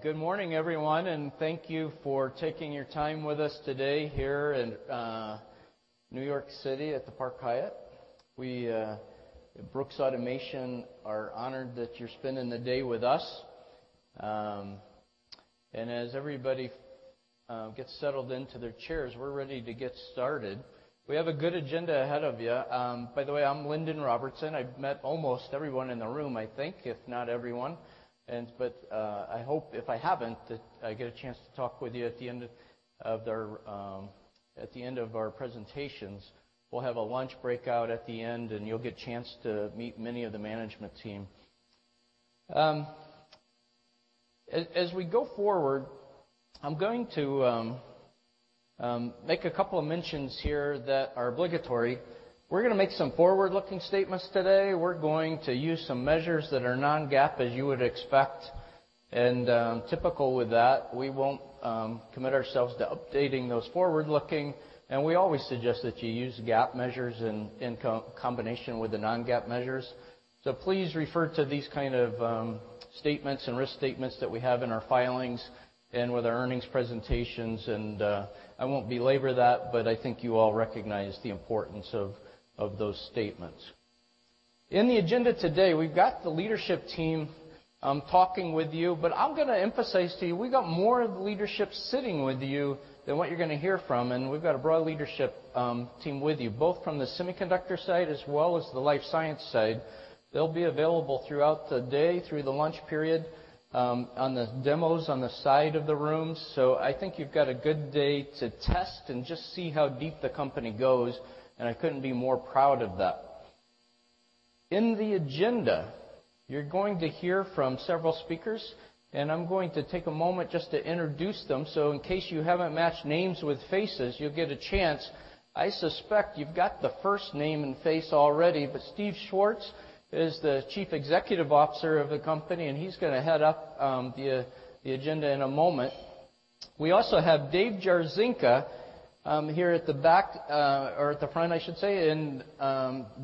Good morning, everyone. Thank you for taking your time with us today here in New York City at the Park Hyatt. We, Brooks Automation, are honored that you're spending the day with us. As everybody gets settled into their chairs, we're ready to get started. We have a good agenda ahead of you. By the way, I'm Lindon Robertson. I've met almost everyone in the room, I think, if not everyone. I hope if I haven't, that I get a chance to talk with you at the end of our presentations. We'll have a lunch breakout at the end, and you'll get a chance to meet many of the management team. As we go forward, I'm going to make a couple of mentions here that are obligatory. We're going to make some forward-looking statements today. We're going to use some measures that are non-GAAP as you would expect. Typical with that, we won't commit ourselves to updating those forward-looking, and we always suggest that you use GAAP measures in combination with the non-GAAP measures. Please refer to these kind of statements and risk statements that we have in our filings and with our earnings presentations. I won't belabor that. I think you all recognize the importance of those statements. In the agenda today, we've got the leadership team talking with you. I'm going to emphasize to you, we've got more of the leadership sitting with you than what you're going to hear from. We've got a broad leadership team with you, both from the semiconductor side as well as the life science side. They'll be available throughout the day, through the lunch period, on the demos on the side of the room. I think you've got a good day to test and just see how deep the company goes. I couldn't be more proud of that. In the agenda, you're going to hear from several speakers. I'm going to take a moment just to introduce them. In case you haven't matched names with faces, you'll get a chance. I suspect you've got the first name and face already. Steve Schwartz is the Chief Executive Officer of the company. He's going to head up the agenda in a moment. We also have Dave Jarzynka here at the back, or at the front, I should say.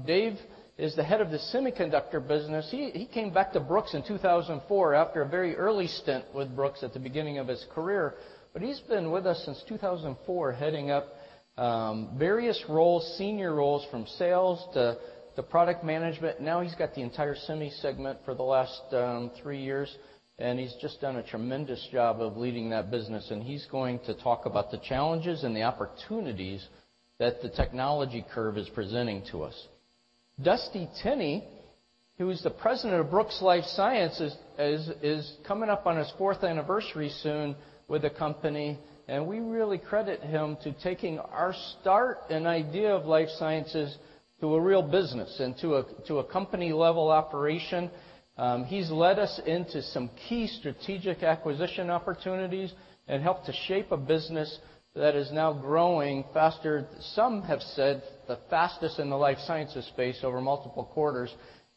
Dave is the head of the semiconductor business. He came back to Brooks in 2004 after a very early stint with Brooks at the beginning of his career. He's been with us since 2004, heading up various roles, senior roles, from sales to product management. Now he's got the entire semi segment for the last three years. He's just done a tremendous job of leading that business. He's going to talk about the challenges and the opportunities that the technology curve is presenting to us. Dusty Tenney, who is the President of Brooks Life Sciences, is coming up on his fourth anniversary soon with the company. We really credit him to taking our start and idea of life sciences to a real business and to a company-level operation. He's led us into some key strategic acquisition opportunities and helped to shape a business that is now growing faster, some have said, the fastest in the life sciences space over multiple quarters,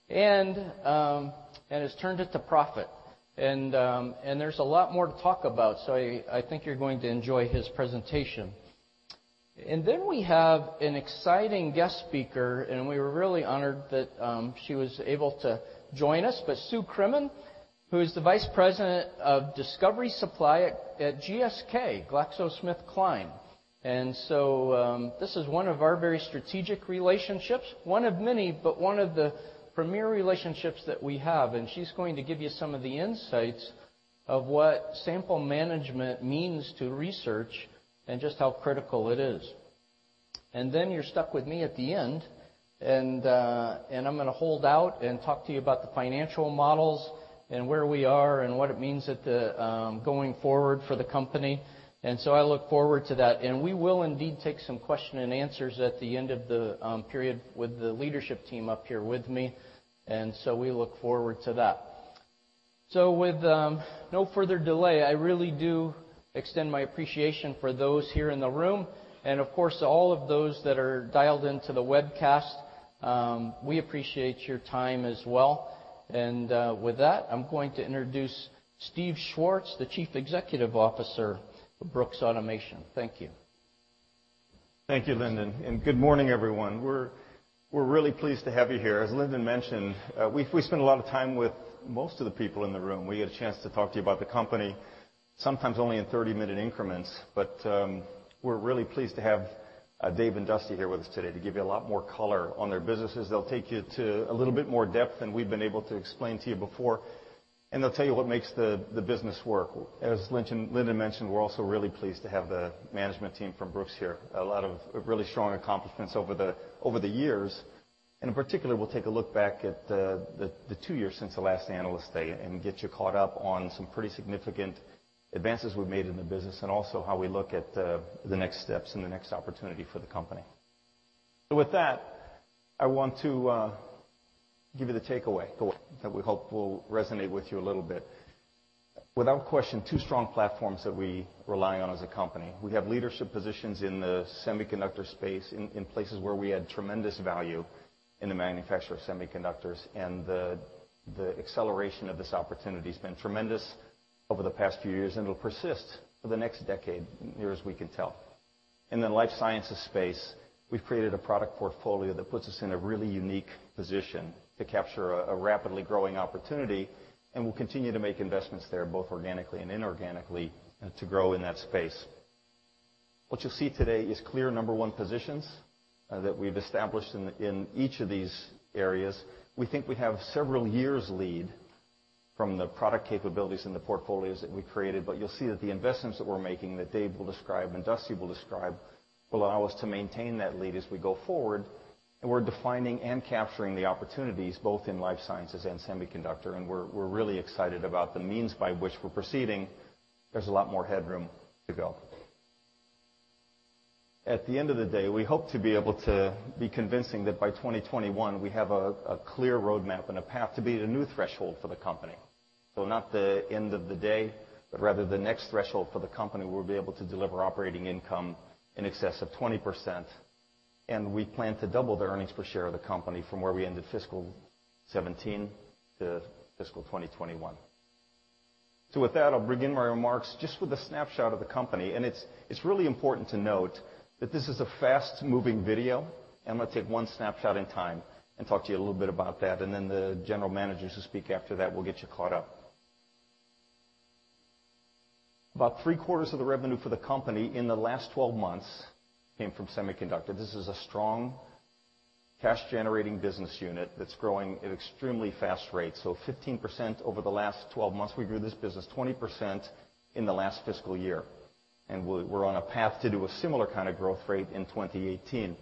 and has turned it to profit. There's a lot more to talk about, so I think you're going to enjoy his presentation. Then we have an exciting guest speaker, and we were really honored that she was able to join us, but Sue Crimmin, who is the Vice President of Discovery Supply at GSK, GlaxoSmithKline. This is one of our very strategic relationships, one of many, but one of the premier relationships that we have, and she's going to give you some of the insights of what sample management means to research and just how critical it is. Then you're stuck with me at the end. I'm going to hold out and talk to you about the financial models and where we are and what it means going forward for the company. I look forward to that. We will indeed take some question and answers at the end of the period with the leadership team up here with me, we look forward to that. With no further delay, I really do extend my appreciation for those here in the room. Of course, all of those that are dialed into the webcast, we appreciate your time as well. With that, I'm going to introduce Steve Schwartz, the Chief Executive Officer of Brooks Automation. Thank you. Thank you, Lindon. Good morning, everyone. We're really pleased to have you here. As Lindon mentioned, we've spent a lot of time with most of the people in the room. We get a chance to talk to you about the company, sometimes only in 30-minute increments. We're really pleased to have Dave and Dusty here with us today to give you a lot more color on their businesses. They'll take you to a little bit more depth than we've been able to explain to you before, and they'll tell you what makes the business work. As Lindon mentioned, we're also really pleased to have the management team from Brooks here. A lot of really strong accomplishments over the years. In particular, we'll take a look back at the two years since the last Analyst Day and get you caught up on some pretty significant advances we've made in the business and also how we look at the next steps and the next opportunity for the company. With that, I want to give you the takeaway that we hope will resonate with you a little bit. Without question, two strong platforms that we rely on as a company. We have leadership positions in the semiconductor space, in places where we add tremendous value in the manufacture of semiconductors, and the acceleration of this opportunity has been tremendous over the past few years and will persist for the next decade, near as we can tell. In the life sciences space, we've created a product portfolio that puts us in a really unique position to capture a rapidly growing opportunity. We'll continue to make investments there, both organically and inorganically to grow in that space. What you'll see today is clear number one positions that we've established in each of these areas. We think we have several years lead from the product capabilities and the portfolios that we've created. You'll see that the investments that we're making, that Dave will describe and Dusty will describe, will allow us to maintain that lead as we go forward. We're defining and capturing the opportunities both in life sciences and semiconductor, and we're really excited about the means by which we're proceeding. There's a lot more headroom to go. At the end of the day, we hope to be able to be convincing that by 2021, we have a clear roadmap and a path to be a new threshold for the company. Not the end of the day, but rather the next threshold for the company, we'll be able to deliver operating income in excess of 20%. We plan to double the earnings per share of the company from where we ended fiscal 2017 to fiscal 2021. With that, I'll begin my remarks just with a snapshot of the company. It's really important to note that this is a fast-moving video. I'm going to take one snapshot in time and talk to you a little bit about that, and then the general managers who speak after that will get you caught up. About three-quarters of the revenue for the company in the last 12 months came from semiconductor. This is a strong cash-generating business unit that's growing at extremely fast rates. 15% over the last 12 months. We grew this business 20% in the last fiscal year. We're on a path to do a similar kind of growth rate in 2018.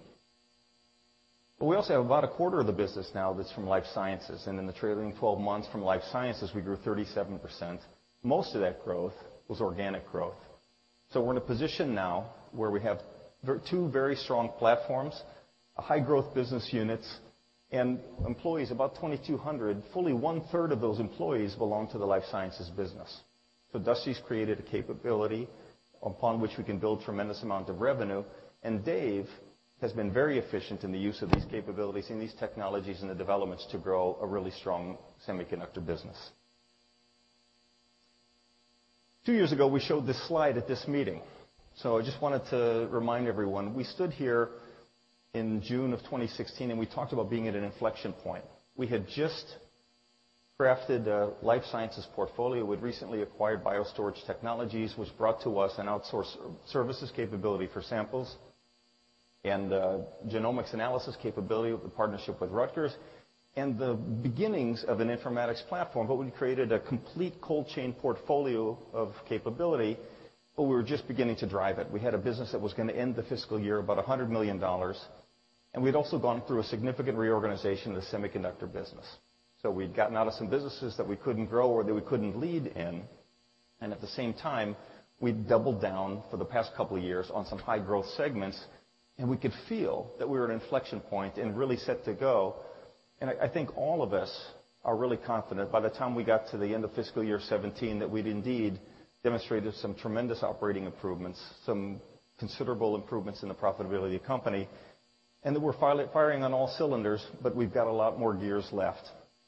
We also have about a quarter of the business now that's from life sciences. In the trailing 12 months from life sciences, we grew 37%. Most of that growth was organic growth. We're in a position now where we have two very strong platforms, high-growth business units, and employees, about 2,200. Fully one-third of those employees belong to the life sciences business. Dusty's created a capability upon which we can build tremendous amount of revenue. Dave has been very efficient in the use of these capabilities and these technologies and the developments to grow a really strong semiconductor business. Two years ago, we showed this slide at this meeting. I just wanted to remind everyone. We stood here in June of 2016. We talked about being at an inflection point. We had just crafted a life sciences portfolio. We'd recently acquired BioStorage Technologies, which brought to us an outsource services capability for samples, and a genomics analysis capability with the partnership with Rutgers, and the beginnings of an informatics platform. We'd created a complete cold chain portfolio of capability. We were just beginning to drive it. We had a business that was going to end the fiscal year about $100 million. We'd also gone through a significant reorganization of the semiconductor business. We'd gotten out of some businesses that we couldn't grow or that we couldn't lead in, and at the same time, we'd doubled down for the past couple of years on some high-growth segments, and we could feel that we were at an inflection point and really set to go. I think all of us are really confident, by the time we got to the end of fiscal year 2017, that we'd indeed demonstrated some tremendous operating improvements, some considerable improvements in the profitability of the company, and that we're firing on all cylinders, but we've got a lot more gears left.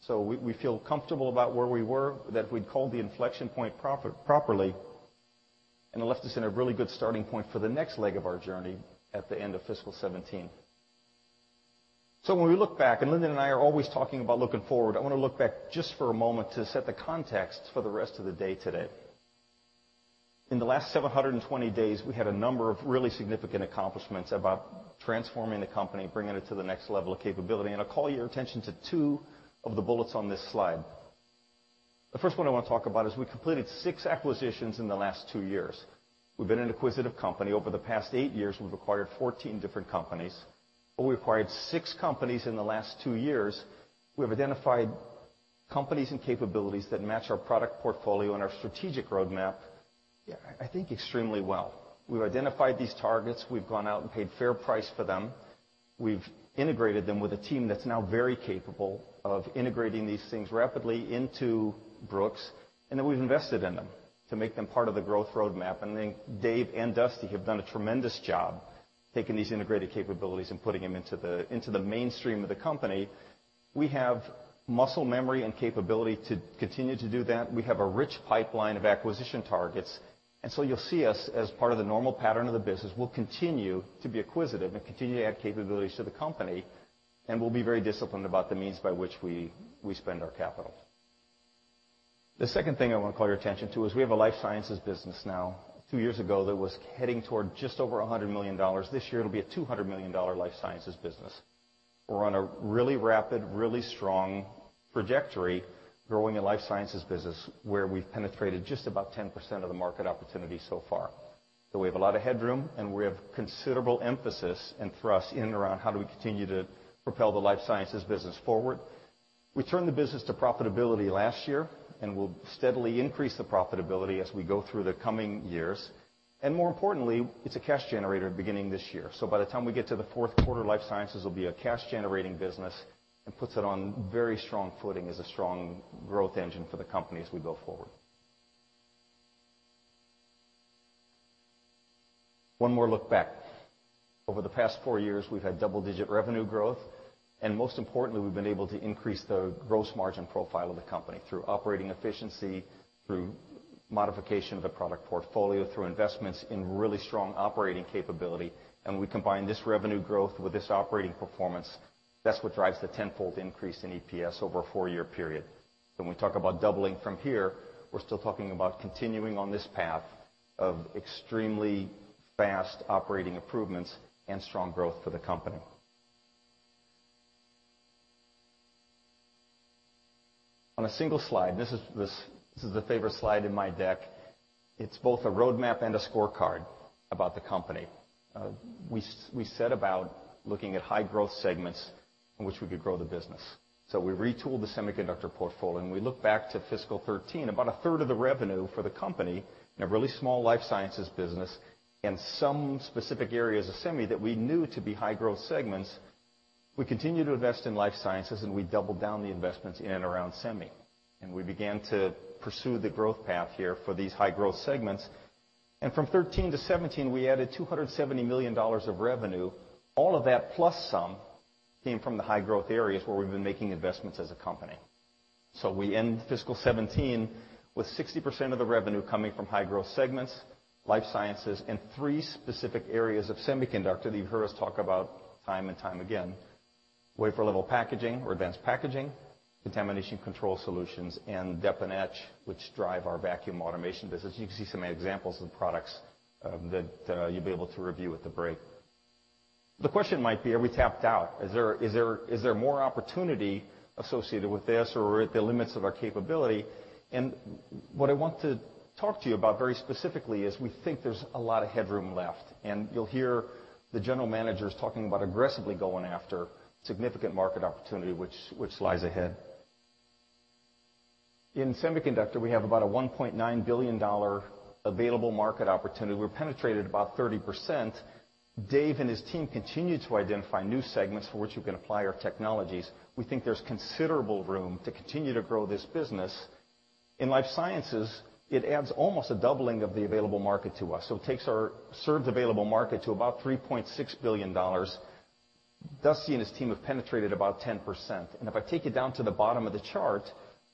We feel comfortable about where we were, that we'd called the inflection point properly, and it left us in a really good starting point for the next leg of our journey at the end of fiscal 2017. When we look back, Lindon and I are always talking about looking forward, I want to look back just for a moment to set the context for the rest of the day today. In the last 720 days, we had a number of really significant accomplishments about transforming the company, bringing it to the next level of capability, and I call your attention to two of the bullets on this slide. The first one I want to talk about is we completed six acquisitions in the last two years. We've been an acquisitive company. Over the past eight years, we've acquired 14 different companies, but we acquired six companies in the last two years. We have identified companies and capabilities that match our product portfolio and our strategic roadmap, I think extremely well. We've identified these targets, we've gone out and paid fair price for them, we've integrated them with a team that's now very capable of integrating these things rapidly into Brooks, and then we've invested in them to make them part of the growth roadmap. I think Dave and Dusty have done a tremendous job taking these integrated capabilities and putting them into the mainstream of the company. We have muscle memory and capability to continue to do that. We have a rich pipeline of acquisition targets. You'll see us as part of the normal pattern of the business. We'll continue to be acquisitive and continue to add capabilities to the company, and we'll be very disciplined about the means by which we spend our capital. The second thing I want to call your attention to is we have a life sciences business now. Two years ago, that was heading toward just over $100 million. This year, it'll be a $200 million life sciences business. We're on a really rapid, really strong trajectory growing a life sciences business where we've penetrated just about 10% of the market opportunity so far. We have a lot of headroom, and we have considerable emphasis and thrust in around how do we continue to propel the life sciences business forward. We turned the business to profitability last year and will steadily increase the profitability as we go through the coming years. More importantly, it's a cash generator beginning this year. By the time we get to the fourth quarter, life sciences will be a cash-generating business and puts it on very strong footing as a strong growth engine for the company as we go forward. One more look back. Over the past 4 years, we've had double-digit revenue growth, and most importantly, we've been able to increase the gross margin profile of the company through operating efficiency, through modification of the product portfolio, through investments in really strong operating capability. We combine this revenue growth with this operating performance, that's what drives the 10-fold increase in EPS over a 4-year period. When we talk about doubling from here, we're still talking about continuing on this path of extremely fast operating improvements and strong growth for the company. On a single slide, this is the favorite slide in my deck. It's both a roadmap and a scorecard about the company. We set about looking at high growth segments in which we could grow the business. We retooled the semiconductor portfolio, we look back to fiscal 2013, about a third of the revenue for the company in a really small life sciences business and some specific areas of semi that we knew to be high growth segments. We continued to invest in life sciences, we doubled down the investments in and around semi, we began to pursue the growth path here for these high growth segments. From 2013 to 2017, we added $270 million of revenue. All of that, plus some, came from the high growth areas where we've been making investments as a company. We end fiscal 2017 with 60% of the revenue coming from high growth segments, life sciences, and 3 specific areas of semiconductor that you've heard us talk about time and time again, wafer level packaging or advanced packaging, contamination control solutions, and Dep and Etch, which drive our vacuum automation business. You can see some examples of products that you'll be able to review at the break. The question might be, are we tapped out? Is there more opportunity associated with this, or are at the limits of our capability? What I want to talk to you about very specifically is we think there's a lot of headroom left, you'll hear the general managers talking about aggressively going after significant market opportunity, which lies ahead. In semiconductor, we have about a $1.9 billion available market opportunity. We're penetrated about 30%. Dave and his team continue to identify new segments for which we can apply our technologies. We think there's considerable room to continue to grow this business. In life sciences, it adds almost a doubling of the available market to us. It takes our served available market to about $3.6 billion. Dusty and his team have penetrated about 10%. If I take you down to the bottom of the chart,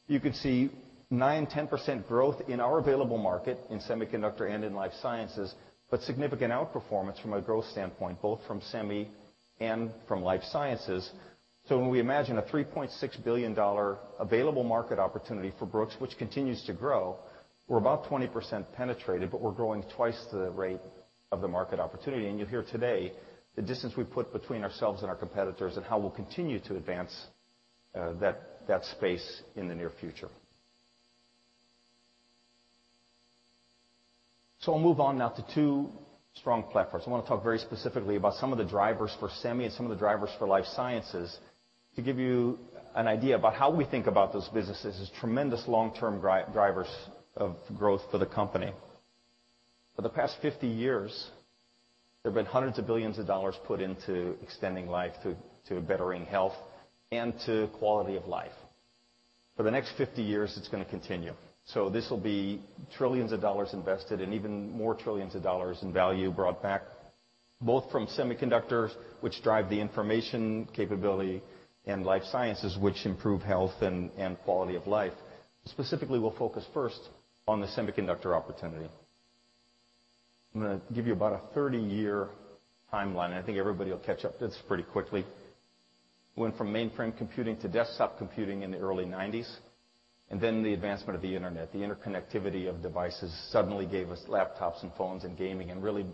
you could see 9%, 10% growth in our available market in semiconductor and in life sciences, but significant outperformance from a growth standpoint, both from semi and from life sciences. When we imagine a $3.6 billion available market opportunity for Brooks, which continues to grow, we're about 20% penetrated, but we're growing twice the rate of the market opportunity. You'll hear today the distance we've put between ourselves and our competitors and how we'll continue to advance that space in the near future. I'll move on now to two strong platforms. I want to talk very specifically about some of the drivers for semi and some of the drivers for life sciences to give you an idea about how we think about those businesses as tremendous long-term drivers of growth for the company. For the past 50 years, there have been hundreds of billions of dollars put into extending life, to bettering health, and to quality of life. For the next 50 years, it's going to continue. This will be trillions of dollars invested and even more trillions of dollars in value brought back, both from semiconductors, which drive the information capability, and life sciences, which improve health and quality of life. Specifically, we'll focus first on the semiconductor opportunity. I'm going to give you about a 30-year timeline. I think everybody will catch up to this pretty quickly. Went from mainframe computing to desktop computing in the early 1990s, the advancement of the Internet. The interconnectivity of devices suddenly gave us laptops and phones and gaming and really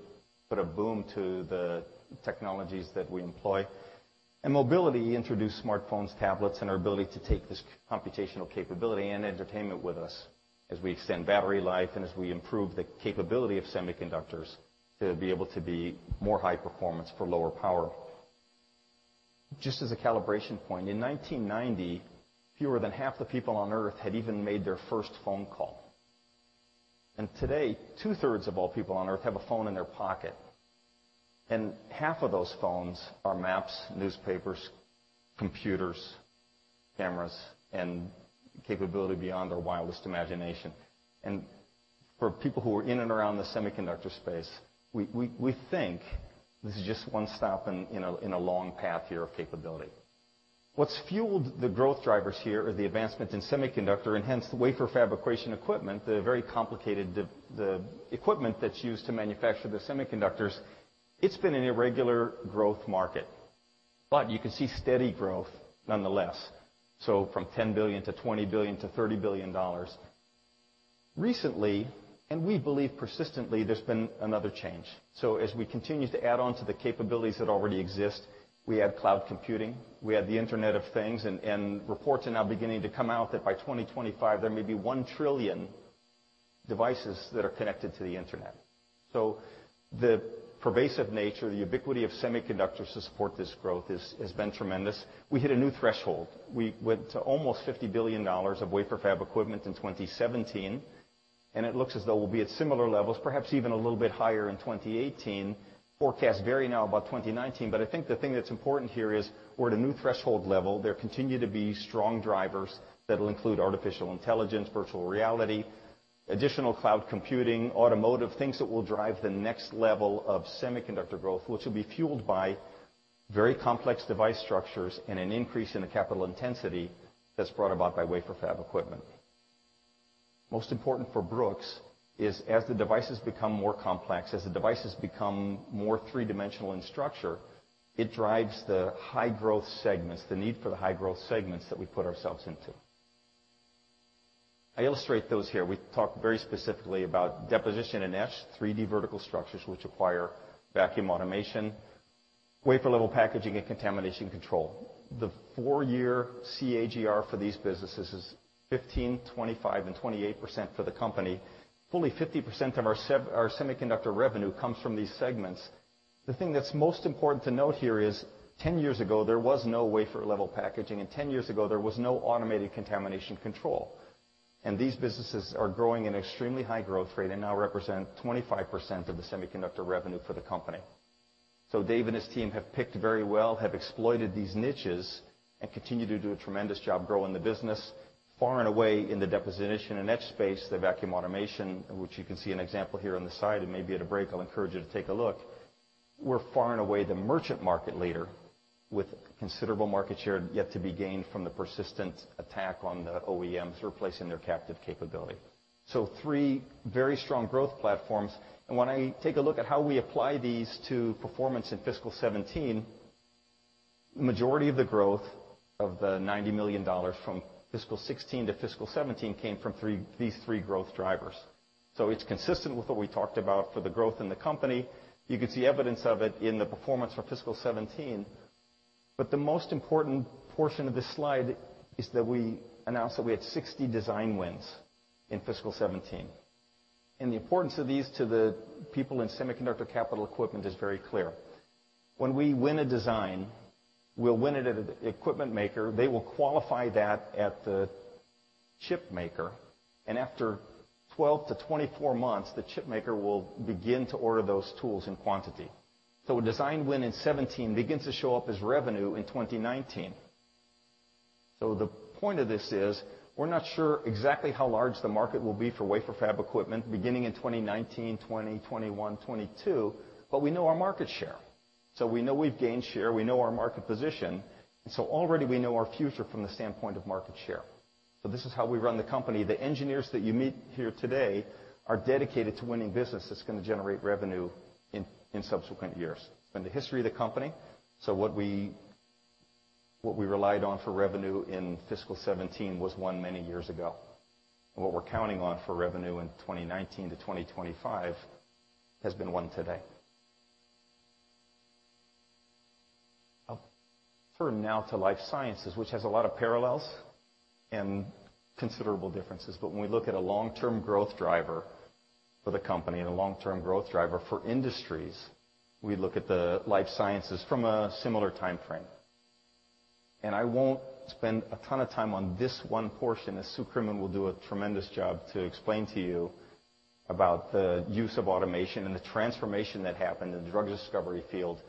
put a boom to the technologies that we employ. Mobility introduced smartphones, tablets, and our ability to take this computational capability and entertainment with us as we extend battery life and as we improve the capability of semiconductors to be able to be more high performance for lower power. Just as a calibration point, in 1990, fewer than half the people on Earth had even made their first phone call. Today, two-thirds of all people on Earth have a phone in their pocket. Half of those phones are maps, newspapers, computers, cameras, and capability beyond our wildest imagination. For people who are in and around the semiconductor space, we think this is just one stop in a long path here of capability. What's fueled the growth drivers here are the advancements in semiconductor and hence the wafer fabrication equipment, the very complicated equipment that's used to manufacture the semiconductors. It's been an irregular growth market, you can see steady growth nonetheless. From $10 billion to $20 billion to $30 billion. Recently, we believe persistently, there's been another change. As we continue to add on to the capabilities that already exist, we add cloud computing, we add the Internet of Things, and reports are now beginning to come out that by 2025, there may be 1 trillion devices that are connected to the Internet. The pervasive nature, the ubiquity of semiconductors to support this growth has been tremendous. We hit a new threshold. We went to almost $50 billion of wafer fab equipment in 2017, it looks as though we'll be at similar levels, perhaps even a little bit higher in 2018. Forecasts vary now about 2019, I think the thing that's important here is we're at a new threshold level. There continue to be strong drivers that'll include artificial intelligence, virtual reality, additional cloud computing, automotive, things that will drive the next level of semiconductor growth, which will be fueled by very complex device structures and an increase in the capital intensity that's brought about by wafer fab equipment. Most important for Brooks is, as the devices become more complex, as the devices become more 3D in structure, it drives the high growth segments, the need for the high growth segments that we put ourselves into. I illustrate those here. We talk very specifically about deposition and etch, 3D vertical structures, which require vacuum automation, wafer level packaging, and contamination control. The four-year CAGR for these businesses is 15%, 25%, and 28% for the company. Fully 50% of our semiconductor revenue comes from these segments. The thing that is most important to note here is 10 years ago, there was no wafer level packaging, and 10 years ago, there was no automated contamination control. These businesses are growing at an extremely high growth rate and now represent 25% of the semiconductor revenue for the company. Dave and his team have picked very well, have exploited these niches, and continue to do a tremendous job growing the business. Far and away in the deposition and etch space, the vacuum automation, which you can see an example here on the side, and maybe at a break, I will encourage you to take a look, we are far and away the merchant market leader with considerable market share yet to be gained from the persistent attack on the OEMs replacing their captive capability. Three very strong growth platforms. When I take a look at how we apply these to performance in fiscal 2017, the majority of the growth of the $90 million from fiscal 2016 to fiscal 2017 came from these three growth drivers. It is consistent with what we talked about for the growth in the company. You can see evidence of it in the performance for fiscal 2017. The most important portion of this slide is that we announced that we had 60 design wins in fiscal 2017. The importance of these to the people in semiconductor capital equipment is very clear. When we win a design, we will win it at an equipment maker, they will qualify that at the chip maker, and after 12-24 months, the chip maker will begin to order those tools in quantity. A design win in 2017 begins to show up as revenue in 2019. The point of this is, we are not sure exactly how large the market will be for wafer fab equipment beginning in 2019, 2020, 2021, 2022, but we know our market share. We know we have gained share. We know our market position. Already, we know our future from the standpoint of market share. This is how we run the company. The engineers that you meet here today are dedicated to winning business that is going to generate revenue in subsequent years. It has been the history of the company, so what we relied on for revenue in fiscal 2017 was won many years ago. What we are counting on for revenue in 2019-2025 has been won today. I will turn now to life sciences, which has a lot of parallels and considerable differences. When we look at a long-term growth driver for the company and a long-term growth driver for industries, we look at the life sciences from a similar timeframe. I won't spend a ton of time on this one portion, as Sue Crimmin will do a tremendous job to explain to you about the use of automation and the transformation that happened in the drug discovery field,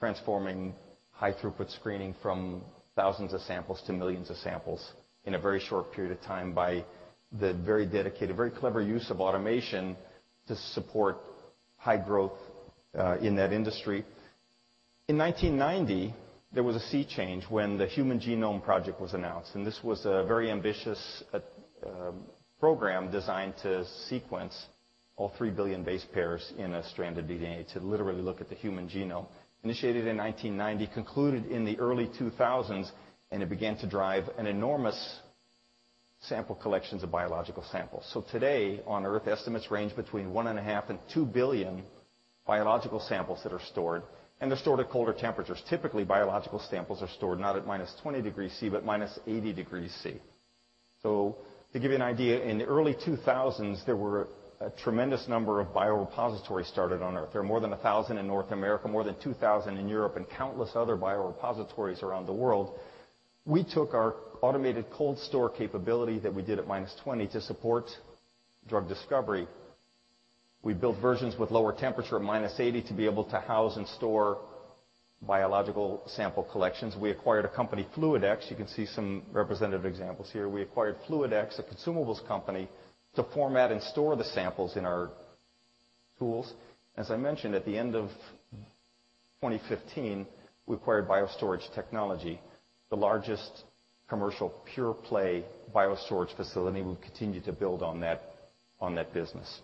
transforming high throughput screening from thousands of samples to millions of samples in a very short period of time by the very dedicated, very clever use of automation to support high growth in that industry. In 1990, there was a sea change when the Human Genome Project was announced. This was a very ambitious program designed to sequence all 3 billion base pairs in a strand of DNA to literally look at the human genome. Initiated in 1990, concluded in the early 2000s, it began to drive an enormous sample collections of biological samples. Today on Earth, estimates range between 1.5 billion and 2 billion biological samples that are stored. They're stored at colder temperatures. Typically, biological samples are stored not at -20 degrees Celsius, but -80 degrees Celsius. To give you an idea, in the early 2000s, there were a tremendous number of biorepositories started on Earth. There are more than 1,000 in North America, more than 2,000 in Europe, and countless other biorepositories around the world. We took our automated cold store capability that we did at -20 degrees Celsius to support drug discovery. We built versions with lower temperature of -80 degrees Celsius to be able to house and store biological sample collections. We acquired a company, FluidX. You can see some representative examples here. We acquired FluidX, a consumables company, to format and store the samples in our tools. As I mentioned, at the end of 2015, we acquired BioStorage Technologies, the largest commercial pure-play bio-storage facility. We'll continue to build on that business.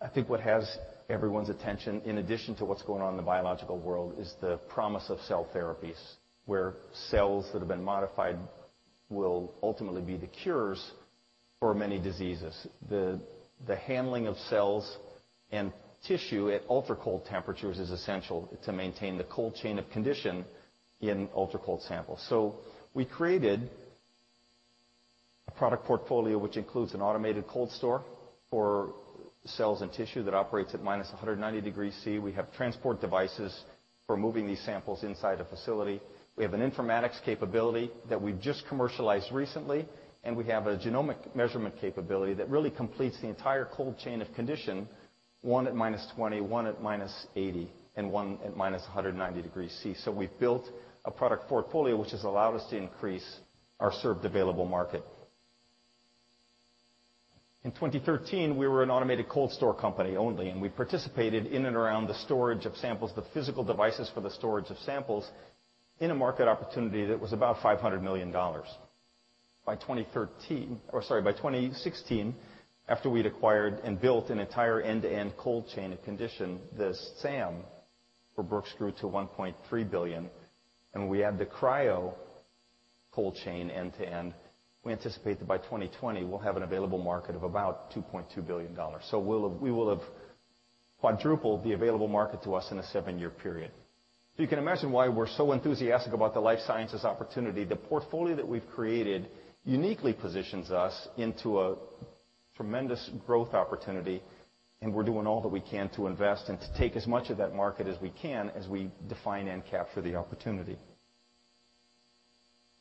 I think what has everyone's attention, in addition to what's going on in the biological world, is the promise of cell therapies, where cells that have been modified will ultimately be the cures for many diseases. The handling of cells and tissue at ultra-cold temperatures is essential to maintain the cold chain of condition in ultra-cold samples. We created a product portfolio, which includes an automated cold store for cells and tissue that operates at -190 degrees Celsius. We have transport devices for moving these samples inside a facility. We have an informatics capability that we've just commercialized recently. We have a genomic measurement capability that really completes the entire cold chain of condition, one at -20 degrees Celsius, one at -80 degrees Celsius, and one at -190 degrees Celsius. We've built a product portfolio which has allowed us to increase our served available market. In 2013, we were an automated cold store company only. We participated in and around the storage of samples, the physical devices for the storage of samples, in a market opportunity that was about $500 million. By 2016, after we'd acquired and built an entire end-to-end cold chain and conditioned, the SAM for Brooks grew to $1.3 billion. We add the cryo cold chain end to end, we anticipate that by 2020 we'll have an available market of about $2.2 billion. We will have quadrupled the available market to us in a seven-year period. You can imagine why we're so enthusiastic about the life sciences opportunity. The portfolio that we've created uniquely positions us into a tremendous growth opportunity, and we're doing all that we can to invest and to take as much of that market as we can, as we define NCAP for the opportunity.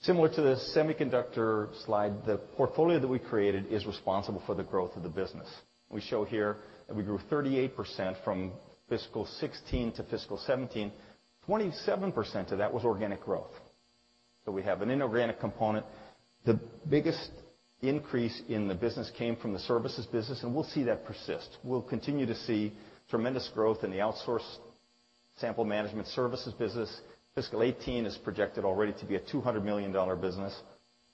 Similar to the semiconductor slide, the portfolio that we created is responsible for the growth of the business. We show here that we grew 38% from fiscal 2016 to fiscal 2017. 27% of that was organic growth. We have an inorganic component. The biggest increase in the business came from the services business, and we'll see that persist. We'll continue to see tremendous growth in the outsourced sample management services business. Fiscal 2018 is projected already to be a $200 million business.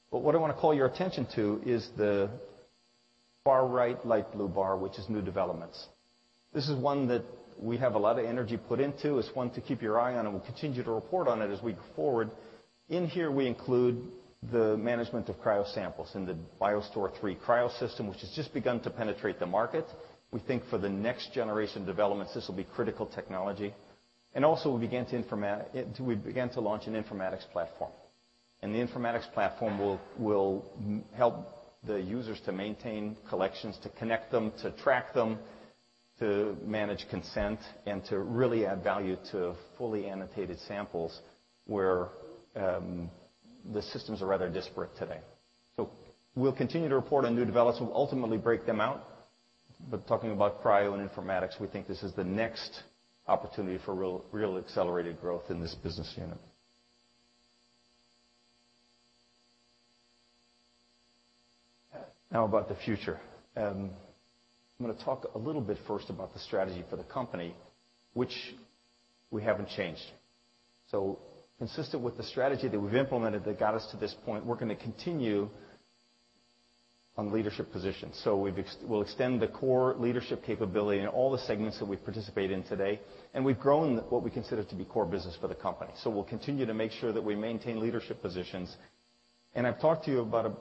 What I want to call your attention to is the far right light blue bar, which is new developments. This is one that we have a lot of energy put into. It's one to keep your eye on, and we'll continue to report on it as we go forward. In here, we include the management of cryo samples in the BioStore III Cryo system, which has just begun to penetrate the market. We think for the next generation of developments, this will be critical technology. We began to launch an informatics platform. The informatics platform will help the users to maintain collections, to connect them, to track them, to manage consent, and to really add value to fully annotated samples where the systems are rather disparate today. We'll continue to report on new developments. We'll ultimately break them out. Talking about cryo and informatics, we think this is the next opportunity for real accelerated growth in this business unit. Now about the future. I'm going to talk a little bit first about the strategy for the company, which we haven't changed. Consistent with the strategy that we've implemented that got us to this point, we're going to continue on leadership position. We'll extend the core leadership capability in all the segments that we participate in today, and we've grown what we consider to be core business for the company. We'll continue to make sure that we maintain leadership positions. I've talked to you about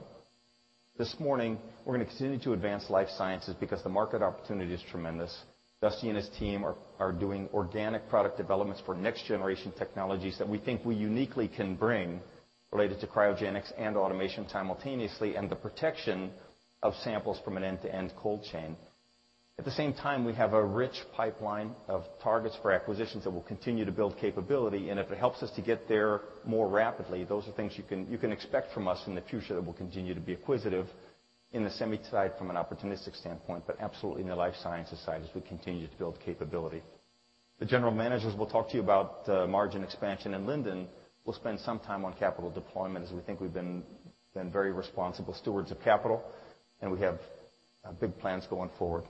this morning, we're going to continue to advance life sciences because the market opportunity is tremendous. Dusty and his team are doing organic product developments for next-generation technologies that we think we uniquely can bring related to cryogenics and automation simultaneously, and the protection of samples from an end-to-end cold chain. At the same time, we have a rich pipeline of targets for acquisitions that will continue to build capability. If it helps us to get there more rapidly, those are things you can expect from us in the future, that we'll continue to be acquisitive in the semi side from an opportunistic standpoint, absolutely in the life sciences side, as we continue to build capability. The general managers will talk to you about margin expansion. Lindon will spend some time on capital deployment, as we think we've been very responsible stewards of capital. We have big plans going forward.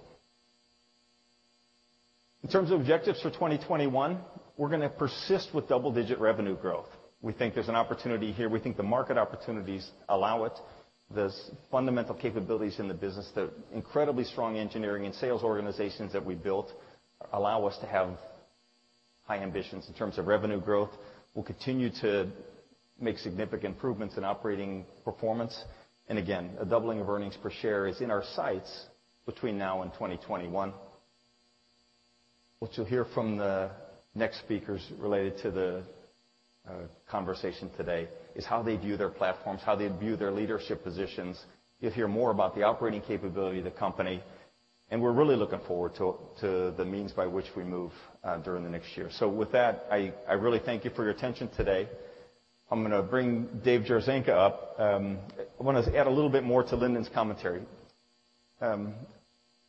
In terms of objectives for 2021, we're going to persist with double-digit revenue growth. We think there's an opportunity here. We think the market opportunities allow it. There's fundamental capabilities in the business. The incredibly strong engineering and sales organizations that we built allow us to have high ambitions in terms of revenue growth. We'll continue to make significant improvements in operating performance. Again, a doubling of earnings per share is in our sights between now and 2021. What you'll hear from the next speakers related to the conversation today is how they view their platforms, how they view their leadership positions. You'll hear more about the operating capability of the company, and we're really looking forward to the means by which we move during the next year. With that, I really thank you for your attention today. I'm going to bring Dave Jarzynka up. I want to add a little bit more to Lindon's commentary.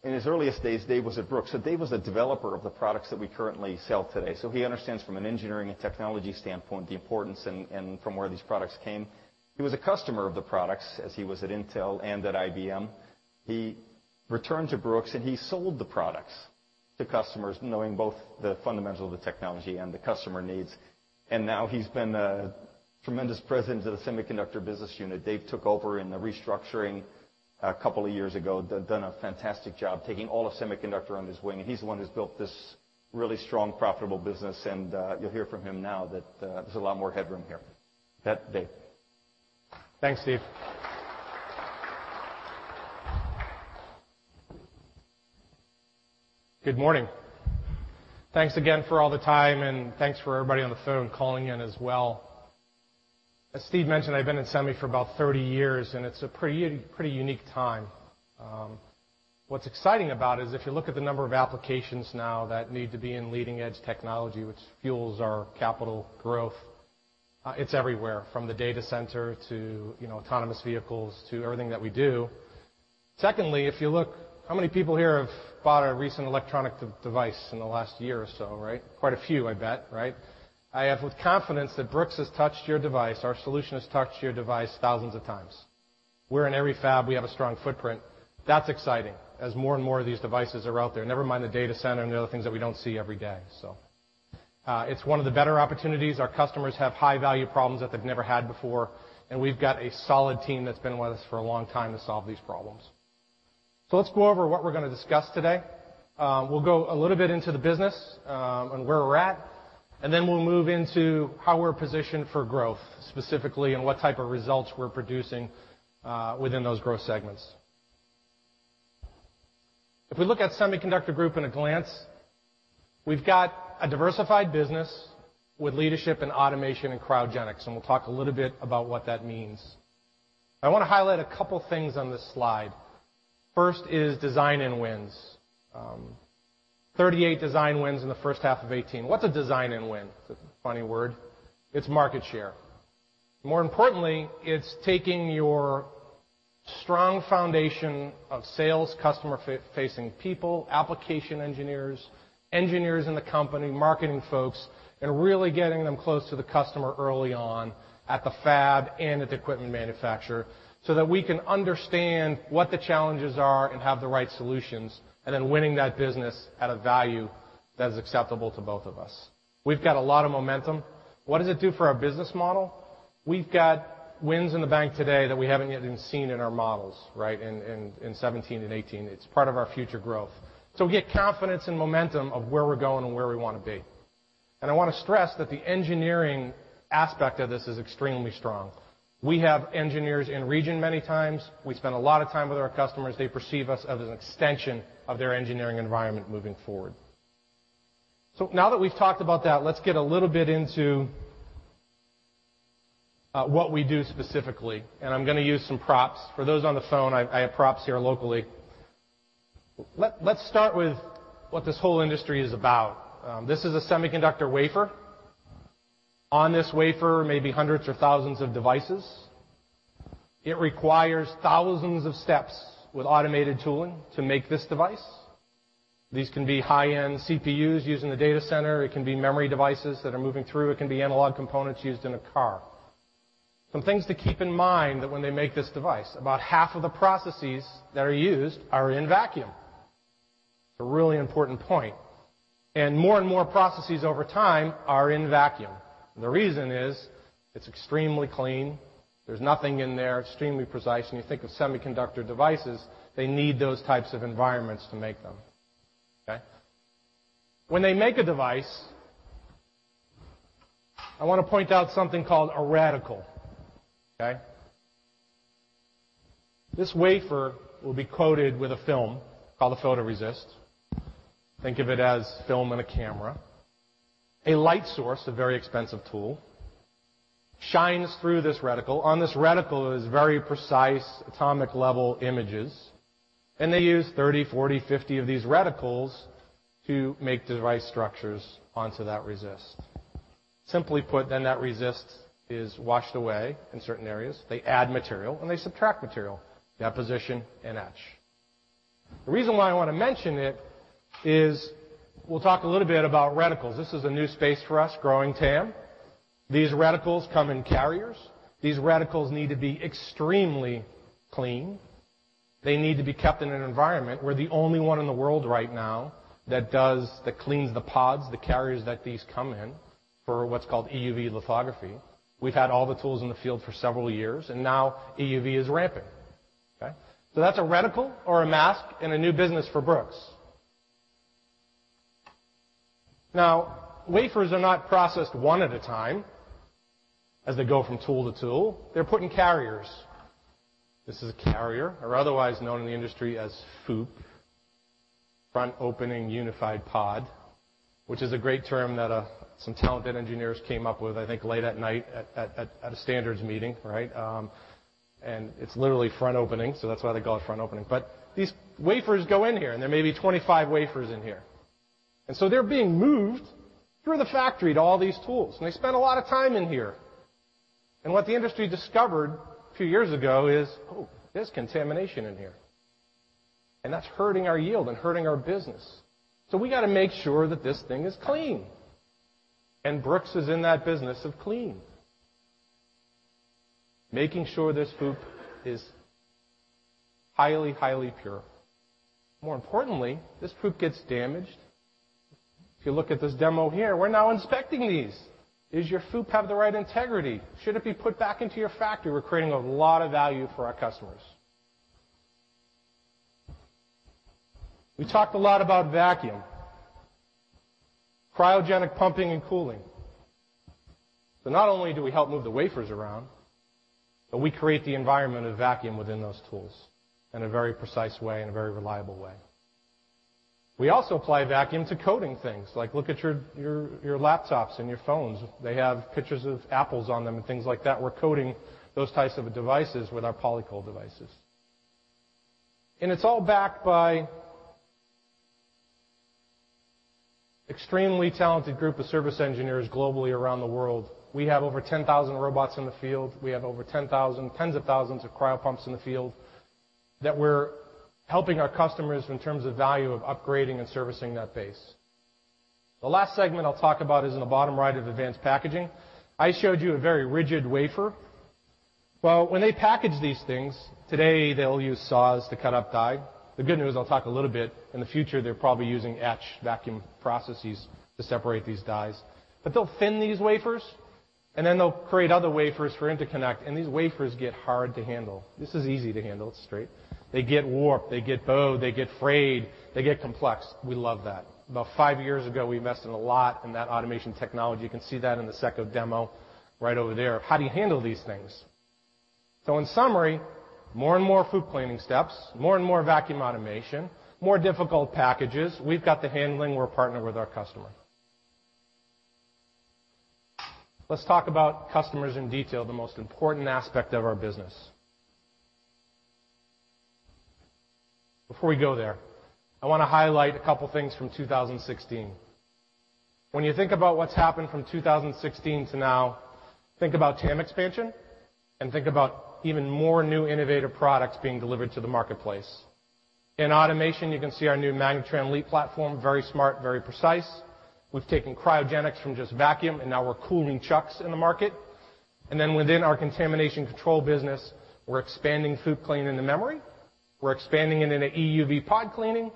In his earliest days, Dave was at Brooks, Dave was a developer of the products that we currently sell today. He understands from an engineering and technology standpoint the importance and from where these products came. He was a customer of the products as he was at Intel and at IBM. He returned to Brooks, he sold the products to customers, knowing both the fundamentals of the technology and the customer needs. Now he's been a tremendous president of the semiconductor business unit. Dave took over in the restructuring a couple of years ago, done a fantastic job taking all of semiconductor under his wing, and he's the one who's built this really strong, profitable business. You'll hear from him now that there's a lot more headroom here. Dave? Thanks, Steve. Good morning. Thanks again for all the time, and thanks for everybody on the phone calling in as well. As Steve mentioned, I've been in semi for about 30 years, it's a pretty unique time. What's exciting about it is if you look at the number of applications now that need to be in leading-edge technology, which fuels our capital growth It's everywhere from the data center to autonomous vehicles to everything that we do. Secondly, if you look, how many people here have bought a recent electronic device in the last year or so, right? Quite a few, I bet. Right? I have with confidence that Brooks has touched your device, our solution has touched your device thousands of times. We're in every fab. We have a strong footprint. That's exciting, as more and more of these devices are out there, never mind the data center and the other things that we don't see every day. It's one of the better opportunities. Our customers have high-value problems that they've never had before, and we've got a solid team that's been with us for a long time to solve these problems. Let's go over what we're going to discuss today. We'll go a little bit into the business, where we're at, then we'll move into how we're positioned for growth, specifically, what type of results we're producing within those growth segments. If we look at Semiconductor Solutions Group in a glance, we've got a diversified business with leadership in automation, cryogenics, we'll talk a little bit about what that means. I want to highlight a couple things on this slide. First is design-in wins. 38 design-in wins in the first half of 2018. What's a design-in win? It's a funny word. It's market share. More importantly, it's taking your strong foundation of sales, customer-facing people, application engineers in the company, marketing folks, and really getting them close to the customer early on at the fab and at the equipment manufacturer, so that we can understand what the challenges are and have the right solutions, and then winning that business at a value that is acceptable to both of us. We've got a lot of momentum. What does it do for our business model? We've got wins in the bank today that we haven't yet even seen in our models, right, in 2017 and 2018. It's part of our future growth. We get confidence and momentum of where we're going and where we want to be. I want to stress that the engineering aspect of this is extremely strong. We have engineers in-region many times. We spend a lot of time with our customers. They perceive us as an extension of their engineering environment moving forward. Now that we've talked about that, let's get a little bit into what we do specifically, and I'm going to use some props. For those on the phone, I have props here locally. Let's start with what this whole industry is about. This is a semiconductor wafer. On this wafer, maybe hundreds or thousands of devices. It requires thousands of steps with automated tooling to make this device. These can be high-end CPUs used in the data center, it can be memory devices that are moving through, it can be analog components used in a car. Some things to keep in mind that when they make this device, about half of the processes that are used are in vacuum. It's a really important point. More and more processes over time are in vacuum. The reason is it's extremely clean. There's nothing in there, extremely precise, and you think of semiconductor devices, they need those types of environments to make them. Okay? When they make a device, I want to point out something called a reticle. Okay? This wafer will be coated with a film called a photoresist. Think of it as film in a camera. A light source, a very expensive tool, shines through this reticle. On this reticle is very precise, atomic-level images, and they use 30, 40, 50 of these reticles to make device structures onto that resist. Simply put, then that resist is washed away in certain areas. They add material, they subtract material, deposition and etch. The reason why I want to mention it is we'll talk a little bit about reticles. This is a new space for us growing TAM. These reticles come in carriers. These reticles need to be extremely clean. They need to be kept in an environment. We're the only one in the world right now that cleans the pods, the carriers that these come in for what's called EUV lithography. We've had all the tools in the field for several years, now EUV is ramping. Okay? That's a reticle or a mask and a new business for Brooks. Wafers are not processed one at a time as they go from tool to tool. They're put in carriers. This is a carrier or otherwise known in the industry as FOUP, front opening unified pod, which is a great term that some talented engineers came up with, I think, late at night at a standards meeting. Right? It's literally front opening, so that is why they call it front opening. These wafers go in here, and there may be 25 wafers in here. They are being moved through the factory to all these tools, and they spend a lot of time in here. What the industry discovered a few years ago is, oh, there is contamination in here, and that is hurting our yield and hurting our business. We got to make sure that this thing is clean. Brooks is in that business of clean, making sure this FOUP is highly pure. More importantly, this FOUP gets damaged. If you look at this demo here, we are now inspecting these. Does your FOUP have the right integrity? Should it be put back into your factory? We are creating a lot of value for our customers. We talked a lot about vacuum, cryogenic pumping and cooling. Not only do we help move the wafers around, but we create the environment of vacuum within those tools in a very precise way and a very reliable way. We also apply vacuum to coating things, like look at your laptops and your phones. They have pictures of apples on them and things like that. We are coating those types of devices with our Polycold devices. It is all backed by extremely talented group of service engineers globally around the world. We have over 10,000 robots in the field. We have over tens of thousands of cryopumps in the field that we are helping our customers in terms of value of upgrading and servicing that base. The last segment I will talk about is in the bottom right of advanced packaging. I showed you a very rigid wafer. When they package these things, today, they will use saws to cut up die. The good news, I will talk a little bit, in the future, they are probably using etch vacuum processes to separate these dies. They will thin these wafers, then they will create other wafers for interconnect, and these wafers get hard to handle. This is easy to handle. It is straight. They get warped, they get bowed, they get frayed, they get complex. We love that. About five years ago, we invested a lot in that automation technology. You can see that in the second demo right over there. How do you handle these things? In summary, more and more FOUP cleaning steps, more and more vacuum automation, more difficult packages. We have got the handling. We are partnered with our customer. Let us talk about customers in detail, the most important aspect of our business. Before we go there, I want to highlight a couple things from 2016. When you think about what has happened from 2016 to now, think about TAM expansion and think about even more new innovative products being delivered to the marketplace. In automation, you can see our new MagnaTran LEAP platform. Very smart, very precise. We have taken cryogenics from just vacuum, now we are cooling chucks in the market. Within our contamination control business, we are expanding FOUP clean into memory. We're expanding it into EUV pod cleaning,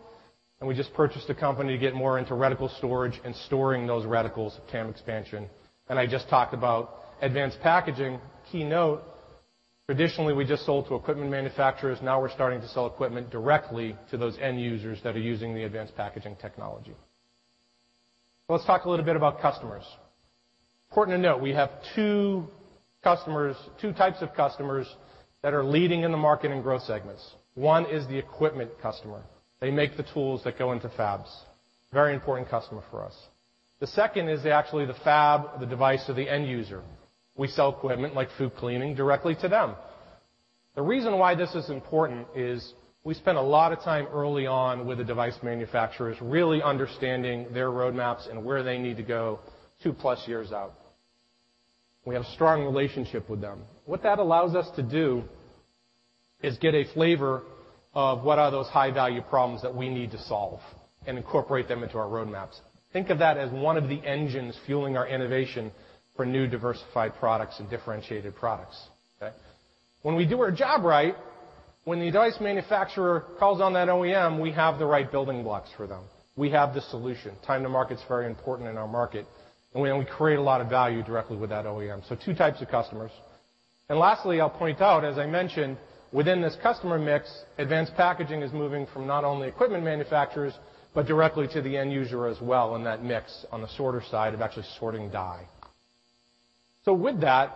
we just purchased a company to get more into reticle storage and storing those reticles, TAM expansion. I just talked about advanced packaging. Key note, traditionally, we just sold to equipment manufacturers. Now we're starting to sell equipment directly to those end users that are using the advanced packaging technology. Let's talk a little bit about customers. Important to note, we have 2 types of customers that are leading in the market in growth segments. One is the equipment customer. They make the tools that go into fabs. Very important customer for us. The second is actually the fab, the device, or the end user. We sell equipment like FOUP cleaning directly to them. The reason why this is important is we spent a lot of time early on with the device manufacturers, really understanding their roadmaps and where they need to go two-plus years out. We have a strong relationship with them. What that allows us to do is get a flavor of what are those high-value problems that we need to solve and incorporate them into our roadmaps. Think of that as one of the engines fueling our innovation for new diversified products and differentiated products, okay? When we do our job right, when the device manufacturer calls on that OEM, we have the right building blocks for them. We have the solution. Time to market's very important in our market, and we create a lot of value directly with that OEM. 2 types of customers. Lastly, I'll point out, as I mentioned, within this customer mix, advanced packaging is moving from not only equipment manufacturers, but directly to the end user as well in that mix, on the sorter side of actually sorting die. With that,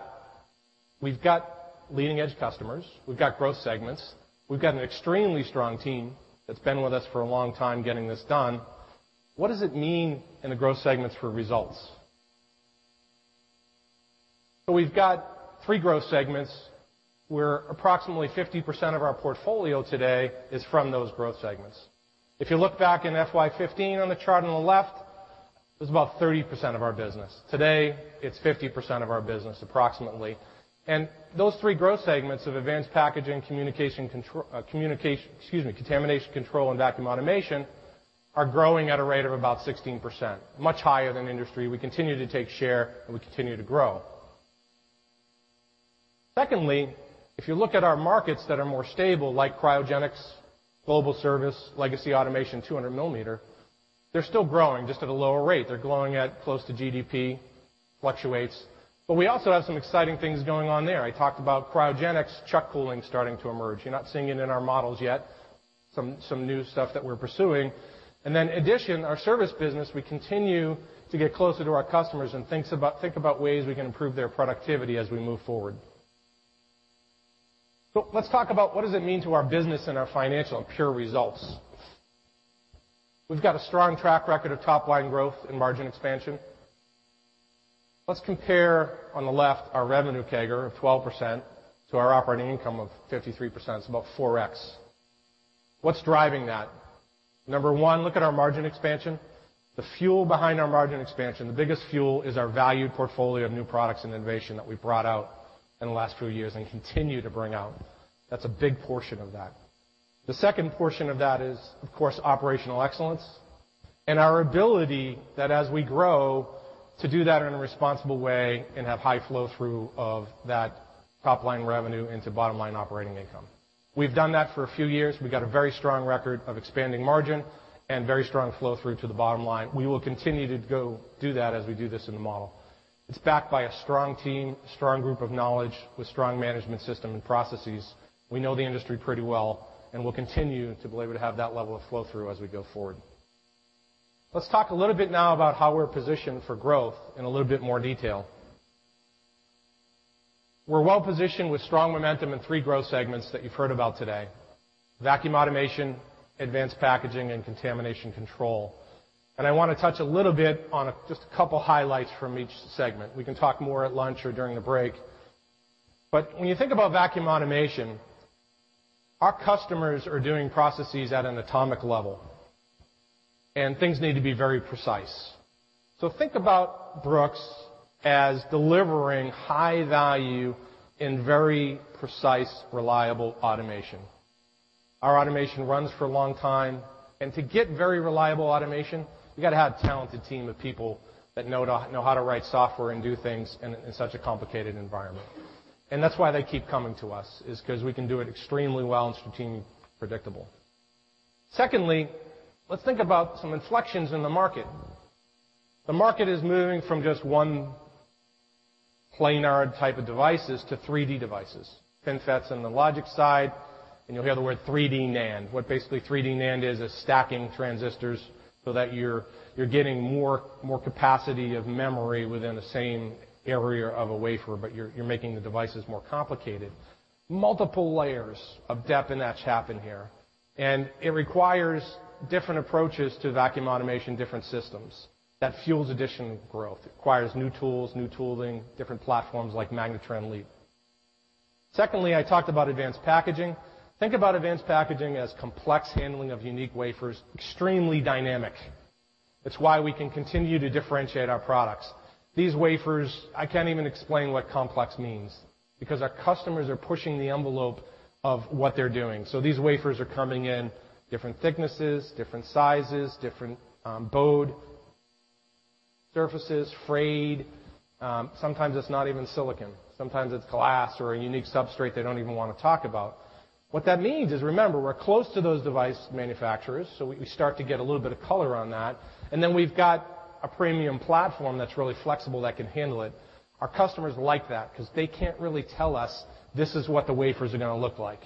we've got leading-edge customers. We've got growth segments. We've got an extremely strong team that's been with us for a long time getting this done. What does it mean in the growth segments for results? We've got three growth segments, where approximately 50% of our portfolio today is from those growth segments. If you look back in FY 2015 on the chart on the left, it was about 30% of our business. Today, it's 50% of our business, approximately. Those three growth segments of advanced packaging, contamination control and vacuum automation, are growing at a rate of about 16%, much higher than industry. We continue to take share, and we continue to grow. Secondly, if you look at our markets that are more stable, like cryogenics, global service, legacy automation, 200 millimeter, they're still growing, just at a lower rate. They're growing at close to GDP fluctuates. We also have some exciting things going on there. I talked about cryogenics, chuck cooling starting to emerge. You're not seeing it in our models yet. Some new stuff that we're pursuing. In addition, our service business, we continue to get closer to our customers and think about ways we can improve their productivity as we move forward. Let's talk about what does it mean to our business and our financial and pure results. We've got a strong track record of top-line growth and margin expansion. Let's compare, on the left, our revenue CAGR of 12% to our operating income of 53%. It's about 4x. What's driving that? Number 1, look at our margin expansion. The fuel behind our margin expansion, the biggest fuel is our valued portfolio of new products and innovation that we've brought out in the last few years and continue to bring out. That's a big portion of that. The second portion of that is, of course, operational excellence and our ability that as we grow, to do that in a responsible way and have high flow through of that top-line revenue into bottom-line operating income. We've done that for a few years. We've got a very strong record of expanding margin and very strong flow through to the bottom line. We will continue to go do that as we do this in the model. It's backed by a strong team, a strong group of knowledge with strong management system and processes. We know the industry pretty well, and we'll continue to be able to have that level of flow through as we go forward. Let's talk a little bit now about how we're positioned for growth in a little bit more detail. We're well-positioned with strong momentum in 3 growth segments that you've heard about today: vacuum automation, advanced packaging, and contamination control. I want to touch a little bit on just a couple highlights from each segment. We can talk more at lunch or during a break. When you think about vacuum automation- Our customers are doing processes at an atomic level, and things need to be very precise. Think about Brooks as delivering high value in very precise, reliable automation. Our automation runs for a long time, and to get very reliable automation, you got to have a talented team of people that know how to write software and do things in such a complicated environment. That's why they keep coming to us, is because we can do it extremely well and it's routinely predictable. Secondly, let's think about some inflections in the market. The market is moving from just 1 planar type of devices to 3D devices. FinFETs on the logic side, and you'll hear the word 3D NAND. What basically 3D NAND is stacking transistors so that you're getting more capacity of memory within the same area of a wafer, but you're making the devices more complicated. Multiple layers of Dep and Etch happen here, and it requires different approaches to vacuum automation, different systems. That fuels additional growth. It requires new tools, new tooling, different platforms like MagnaTran lift. Secondly, I talked about advanced packaging. Think about advanced packaging as complex handling of unique wafers, extremely dynamic. It's why we can continue to differentiate our products. These wafers, I can't even explain what complex means, because our customers are pushing the envelope of what they're doing. These wafers are coming in different thicknesses, different sizes, different bowed surfaces, frayed. Sometimes it's not even silicon. Sometimes it's glass or a unique substrate they don't even want to talk about. What that means is, remember, we're close to those device manufacturers, so we start to get a little bit of color on that, and then we've got a premium platform that's really flexible that can handle it. Our customers like that because they can't really tell us, "This is what the wafers are going to look like."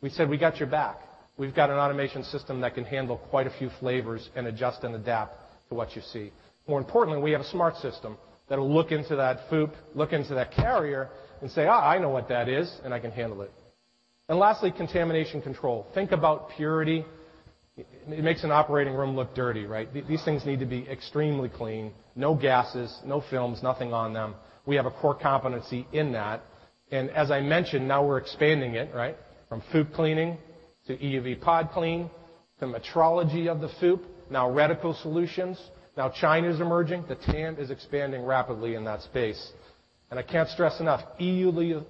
We said, "We got your back. We've got an automation system that can handle quite a few flavors and adjust and adapt to what you see." More importantly, we have a smart system that will look into that FOUP, look into that carrier, and say, "I know what that is, and I can handle it." Lastly, contamination control. Think about purity. It makes an operating room look dirty, right? These things need to be extremely clean. No gases, no films, nothing on them. We have a core competency in that. As I mentioned, now we're expanding it, right? From FOUP cleaning to EUV pod clean, to metrology of the FOUP, now reticle solutions. China's emerging. The TAM is expanding rapidly in that space. I can't stress enough, EUV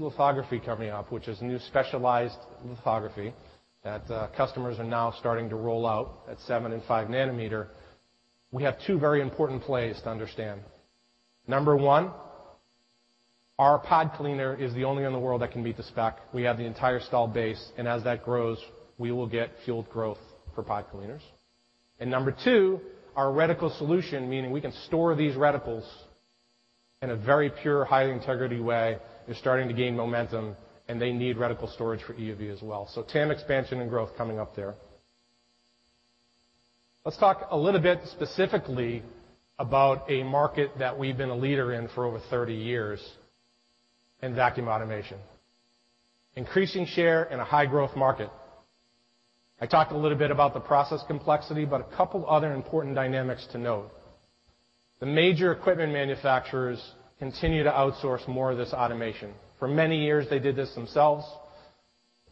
lithography coming up, which is new specialized lithography that customers are now starting to roll out at seven and five nanometer. We have two very important plays to understand. Number 1, our pod cleaner is the only in the world that can meet the spec. We have the entire install base, as that grows, we will get fueled growth for pod cleaners. Number 2, our reticle solution, meaning we can store these reticles in a very pure, high-integrity way, is starting to gain momentum, and they need reticle storage for EUV as well. TAM expansion and growth coming up there. Let's talk a little bit specifically about a market that we've been a leader in for over 30 years in vacuum automation. Increasing share in a high-growth market. I talked a little bit about the process complexity, a couple other important dynamics to note. The major equipment manufacturers continue to outsource more of this automation. For many years, they did this themselves,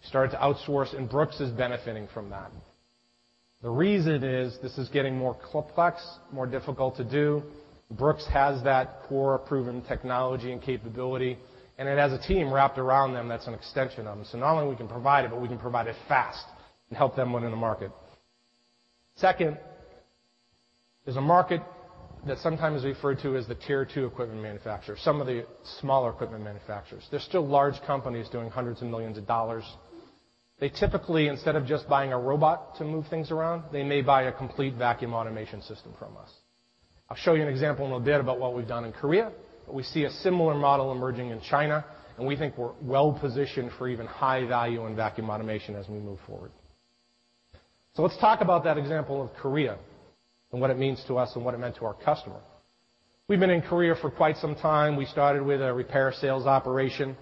started to outsource, Brooks is benefiting from that. The reason is, this is getting more complex, more difficult to do. Brooks has that core proven technology and capability, it has a team wrapped around them that's an extension of them. Not only we can provide it, but we can provide it fast and help them win in the market. Second, there's a market that sometimes is referred to as the Tier 2 equipment manufacturer, some of the smaller equipment manufacturers. They're still large companies doing hundreds of millions of dollars. They typically, instead of just buying a robot to move things around, they may buy a complete vacuum automation system from us. I'll show you an example in a bit about what we've done in Korea, we see a similar model emerging in China, we think we're well-positioned for even high value in vacuum automation as we move forward. Let's talk about that example of Korea and what it means to us and what it meant to our customer. We've been in Korea for quite some time. We started with a repair sales operation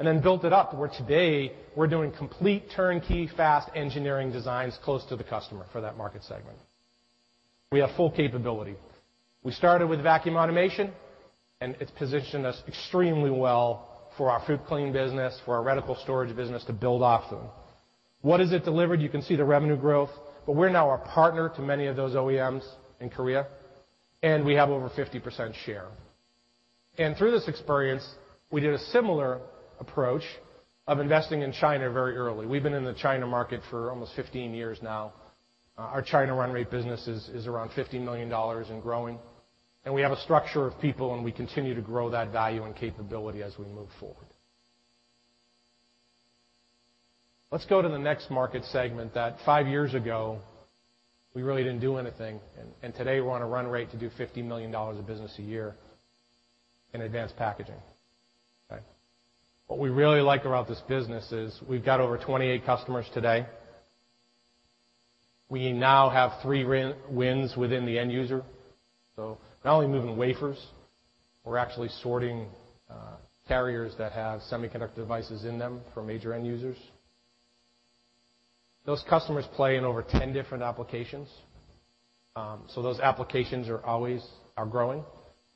then built it up where today we're doing complete turnkey fast engineering designs close to the customer for that market segment. We have full capability. We started with vacuum automation, it's positioned us extremely well for our FOUP clean business, for our reticle storage business to build off them. What has it delivered? You can see the revenue growth, we're now a partner to many of those OEMs in Korea, we have over 50% share. Through this experience, we did a similar approach of investing in China very early. We've been in the China market for almost 15 years now. Our China run rate business is around $50 million and growing. We have a structure of people, we continue to grow that value and capability as we move forward. Let's go to the next market segment that five years ago, we really didn't do anything, today we're on a run rate to do $50 million of business a year in advanced packaging. What we really like about this business is we've got over 28 customers today. We now have three wins within the end user. Not only moving wafers, we're actually sorting carriers that have semiconductor devices in them for major end users. Those customers play in over 10 different applications. Those applications are always growing.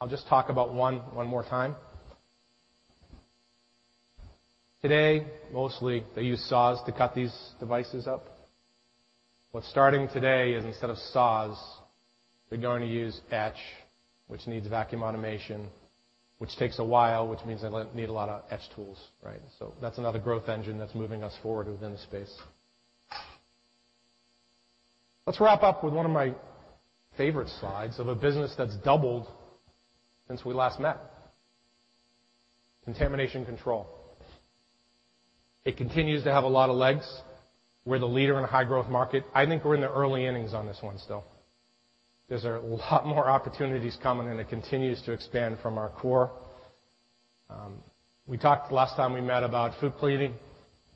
I'll just talk about one more time. Today, mostly they use saws to cut these devices up. What's starting today is instead of saws, they're going to use etch, which needs vacuum automation, which takes a while, which means they need a lot of etch tools, right? That's another growth engine that's moving us forward within the space. Let's wrap up with one of my favorite slides of a business that's doubled since we last met. Contamination control. It continues to have a lot of legs. We're the leader in a high-growth market. I think we're in the early innings on this one still. There's a lot more opportunities coming, it continues to expand from our core. We talked last time we met about FOUP cleaning.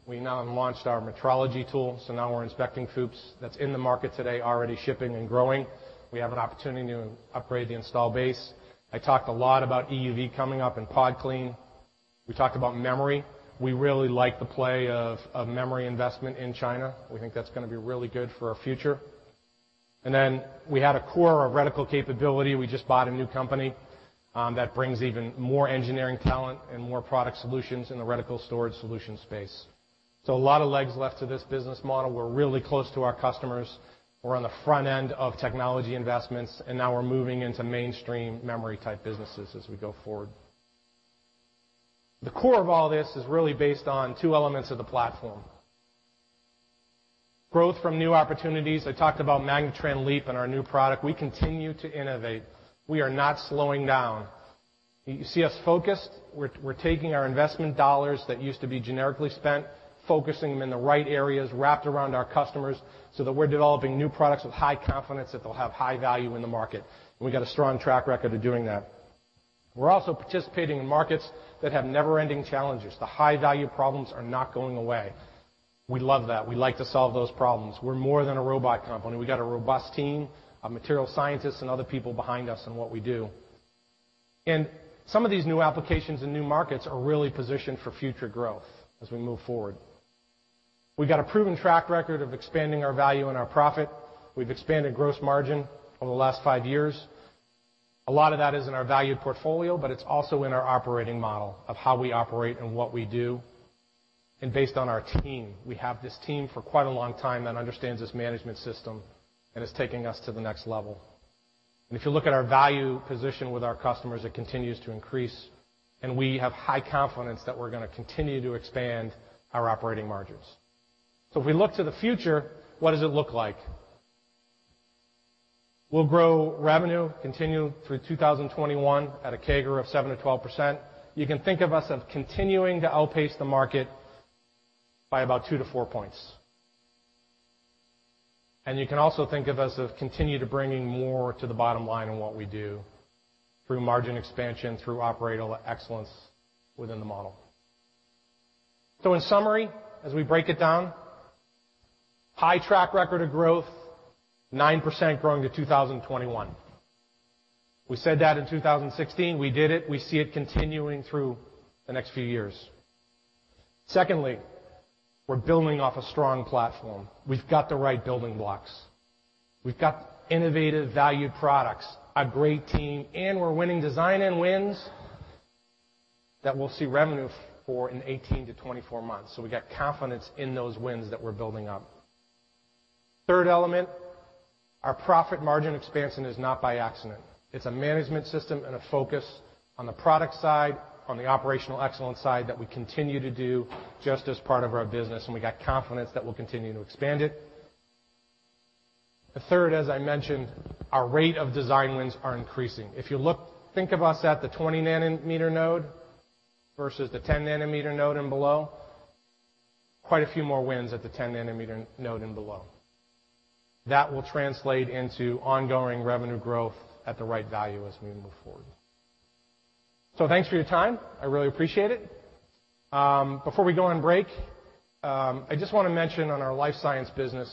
We now have launched our metrology tool, now we're inspecting FOUPs. That's in the market today, already shipping and growing. We have an opportunity to upgrade the install base. I talked a lot about EUV coming up and Pod Clean. We talked about memory. We really like the play of memory investment in China. We think that's going to be really good for our future. We had a core of reticle capability. We just bought a new company that brings even more engineering talent and more product solutions in the reticle storage solution space. A lot of legs left to this business model. We're really close to our customers. We're on the front end of technology investments, now we're moving into mainstream memory type businesses as we go forward. The core of all this is really based on two elements of the platform. Growth from new opportunities. I talked about MagnaTran LEAP and our new product. We continue to innovate. We are not slowing down. You see us focused. We're taking our investment dollars that used to be generically spent, focusing them in the right areas, wrapped around our customers, so that we're developing new products with high confidence that they'll have high value in the market, we've got a strong track record of doing that. We're also participating in markets that have never-ending challenges. The high-value problems are not going away. We love that. We like to solve those problems. We're more than a robot company. We've got a robust team of material scientists and other people behind us in what we do. Some of these new applications and new markets are really positioned for future growth as we move forward. We've got a proven track record of expanding our value and our profit. We've expanded gross margin over the last five years. A lot of that is in our value portfolio, but it's also in our operating model of how we operate and what we do, and based on our team. We have this team for quite a long time that understands this management system and is taking us to the next level. If you look at our value position with our customers, it continues to increase, and we have high confidence that we're going to continue to expand our operating margins. If we look to the future, what does it look like? We'll grow revenue, continue through 2021 at a CAGR of 7%-12%. You can think of us as continuing to outpace the market by about two to four points. You can also think of us as continuing to bringing more to the bottom line in what we do through margin expansion, through operational excellence within the model. In summary, as we break it down, high track record of growth, 9% growing to 2021. We said that in 2016, we did it. We see it continuing through the next few years. Secondly, we're building off a strong platform. We've got the right building blocks. We've got innovative, valued products, a great team, and we're winning design-in wins that we'll see revenue for in 18 to 24 months. We've got confidence in those wins that we're building up. Third element, our profit margin expansion is not by accident. It's a management system and a focus on the product side, on the operational excellence side that we continue to do just as part of our business, and we've got confidence that we'll continue to expand it. The third, as I mentioned, our rate of design wins are increasing. If you think of us at the 20-nanometer node versus the 10-nanometer node and below, quite a few more wins at the 10-nanometer node and below. That will translate into ongoing revenue growth at the right value as we move forward. Thanks for your time. I really appreciate it. Before we go on break, I just want to mention on our life science business,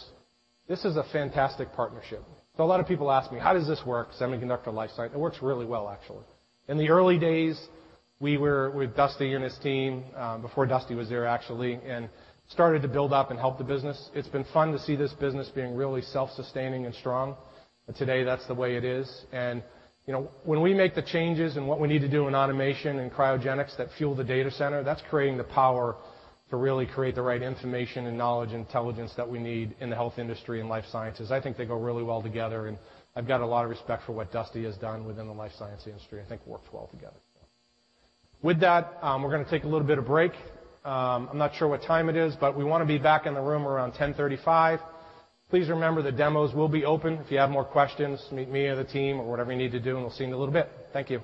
this is a fantastic partnership. A lot of people ask me, how does this work, semiconductor life science? It works really well, actually. In the early days, we were with Dusty and his team, before Dusty was there, actually, and started to build up and help the business. It's been fun to see this business being really self-sustaining and strong. Today, that's the way it is. When we make the changes and what we need to do in automation and cryogenics that fuel the data center, that's creating the power to really create the right information and knowledge intelligence that we need in the health industry and life sciences. I think they go really well together, and I've got a lot of respect for what Dusty has done within the life science industry. I think it works well together. With that, we're going to take a little bit of break. I'm not sure what time it is, we want to be back in the room around 10:35 A.M. Please remember the demos will be open. If you have more questions, meet me or the team or whatever you need to do, we'll see you in a little bit. Thank you.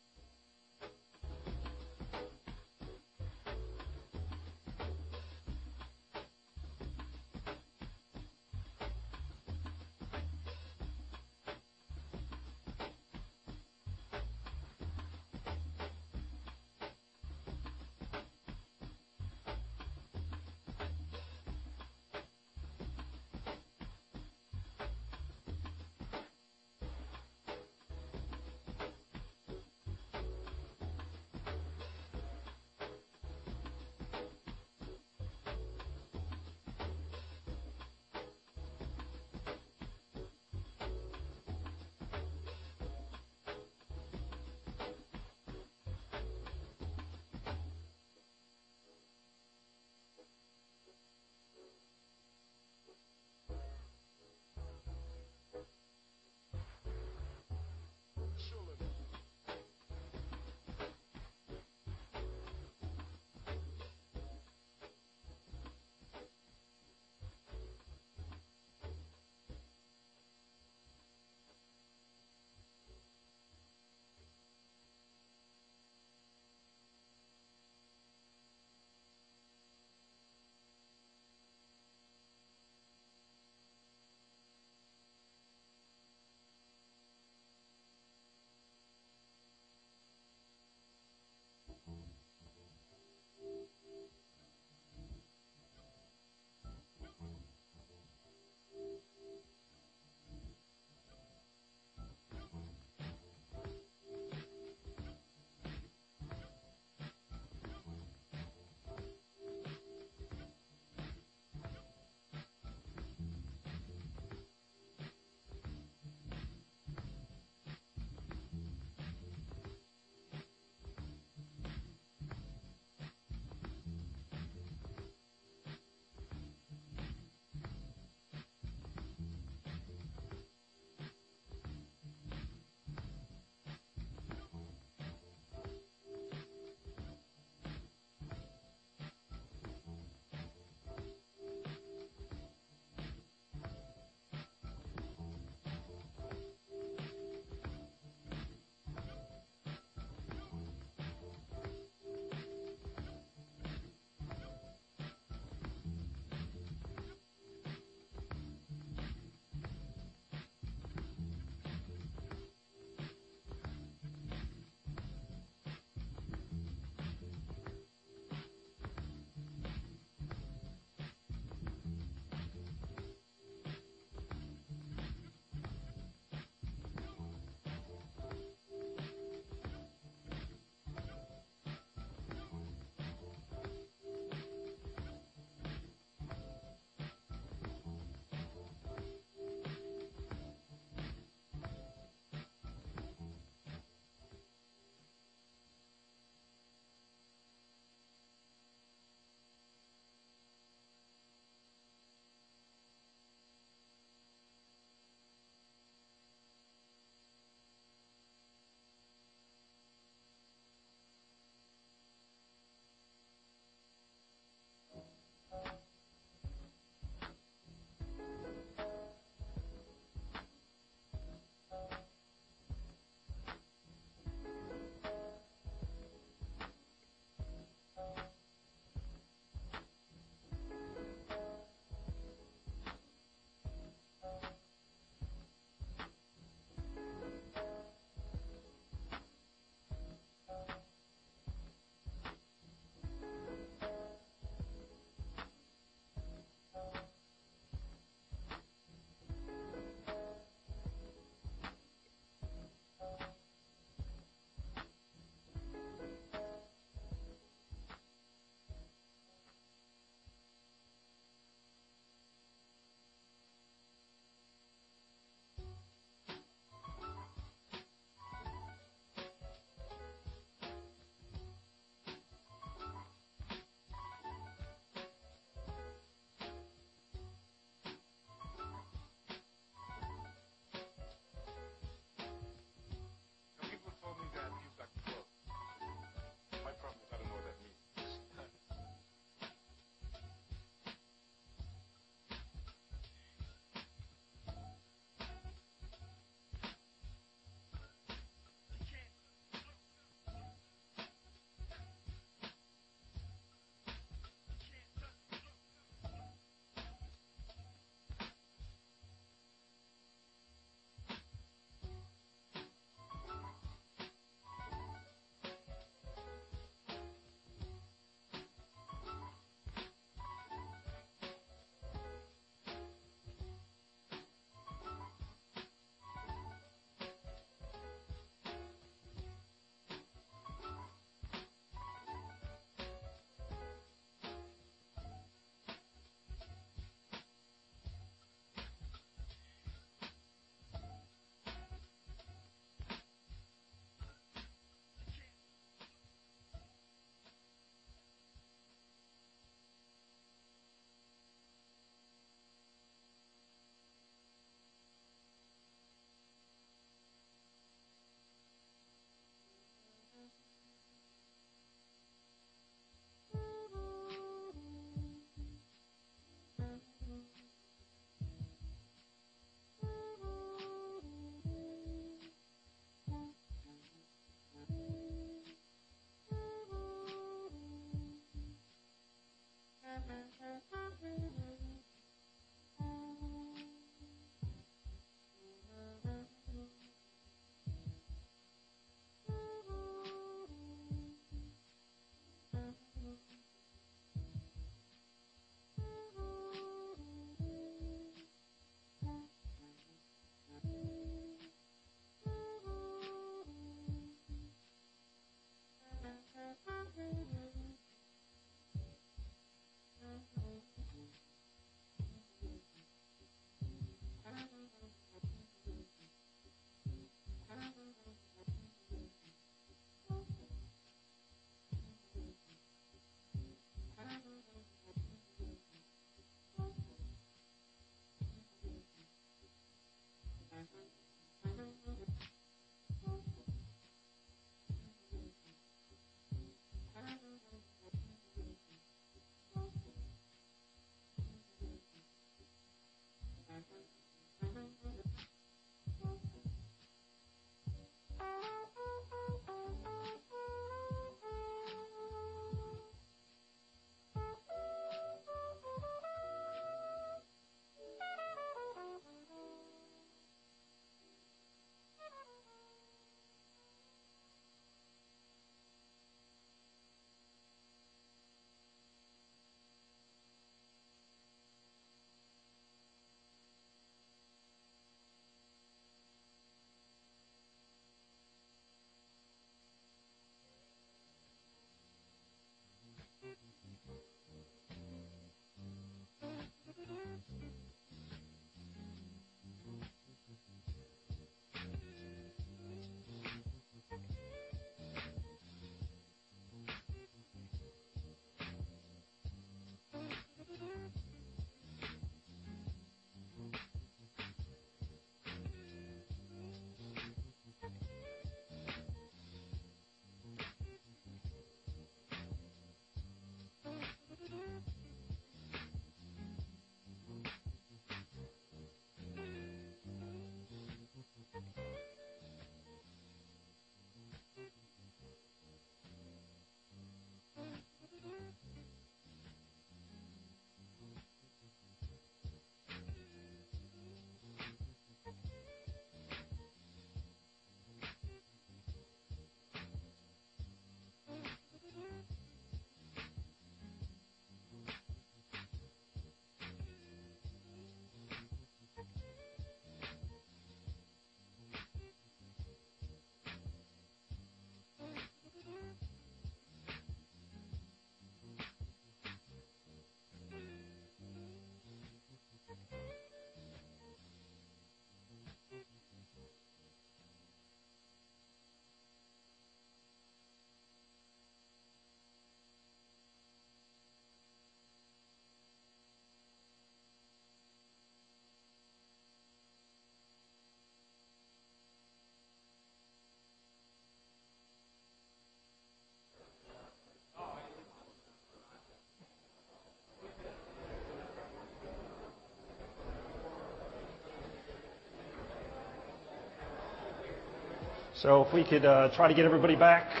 If we could try to get everybody back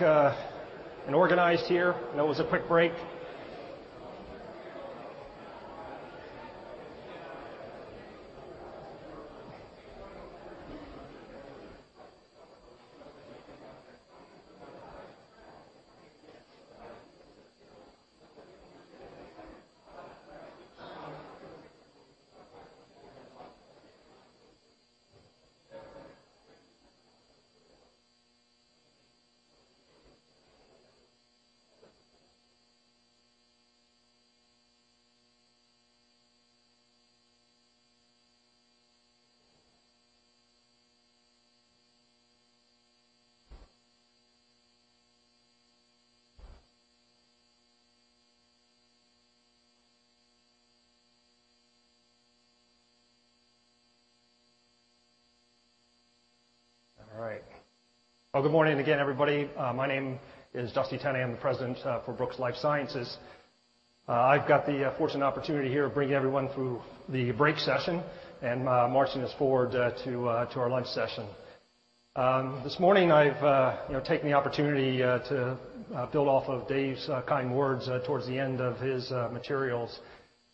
and organized here. That was a quick break. All right. Well, good morning again, everybody. My name is Dusty Tenney. I'm the president for Brooks Life Sciences. I've got the fortunate opportunity here of bringing everyone through the break session and marching us forward to our lunch session. This morning, I've taken the opportunity to build off of Dave's kind words towards the end of his materials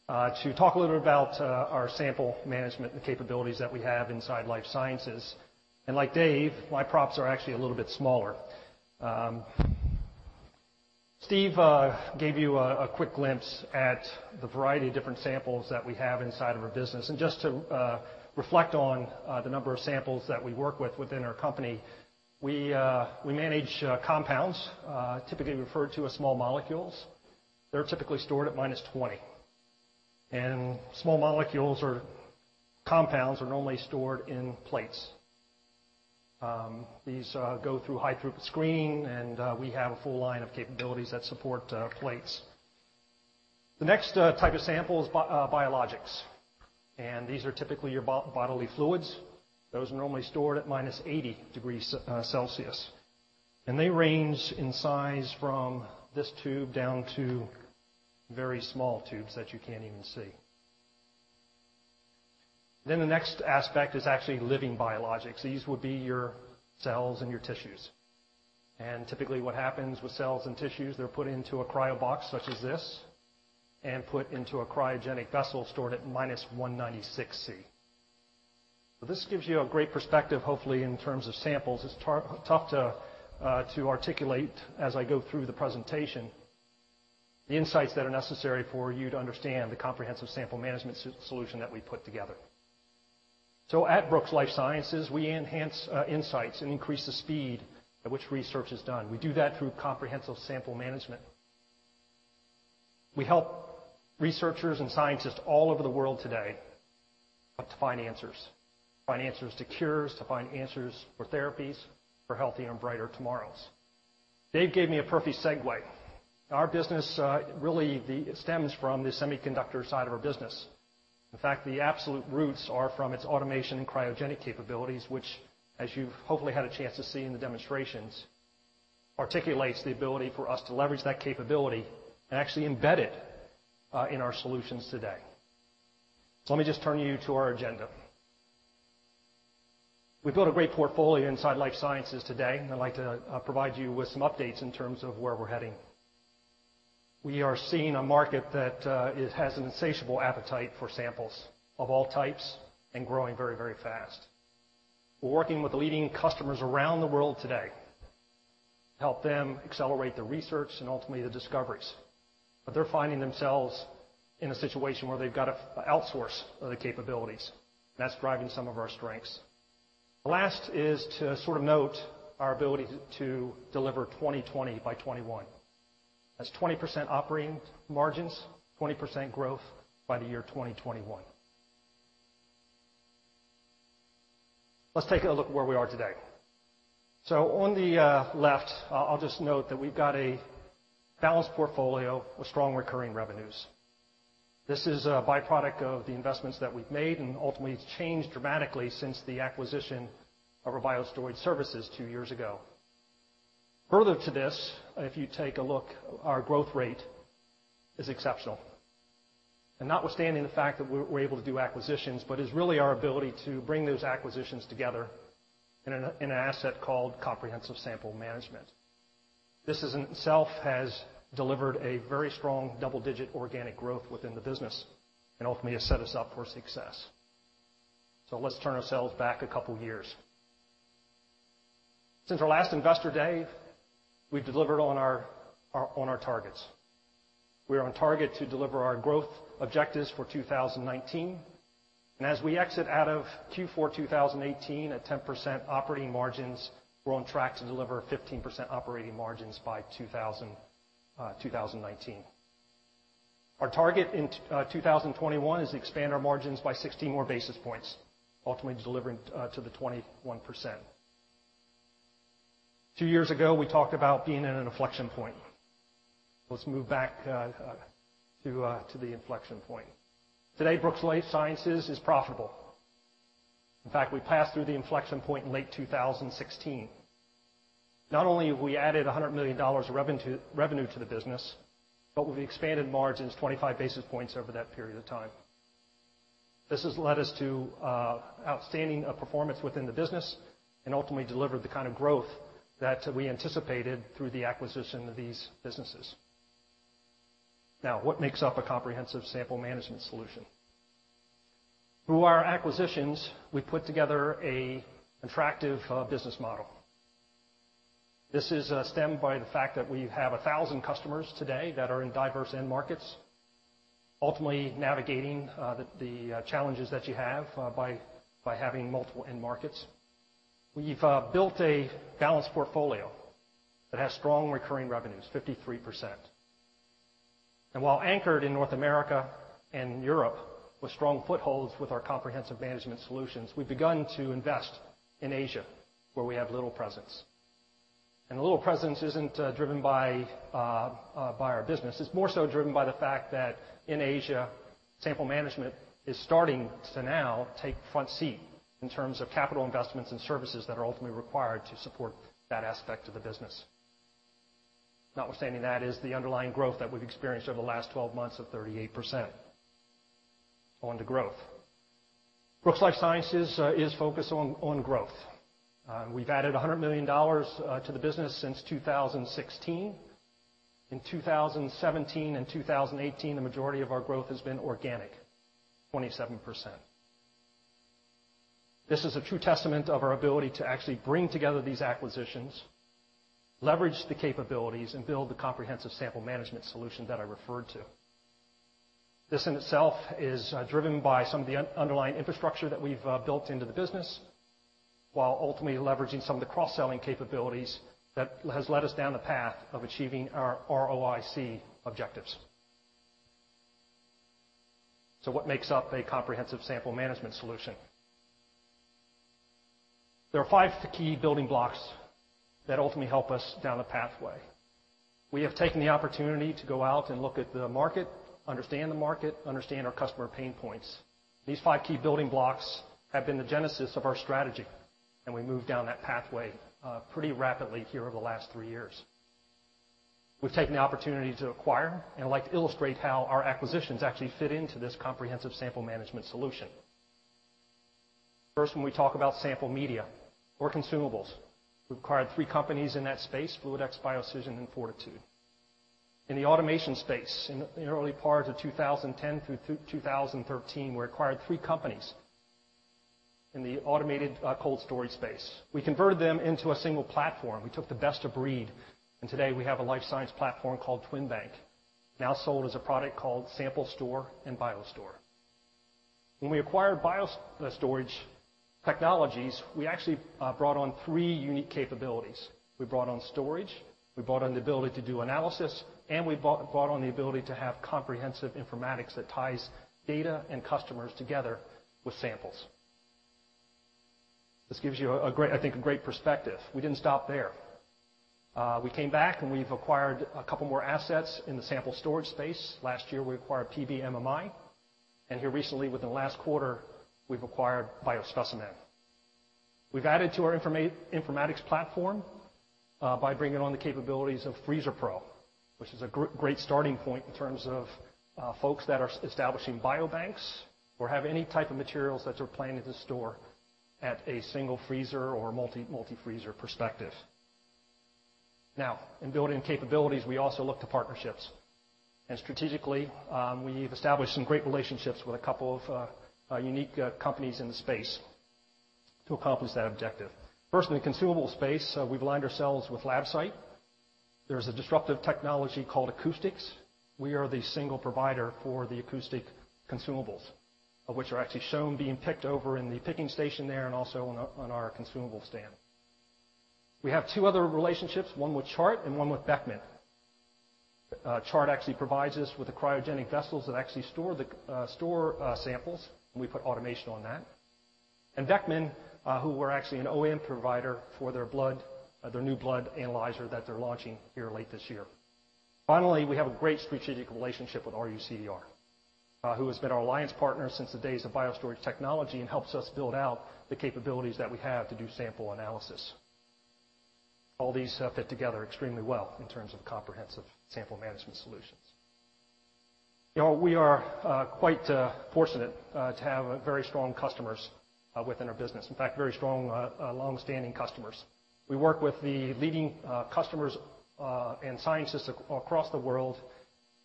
to talk a little bit about our sample management and the capabilities that we have inside life sciences. Like Dave, my props are actually a little bit smaller. Steve gave you a quick glimpse at the variety of different samples that we have inside of our business, just to reflect on the number of samples that we work with within our company, we manage compounds, typically referred to as small molecules. They're typically stored at -20 degrees Celsius. Small molecules or compounds are normally stored in plates. These go through high-throughput screening, we have a full line of capabilities that support plates. The next type of sample is biologics, these are typically your bodily fluids. Those are normally stored at -80 degrees Celsius, they range in size from this tube down to very small tubes that you can't even see. The next aspect is actually living biologics. These would be your cells and your tissues. Typically what happens with cells and tissues, they're put into a cryo box such as this and put into a cryogenic vessel stored at -196 degrees Celsius. This gives you a great perspective, hopefully, in terms of samples. It's tough to articulate, as I go through the presentation, the insights that are necessary for you to understand the comprehensive sample management solution that we put together. At Brooks Life Sciences, we enhance insights and increase the speed at which research is done. We do that through comprehensive sample management. We help researchers and scientists all over the world today to find answers, to find answers to cures, to find answers for therapies for healthy and brighter tomorrows. Dave gave me a perfect segue. Our business really stems from the semiconductor side of our business. In fact, the absolute roots are from its automation and cryogenic capabilities, which as you've hopefully had a chance to see in the demonstrations, articulates the ability for us to leverage that capability and actually embed it in our solutions today. Let me just turn you to our agenda. We've built a great portfolio inside Life Sciences today, I'd like to provide you with some updates in terms of where we're heading. We are seeing a market that has an insatiable appetite for samples of all types and growing very, very fast. We're working with leading customers around the world today to help them accelerate their research and ultimately their discoveries. They're finding themselves in a situation where they've got to outsource the capabilities. That's driving some of our strengths. Last is to note our ability to deliver 20/20 by '21. That's 20% operating margins, 20% growth by the year 2021. Let's take a look where we are today. On the left, I'll just note that we've got a balanced portfolio with strong recurring revenues. This is a byproduct of the investments that we've made, ultimately it's changed dramatically since the acquisition of BioStorage Services two years ago. Further to this, if you take a look, our growth rate is exceptional. Notwithstanding the fact that we're able to do acquisitions, it's really our ability to bring those acquisitions together in an asset called comprehensive sample management. This in itself has delivered a very strong double-digit organic growth within the business and ultimately has set us up for success. Let's turn ourselves back a couple of years. Since our last Investor Day, we've delivered on our targets. We are on target to deliver our growth objectives for 2019. As we exit out of Q4 2018 at 10% operating margins, we're on track to deliver 15% operating margins by 2019. Our target in 2021 is to expand our margins by 60 more basis points, ultimately delivering to the 21%. Two years ago, we talked about being at an inflection point. Let's move back to the inflection point. Today, Brooks Life Sciences is profitable. In fact, we passed through the inflection point in late 2016. Not only have we added $100 million of revenue to the business, we've expanded margins 25 basis points over that period of time. This has led us to outstanding performance within the business and ultimately delivered the kind of growth that we anticipated through the acquisition of these businesses. What makes up a comprehensive sample management solution? Through our acquisitions, we put together an attractive business model. This is stemmed by the fact that we have 1,000 customers today that are in diverse end markets, ultimately navigating the challenges that you have by having multiple end markets. We've built a balanced portfolio that has strong recurring revenues, 53%. While anchored in North America and Europe with strong footholds with our comprehensive management solutions, we've begun to invest in Asia, where we have little presence. The little presence isn't driven by our business. It's more so driven by the fact that in Asia, sample management is starting to now take front seat in terms of capital investments and services that are ultimately required to support that aspect of the business. Notwithstanding that is the underlying growth that we've experienced over the last 12 months of 38%. On to growth. Brooks Life Sciences is focused on growth. We've added $100 million to the business since 2016. In 2017 and 2018, the majority of our growth has been organic, 27%. This is a true testament of our ability to actually bring together these acquisitions, leverage the capabilities, and build the comprehensive sample management solution that I referred to. This in itself is driven by some of the underlying infrastructure that we've built into the business, while ultimately leveraging some of the cross-selling capabilities that has led us down the path of achieving our ROIC objectives. What makes up a comprehensive sample management solution? There are five key building blocks that ultimately help us down the pathway. We have taken the opportunity to go out and look at the market, understand the market, understand our customer pain points. These five key building blocks have been the genesis of our strategy, and we moved down that pathway pretty rapidly here over the last three years. We've taken the opportunity to acquire. I'd like to illustrate how our acquisitions actually fit into this comprehensive sample management solution. First, when we talk about sample media or consumables, we've acquired three companies in that space, FluidX, BioCision, and 4titude. In the automation space, in the early part of 2010 through 2013, we acquired three companies in the automated cold storage space. We converted them into a single platform. We took the best of breed, and today we have a life science platform called TwinBank, now sold as a product called SampleStore and BioStore. When we acquired BioStorage Technologies, we actually brought on three unique capabilities. We brought on storage, we brought on the ability to do analysis, and we brought on the ability to have comprehensive informatics that ties data and customers together with samples. This gives you, I think, a great perspective. We didn't stop there. We came back. We've acquired a couple more assets in the sample storage space. Last year, we acquired PBMMI, and here recently, within the last quarter, we've acquired BioSpeciMan. We've added to our informatics platform by bringing on the capabilities of FreezerPro, which is a great starting point in terms of folks that are establishing biobanks or have any type of materials that they're planning to store at a single freezer or multi-freezer perspective. In building capabilities, we also look to partnerships. Strategically, we've established some great relationships with a couple of unique companies in the space to accomplish that objective. First, in the consumable space, we've aligned ourselves with Labcyte. There's a disruptive technology called acoustics. We are the single provider for the acoustic consumables, of which are actually shown being picked over in the picking station there and also on our consumable stand. We have two other relationships, one with Chart and one with Beckman. Chart actually provides us with the cryogenic vessels that actually store samples, and we put automation on that. Beckman, who we're actually an OEM provider for their new blood analyzer that they're launching here late this year. Finally, we have a great strategic relationship with RUCDR, who has been our alliance partner since the days of BioStorage Technologies and helps us build out the capabilities that we have to do sample analysis. All these fit together extremely well in terms of comprehensive sample management solutions. We are quite fortunate to have very strong customers within our business. In fact, very strong, long-standing customers. We work with the leading customers and scientists across the world,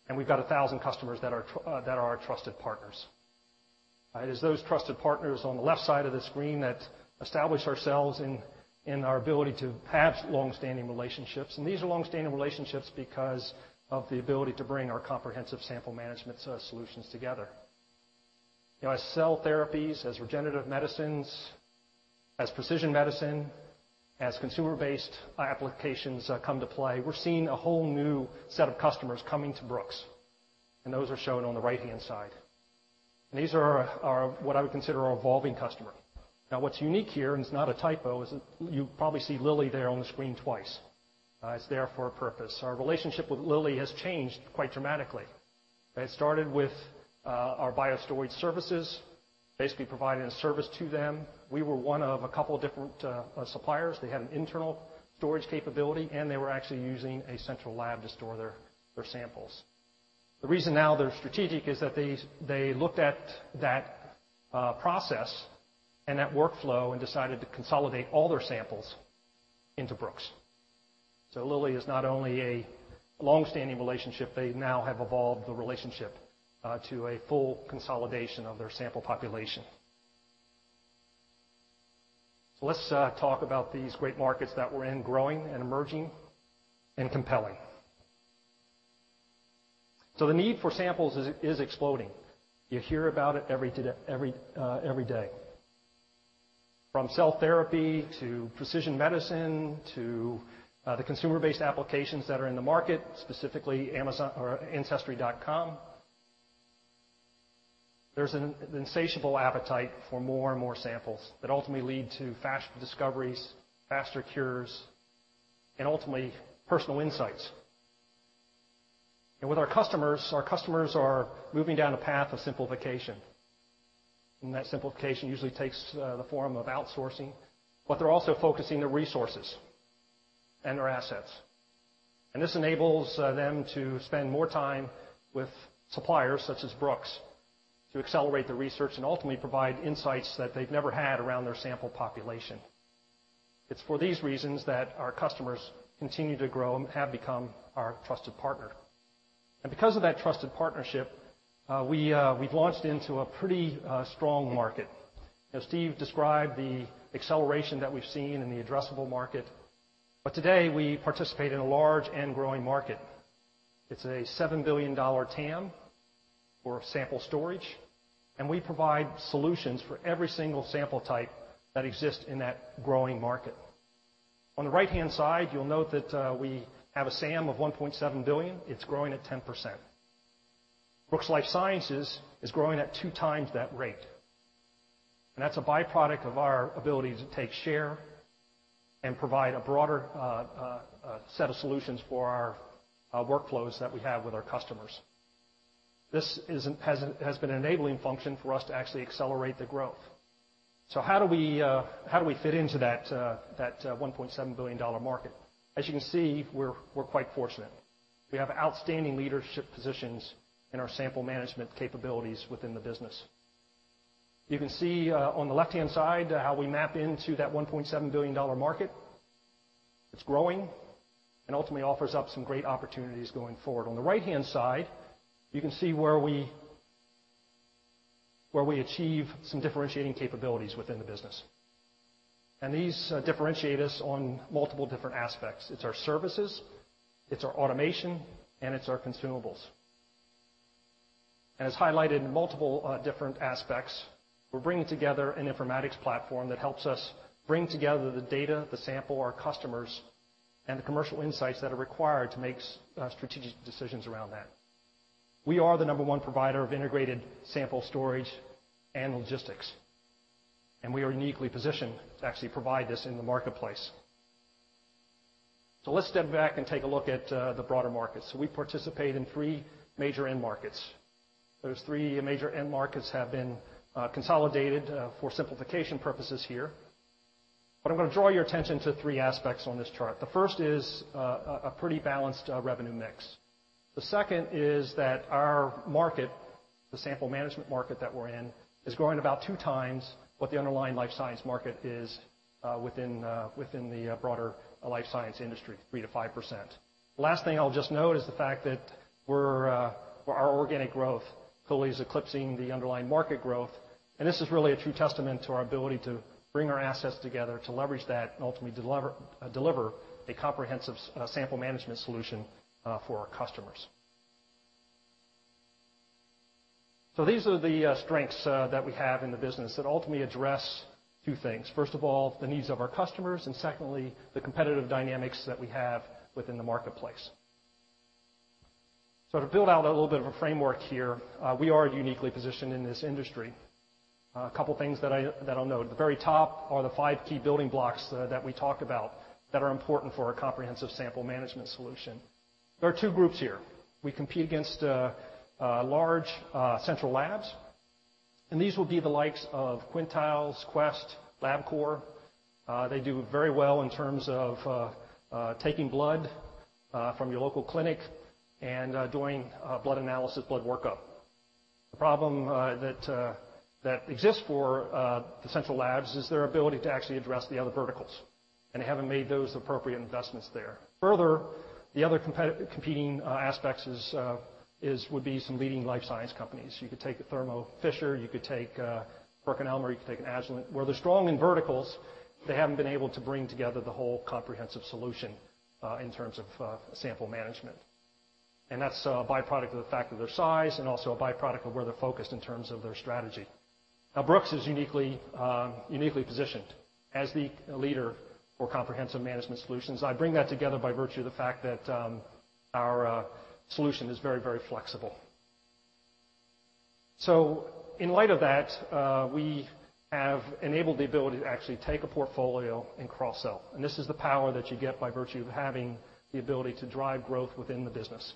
and we've got 1,000 customers that are our trusted partners. It is those trusted partners on the left side of the screen that establish ourselves in our ability to have long-standing relationships. These are long-standing relationships because of the ability to bring our comprehensive sample management solutions together. As cell therapies, as regenerative medicines, as precision medicine, as consumer-based applications come to play, we're seeing a whole new set of customers coming to Brooks, and those are shown on the right-hand side. These are what I would consider our evolving customer. Now, what's unique here, it's not a typo, is you probably see Lilly there on the screen twice. It's there for a purpose. Our relationship with Lilly has changed quite dramatically. It started with our BioStorage services, basically providing a service to them. We were one of a couple different suppliers. They had an internal storage capability, they were actually using a central lab to store their samples. The reason now they're strategic is that they looked at that process and that workflow and decided to consolidate all their samples into Brooks. Lilly is not only a long-standing relationship, they now have evolved the relationship to a full consolidation of their sample population. Let's talk about these great markets that we're in, growing and emerging and compelling. The need for samples is exploding. You hear about it every day, from cell therapy to precision medicine to the consumer-based applications that are in the market, specifically Ancestry.com. There's an insatiable appetite for more and more samples that ultimately lead to faster discoveries, faster cures, and ultimately, personal insights. With our customers, our customers are moving down a path of simplification. That simplification usually takes the form of outsourcing, but they're also focusing their resources and their assets. This enables them to spend more time with suppliers such as Brooks to accelerate their research and ultimately provide insights that they've never had around their sample population. It's for these reasons that our customers continue to grow and have become our trusted partner. Because of that trusted partnership, we've launched into a pretty strong market. As Steve described, the acceleration that we've seen in the addressable market, today we participate in a large and growing market. It's a $7 billion TAM for sample storage, and we provide solutions for every single sample type that exists in that growing market. On the right-hand side, you'll note that we have a SAM of $1.7 billion. It's growing at 10%. Brooks Life Sciences is growing at two times that rate, that's a byproduct of our ability to take share and provide a broader set of solutions for our workflows that we have with our customers. This has been an enabling function for us to actually accelerate the growth. How do we fit into that $1.7 billion market? As you can see, we're quite fortunate. We have outstanding leadership positions in our sample management capabilities within the business. You can see on the left-hand side how we map into that $1.7 billion market. It's growing and ultimately offers up some great opportunities going forward. On the right-hand side, you can see where we achieve some differentiating capabilities within the business. These differentiate us on multiple different aspects. It's our services, it's our automation, and it's our consumables. As highlighted in multiple different aspects, we're bringing together an informatics platform that helps us bring together the data, the sample, our customers, and the commercial insights that are required to make strategic decisions around that. We are the number 1 provider of integrated sample storage and logistics, and we are uniquely positioned to actually provide this in the marketplace. Let's step back and take a look at the broader market. We participate in three major end markets. Those three major end markets have been consolidated for simplification purposes here. I'm going to draw your attention to three aspects on this chart. The first is a pretty balanced revenue mix. The second is that our market, the sample management market that we're in, is growing about two times what the underlying life science market is within the broader life science industry, 3%-5%. The last thing I'll just note is the fact that our organic growth fully is eclipsing the underlying market growth, and this is really a true testament to our ability to bring our assets together to leverage that and ultimately deliver a comprehensive sample management solution for our customers. These are the strengths that we have in the business that ultimately address two things. First of all, the needs of our customers, and secondly, the competitive dynamics that we have within the marketplace. To build out a little bit of a framework here, we are uniquely positioned in this industry. A couple things that I'll note. At the very top are the five key building blocks that we talk about that are important for our comprehensive sample management solution. There are two groups here. We compete against large central labs. These will be the likes of Quintiles, Quest, LabCorp. They do very well in terms of taking blood from your local clinic and doing blood analysis, blood workup. The problem that exists for the central labs is their ability to actually address the other verticals. They haven't made those appropriate investments there. Further, the other competing aspects would be some leading life science companies. You could take a Thermo Fisher, you could take a PerkinElmer, you could take an Agilent. Where they're strong in verticals, they haven't been able to bring together the whole comprehensive solution in terms of sample management. That's a byproduct of the fact of their size and also a byproduct of where they're focused in terms of their strategy. Brooks is uniquely positioned as the leader for comprehensive management solutions. I bring that together by virtue of the fact that our solution is very flexible. In light of that, we have enabled the ability to actually take a portfolio and cross-sell, and this is the power that you get by virtue of having the ability to drive growth within the business.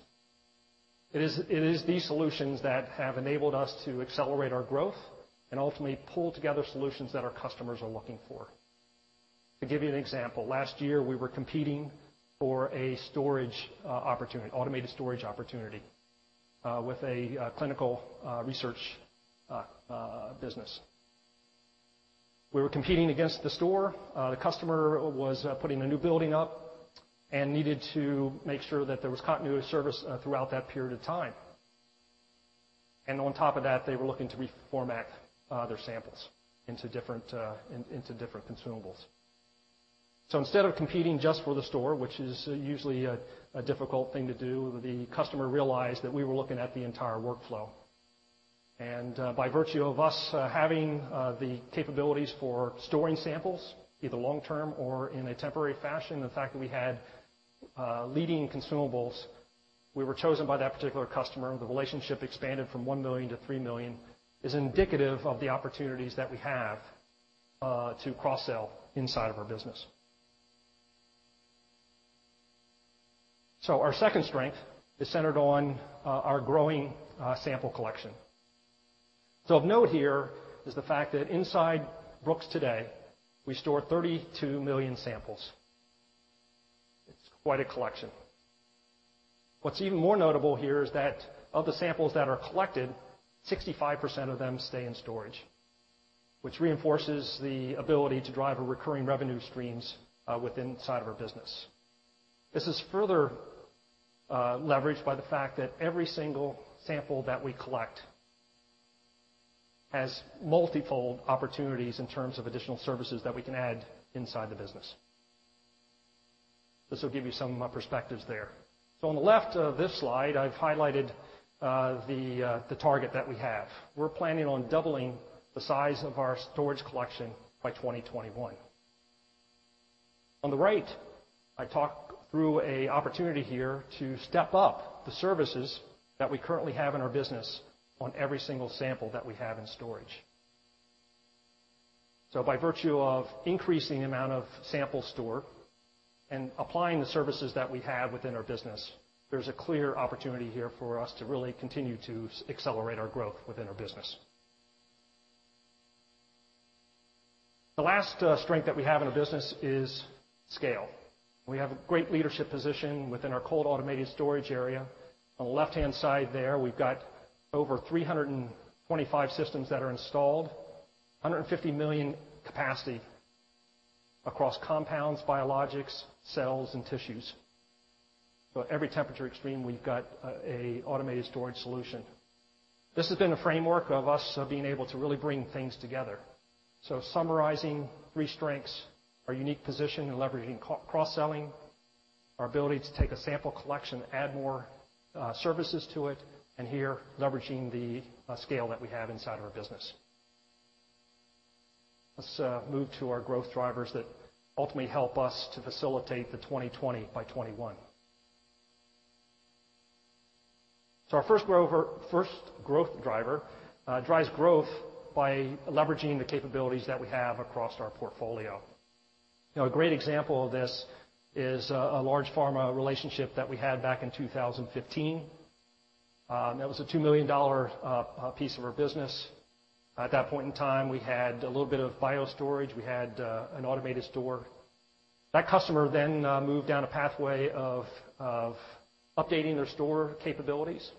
It is these solutions that have enabled us to accelerate our growth and ultimately pull together solutions that our customers are looking for. To give you an example, last year we were competing for a storage opportunity, automated storage opportunity, with a clinical research business. We were competing against the store. The customer was putting a new building up and needed to make sure that there was continuous service throughout that period of time. On top of that, they were looking to reformat their samples into different consumables. Instead of competing just for the store, which is usually a difficult thing to do, the customer realized that we were looking at the entire workflow. By virtue of us having the capabilities for storing samples, either long-term or in a temporary fashion, the fact that we had leading consumables, we were chosen by that particular customer. The relationship expanded from $1 million to $3 million, is indicative of the opportunities that we have to cross-sell inside of our business. Our second strength is centered on our growing sample collection. Of note here is the fact that inside Brooks today, we store 32 million samples. It's quite a collection. What's even more notable here is that of the samples that are collected, 65% of them stay in storage, which reinforces the ability to drive recurring revenue streams inside of our business. This is further leveraged by the fact that every single sample that we collect has multifold opportunities in terms of additional services that we can add inside the business. This will give you some perspectives there. On the left of this slide, I've highlighted the target that we have. We're planning on doubling the size of our storage collection by 2021. On the right, I talk through a opportunity here to step up the services that we currently have in our business on every single sample that we have in storage. By virtue of increasing the amount of SampleStore and applying the services that we have within our business, there's a clear opportunity here for us to really continue to accelerate our growth within our business. The last strength that we have in the business is scale. We have a great leadership position within our cold automated storage area. On the left-hand side there, we've got over 325 systems that are installed, 150 million capacity across compounds, biologics, cells, and tissues. For every temperature extreme, we've got an automated storage solution. This has been a framework of us being able to really bring things together. Summarizing three strengths, our unique position in leveraging cross-selling, our ability to take a sample collection, add more services to it, and here, leveraging the scale that we have inside of our business. Let's move to our growth drivers that ultimately help us to facilitate the 2020 by 2021. Our first growth driver drives growth by leveraging the capabilities that we have across our portfolio. A great example of this is a large pharma relationship that we had back in 2015. That was a $2 million piece of our business. At that point in time, we had a little bit of bio storage. We had an automated store. That customer moved down a pathway of updating their store capabilities.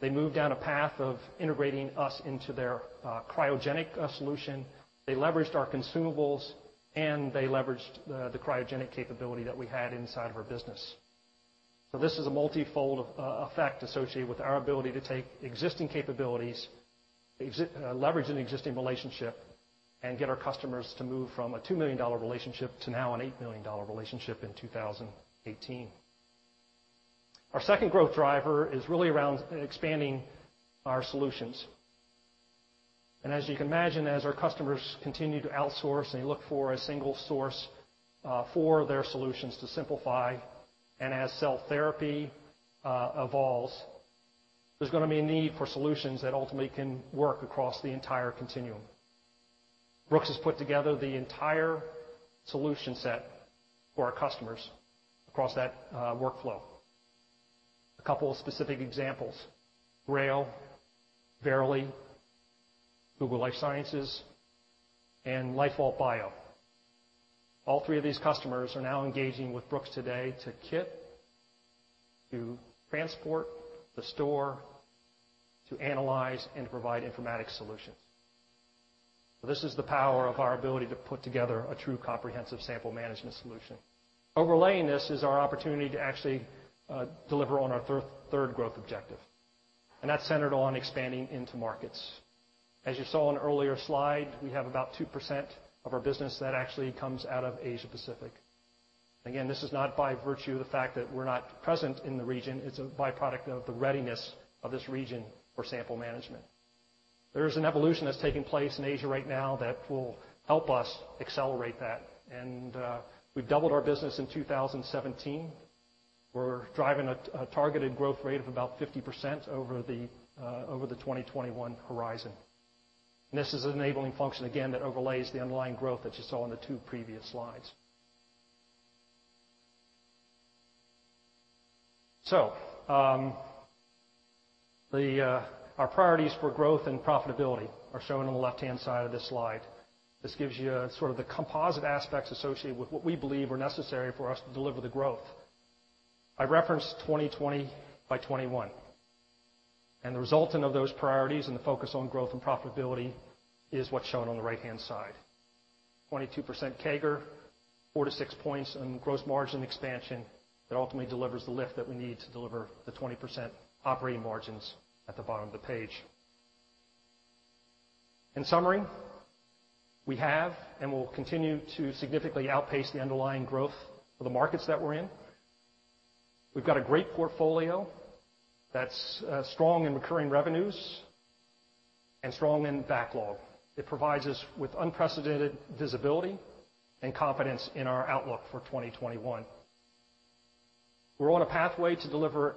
They moved down a path of integrating us into their cryogenic solution. They leveraged our consumables, and they leveraged the cryogenic capability that we had inside of our business. This is a multifold effect associated with our ability to take existing capabilities, leveraging existing relationship, and get our customers to move from a $2 million relationship to now an $8 million relationship in 2018. Our second growth driver is really around expanding our solutions. As you can imagine, as our customers continue to outsource and look for a single source for their solutions to simplify and as cell therapy evolves, there is going to be a need for solutions that ultimately can work across the entire continuum. Brooks has put together the entire solution set for our customers across that workflow. A couple of specific examples, GRAIL, Verily, Google Life Sciences, and LifeVault Bio. All three of these customers are now engaging with Brooks today to kit, to transport, to store, to analyze, and provide informatics solutions. This is the power of our ability to put together a true comprehensive sample management solution. Overlaying this is our opportunity to actually deliver on our third growth objective, and that is centered on expanding into markets. As you saw on an earlier slide, we have about 2% of our business that actually comes out of Asia Pacific. This is not by virtue of the fact that we are not present in the region, it is a byproduct of the readiness of this region for sample management. There is an evolution that is taking place in Asia right now that will help us accelerate that, and we have doubled our business in 2017. We are driving a targeted growth rate of about 50% over the 2021 horizon. This is an enabling function, again, that overlays the underlying growth that you saw in the two previous slides. Our priorities for growth and profitability are shown on the left-hand side of this slide. This gives you sort of the composite aspects associated with what we believe are necessary for us to deliver the growth. I referenced 2020 by 2021, and the resultant of those priorities and the focus on growth and profitability is what is shown on the right-hand side. 22% CAGR, 4 to 6 points on gross margin expansion that ultimately delivers the lift that we need to deliver the 20% operating margins at the bottom of the page. In summary, we have and will continue to significantly outpace the underlying growth of the markets that we are in. We have got a great portfolio that is strong in recurring revenues and strong in backlog. It provides us with unprecedented visibility and confidence in our outlook for 2021. We are on a pathway to deliver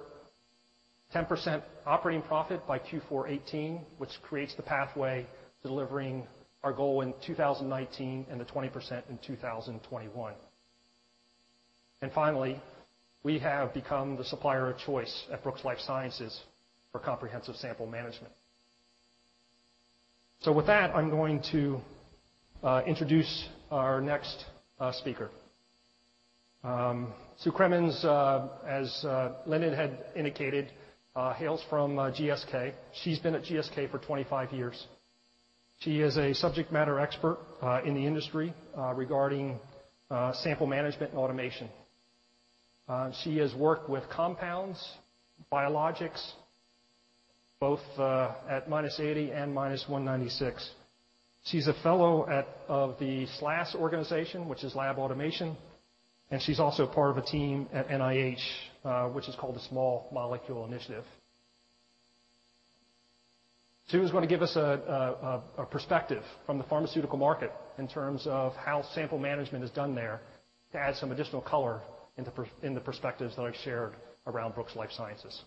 10% operating profit by Q4 2018, which creates the pathway to delivering our goal in 2019 and the 20% in 2021. Finally, we have become the supplier of choice at Brooks Life Sciences for comprehensive sample management. With that, I am going to introduce our next speaker. Sue Crimmin, as Lindon had indicated, hails from GSK. She has been at GSK for 25 years. She is a subject matter expert in the industry regarding sample management and automation. She has worked with compounds, biologics, both at -80 and -196. She is a fellow of the SLAS organization, which is lab automation, and she is also part of a team at NIH, which is called the Small Molecule Initiative. Sue is going to give us a perspective from the pharmaceutical market in terms of how sample management is done there to add some additional color in the perspectives that I have shared around Brooks Life Sciences.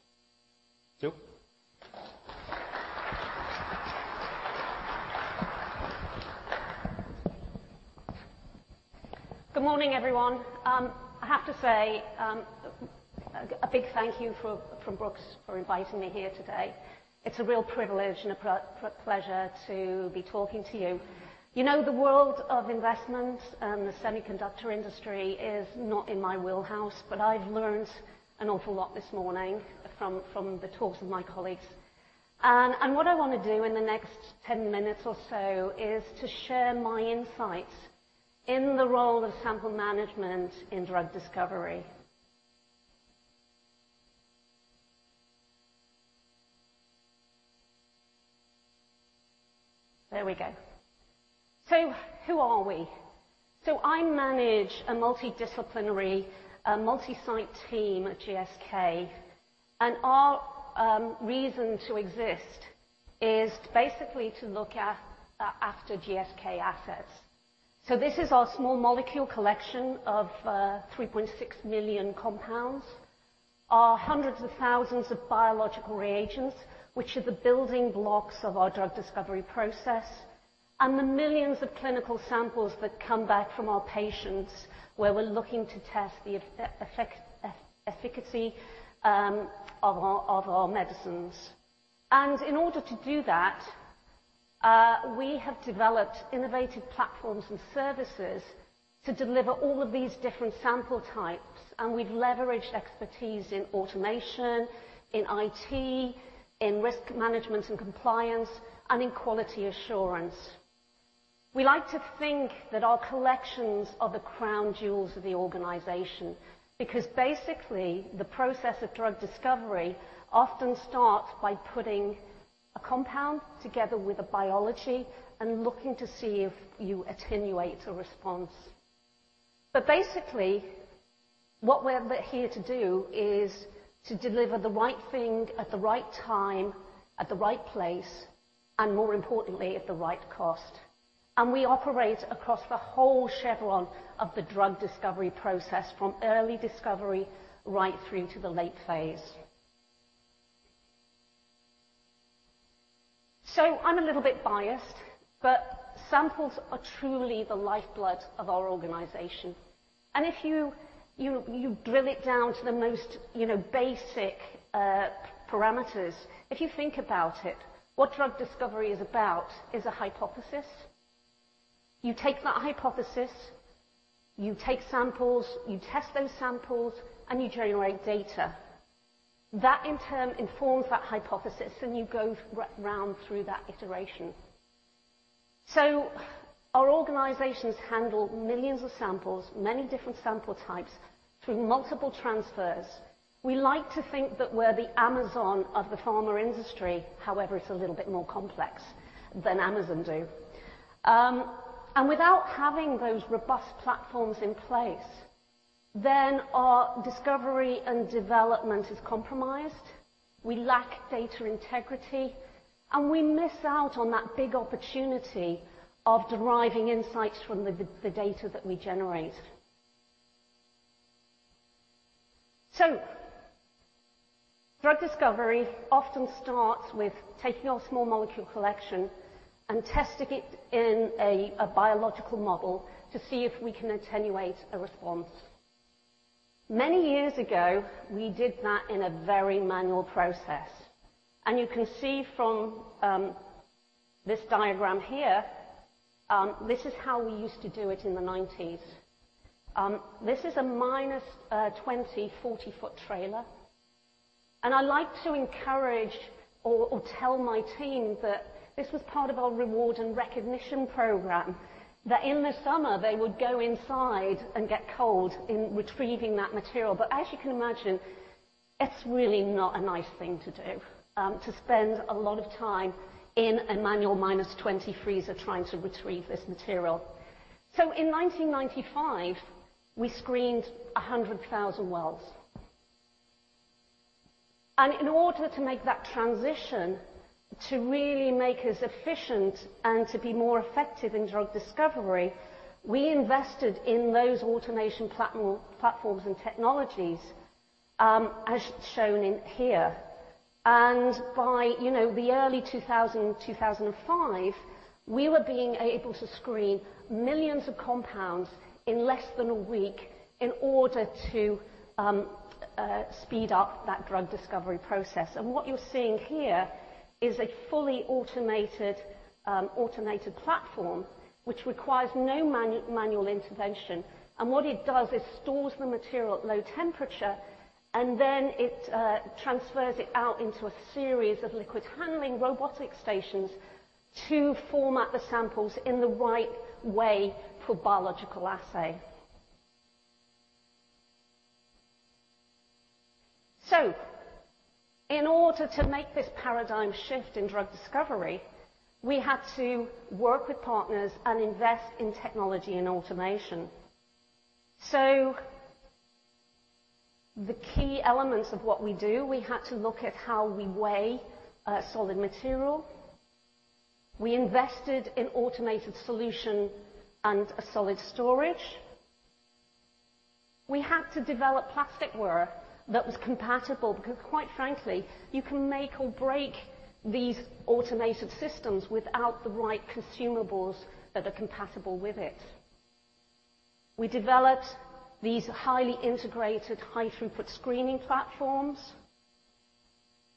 Sue? Good morning, everyone. I have to say a big thank you from Brooks for inviting me here today. It's a real privilege and a pleasure to be talking to you. You know, the world of investment and the semiconductor industry is not in my wheelhouse, but I've learned an awful lot this morning from the talks of my colleagues. What I want to do in the next 10 minutes or so is to share my insights in the role of sample management in drug discovery. There we go. Who are we? I manage a multidisciplinary, multi-site team at GSK, and our reason to exist is basically to look after GSK assets. This is our small molecule collection of 3.6 million compounds, our hundreds of thousands of biological reagents, which are the building blocks of our drug discovery process, and the millions of clinical samples that come back from our patients where we're looking to test the efficacy of our medicines. In order to do that, we have developed innovative platforms and services to deliver all of these different sample types, and we've leveraged expertise in automation, in IT, in risk management and compliance, and in quality assurance. We like to think that our collections are the crown jewels of the organization, because basically the process of drug discovery often starts by putting a compound together with a biology and looking to see if you attenuate a response. Basically, what we're here to do is to deliver the right thing at the right time, at the right place, and more importantly, at the right cost. We operate across the whole chevron of the drug discovery process, from early discovery right through to the late phase. I'm a little bit biased, but samples are truly the lifeblood of our organization. If you drill it down to the most basic parameters, if you think about it, what drug discovery is about is a hypothesis. You take that hypothesis, you take samples, you test those samples, and you generate data. That in turn informs that hypothesis, and you go round through that iteration. Our organizations handle millions of samples, many different sample types, through multiple transfers. We like to think that we're the Amazon of the pharma industry, however, it's a little bit more complex than Amazon do. Without having those robust platforms in place, then our discovery and development is compromised, we lack data integrity, and we miss out on that big opportunity of deriving insights from the data that we generate. Drug discovery often starts with taking our small molecule collection and testing it in a biological model to see if we can attenuate a response. Many years ago, we did that in a very manual process, and you can see from this diagram here, this is how we used to do it in the '90s. This is a minus 20, 40-foot trailer. I like to encourage or tell my team that this was part of our reward and recognition program, that in the summer they would go inside and get cold in retrieving that material. As you can imagine, it is really not a nice thing to do, to spend a lot of time in a manual -20 freezer trying to retrieve this material. In 1995, we screened 100,000 wells. In order to make that transition to really make us efficient and to be more effective in drug discovery, we invested in those automation platforms and technologies, as shown in here. By the early 2000, 2005, we were being able to screen millions of compounds in less than a week in order to speed up that drug discovery process. What you are seeing here is a fully automated platform which requires no manual intervention. What it does is stores the material at low temperature, then it transfers it out into a series of liquid handling robotic stations to format the samples in the right way for biological assay. In order to make this paradigm shift in drug discovery, we had to work with partners and invest in technology and automation. The key elements of what we do, we had to look at how we weigh solid material. We invested in automated solution and solid storage. We had to develop plasticware that was compatible because quite frankly, you can make or break these automated systems without the right consumables that are compatible with it. We developed these highly integrated, high throughput screening platforms.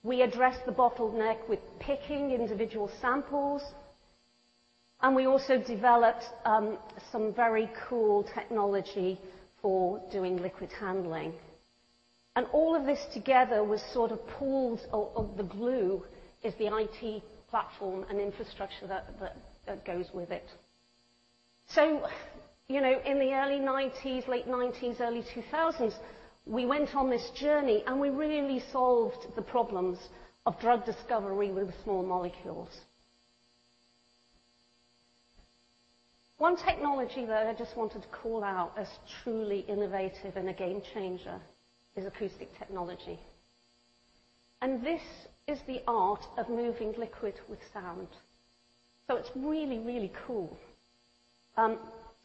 We addressed the bottleneck with picking individual samples, and we also developed some very cool technology for doing liquid handling. All of this together was sort of pulled of the glue is the IT platform and infrastructure that goes with it. In the early '90s, late '90s, early 2000s, we went on this journey and we really solved the problems of drug discovery with small molecules. One technology, though, I just wanted to call out as truly innovative and a game changer is acoustic technology. This is the art of moving liquid with sound. It is really, really cool.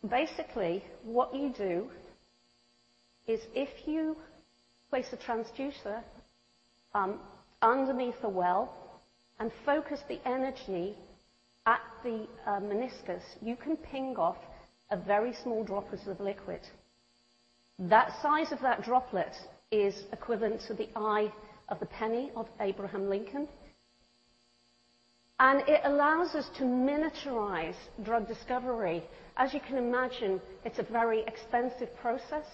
Basically, what you do is if you place a transducer underneath a well and focus the energy at the meniscus, you can ping off a very small droplet of liquid. That size of that droplet is equivalent to the eye of the penny of Abraham Lincoln, and it allows us to miniaturize drug discovery. As you can imagine, it is a very expensive process,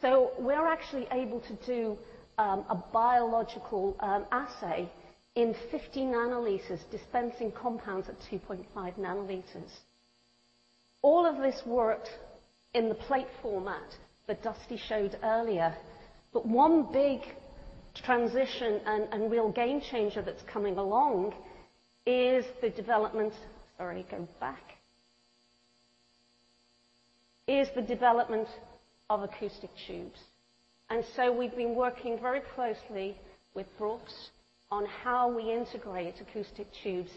so we are actually able to do a biological assay in 50 nanoliters, dispensing compounds at 2.5 nanoliters. All of this worked in the plate format that Dusty showed earlier. One big transition and real game changer that is coming along is the development Sorry, go back. The development of acoustic tubes. We have been working very closely with Brooks on how we integrate acoustic tubes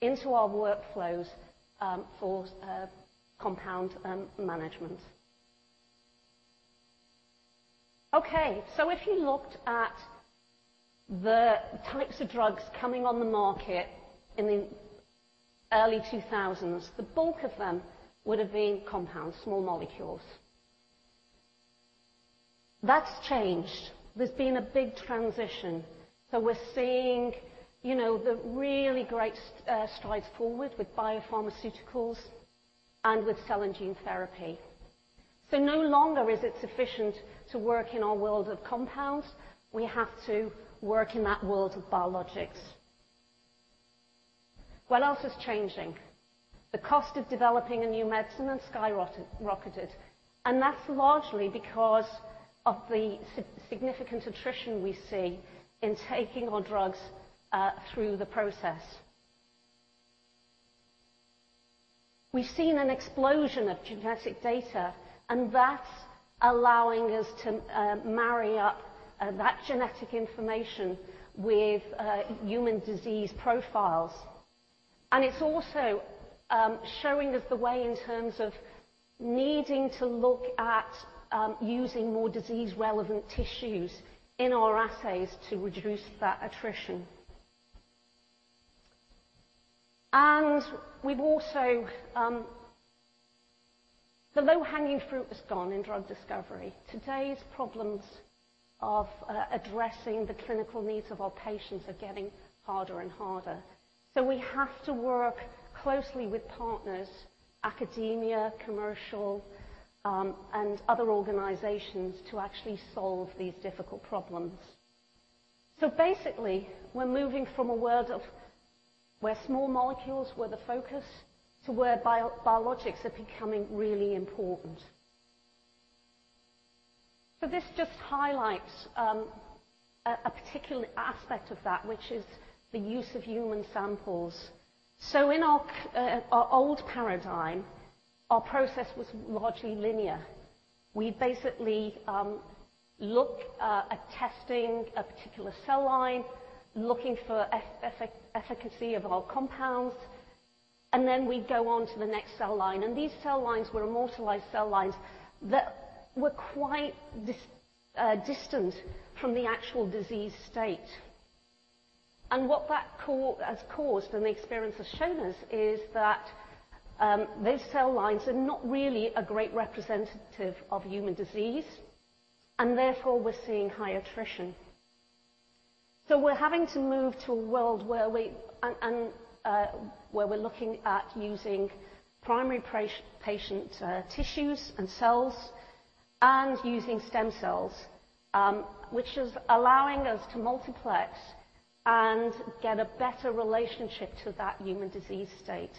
into our workflows for compound management. If you looked at the types of drugs coming on the market in the early 2000s, the bulk of them would have been compounds, small molecules. That has changed. There has been a big transition. We are seeing the really great strides forward with biopharmaceuticals and with cell and gene therapy. No longer is it sufficient to work in our world of compounds, we have to work in that world of biologics. What else is changing? The cost of developing a new medicine has skyrocketed, that's largely because of the significant attrition we see in taking our drugs through the process. We've seen an explosion of genetic data, that's allowing us to marry up that genetic information with human disease profiles. It's also showing us the way in terms of needing to look at using more disease relevant tissues in our assays to reduce that attrition. The low-hanging fruit has gone in drug discovery. Today's problems of addressing the clinical needs of our patients are getting harder and harder. We have to work closely with partners, academia, commercial, and other organizations to actually solve these difficult problems. Basically, we're moving from a world of where small molecules were the focus to where biologics are becoming really important. This just highlights a particular aspect of that, which is the use of human samples. In our old paradigm, our process was largely linear. We'd basically look at testing a particular cell line, looking for efficacy of our compounds, then we'd go on to the next cell line. These cell lines were immortalized cell lines that were quite distant from the actual disease state. What that has caused and the experience has shown us is that these cell lines are not really a great representative of human disease, therefore we're seeing high attrition. We're having to move to a world where we're looking at using primary patient tissues and cells and using stem cells which is allowing us to multiplex and get a better relationship to that human disease state.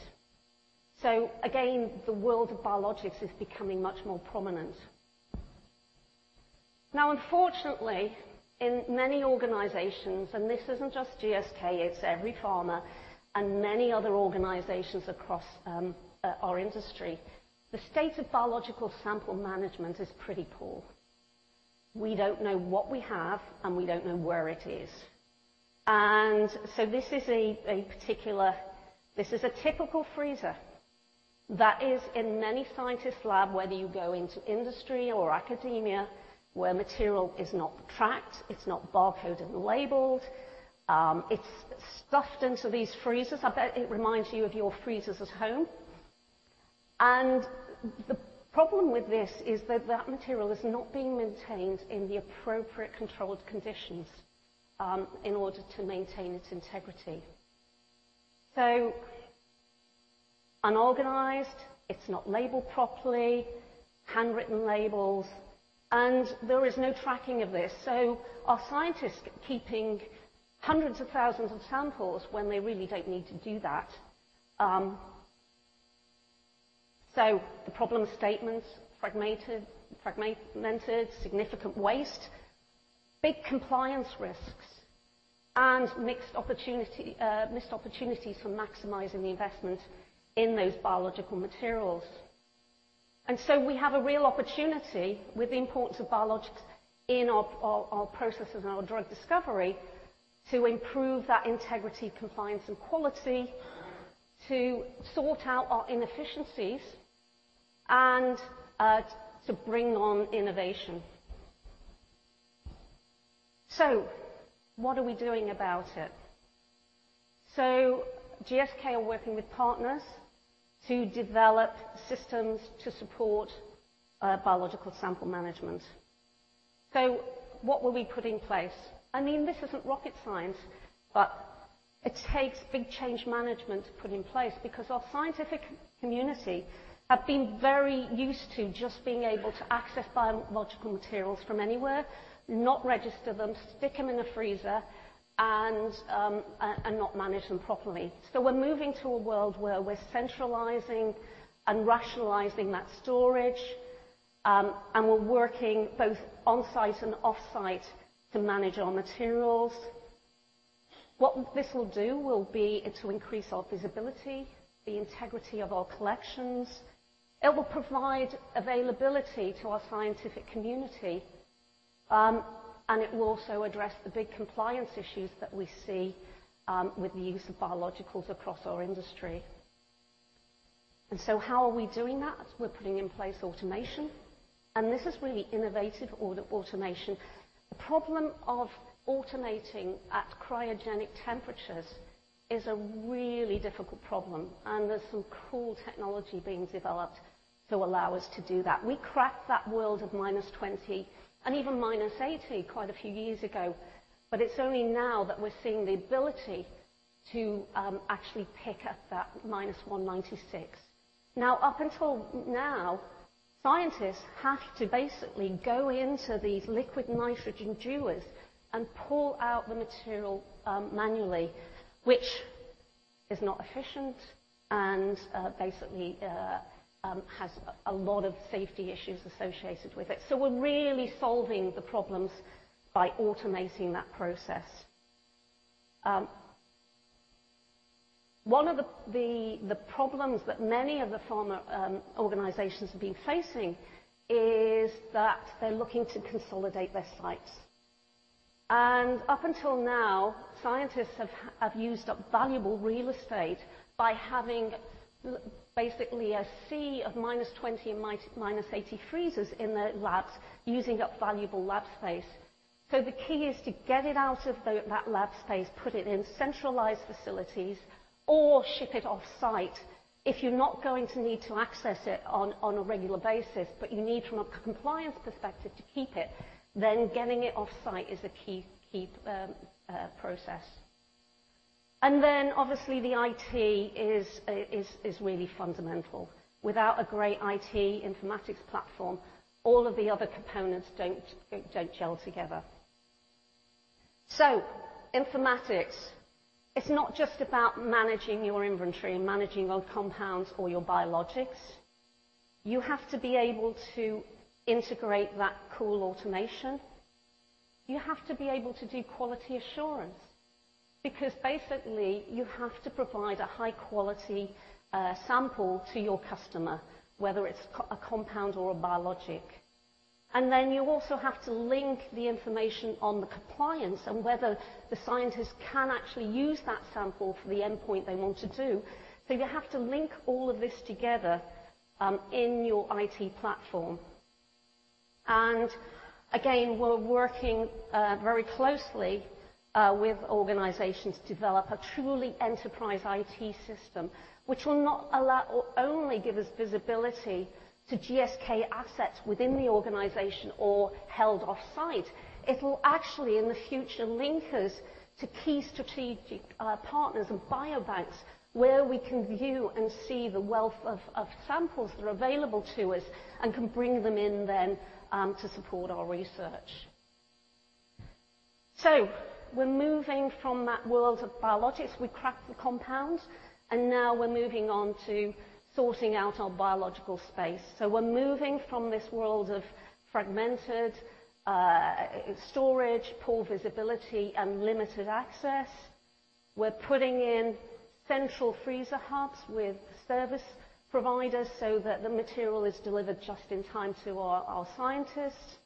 Again, the world of biologics is becoming much more prominent. Unfortunately, in many organizations, this isn't just GSK, it's every pharma and many other organizations across our industry, the state of biological sample management is pretty poor. We don't know what we have, we don't know where it is. This is a typical freezer that is in many scientist lab, whether you go into industry or academia, where material is not tracked, it's not bar-coded and labeled. It's stuffed into these freezers. I bet it reminds you of your freezers at home. The problem with this is that that material is not being maintained in the appropriate controlled conditions in order to maintain its integrity. Unorganized, it's not labeled properly, handwritten labels, there is no tracking of this. Our scientists keeping hundreds of thousands of samples when they really don't need to do that. The problem statements, fragmented, significant waste, big compliance risks, missed opportunities for maximizing the investment in those biological materials. We have a real opportunity with the importance of biologics in our processes and our drug discovery to improve that integrity, compliance, and quality, to sort out our inefficiencies and to bring on innovation. What are we doing about it? GSK are working with partners to develop systems to support biological sample management. What will we put in place? This isn't rocket science, but it takes big change management to put in place because our scientific community have been very used to just being able to access biological materials from anywhere, not register them, stick them in a freezer, and not manage them properly. We're moving to a world where we're centralizing and rationalizing that storage, and we're working both on-site and off-site to manage our materials. What this will do will be it will increase our visibility, the integrity of our collections. It will provide availability to our scientific community, and it will also address the big compliance issues that we see with the use of biologicals across our industry. How are we doing that? We're putting in place automation, and this is really innovative automation. The problem of automating at cryogenic temperatures is a really difficult problem, and there's some cool technology being developed to allow us to do that. We cracked that world of minus 20 and even minus 80 quite a few years ago, but it's only now that we're seeing the ability to actually pick at that minus 196. Up until now, scientists have to basically go into these liquid nitrogen dewars and pull out the material manually, which is not efficient and basically has a lot of safety issues associated with it. We're really solving the problems by automating that process. One of the problems that many of the pharma organizations have been facing is that they're looking to consolidate their sites. Up until now, scientists have used up valuable real estate by having basically a sea of minus 20 and minus 80 freezers in their labs using up valuable lab space. The key is to get it out of that lab space, put it in centralized facilities, or ship it off-site. If you're not going to need to access it on a regular basis, but you need from a compliance perspective to keep it, then getting it off-site is a key process. Obviously the IT is really fundamental. Without a great IT informatics platform, all of the other components don't gel together. Informatics, it's not just about managing your inventory and managing your compounds or your biologics. You have to be able to integrate that cool automation. You have to be able to do quality assurance because basically you have to provide a high-quality sample to your customer, whether it's a compound or a biologic. You also have to link the information on the compliance and whether the scientist can actually use that sample for the endpoint they want to do. You have to link all of this together in your IT platform. Again, we're working very closely with organizations to develop a truly enterprise IT system, which will not allow or only give us visibility to GSK assets within the organization or held off-site. It will actually, in the future, link us to key strategic partners and biobanks, where we can view and see the wealth of samples that are available to us and can bring them in then to support our research. We're moving from that world of biologics. We cracked the compound, now we're moving on to sorting out our biological space. We're moving from this world of fragmented storage, poor visibility, and limited access. We're putting in central freezer hubs with service providers so that the material is delivered just in time to our scientists.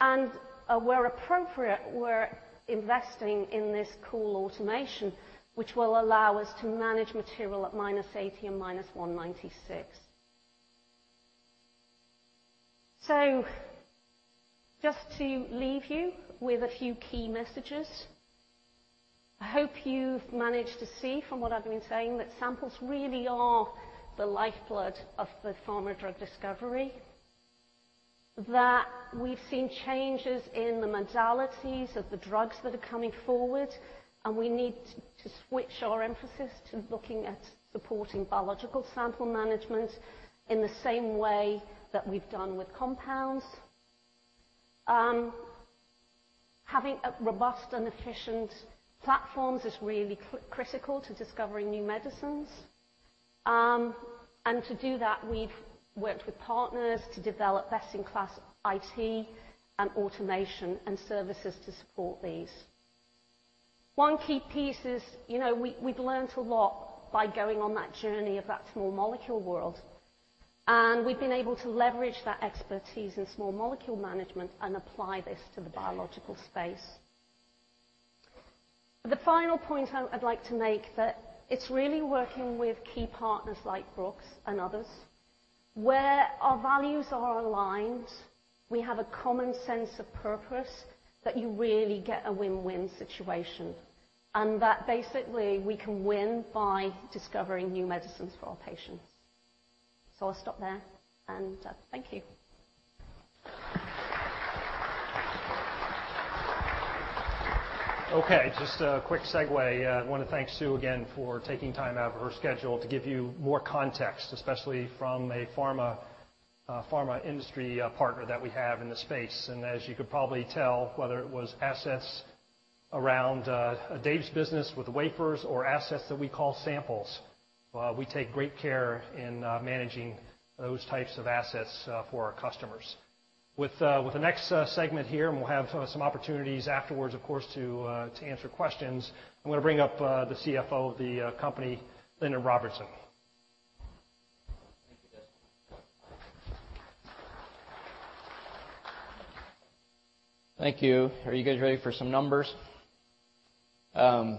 Where appropriate, we're investing in this cool automation, which will allow us to manage material at -80 and -196. Just to leave you with a few key messages, I hope you've managed to see from what I've been saying that samples really are the lifeblood of the pharma drug discovery, that we've seen changes in the modalities of the drugs that are coming forward, and we need to switch our emphasis to looking at supporting biological sample management in the same way that we've done with compounds. Having robust and efficient platforms is really critical to discovering new medicines. To do that, we've worked with partners to develop best-in-class IT and automation and services to support these. One key piece is we've learnt a lot by going on that journey of that small molecule world, and we've been able to leverage that expertise in small molecule management and apply this to the biological space. The final point I'd like to make that it's really working with key partners like Brooks and others, where our values are aligned, we have a common sense of purpose that you really get a win-win situation, and that basically we can win by discovering new medicines for our patients. I'll stop there, and thank you. Okay, just a quick segue. I want to thank Sue again for taking time out of her schedule to give you more context, especially from a pharma industry partner that we have in the space. As you could probably tell, whether it was assets around Dave's business with wafers or assets that we call samples, we take great care in managing those types of assets for our customers. With the next segment here, and we'll have some opportunities afterwards, of course, to answer questions, I'm going to bring up the CFO of the company, Lindon Robertson. Thank you. Are you guys ready for some numbers? By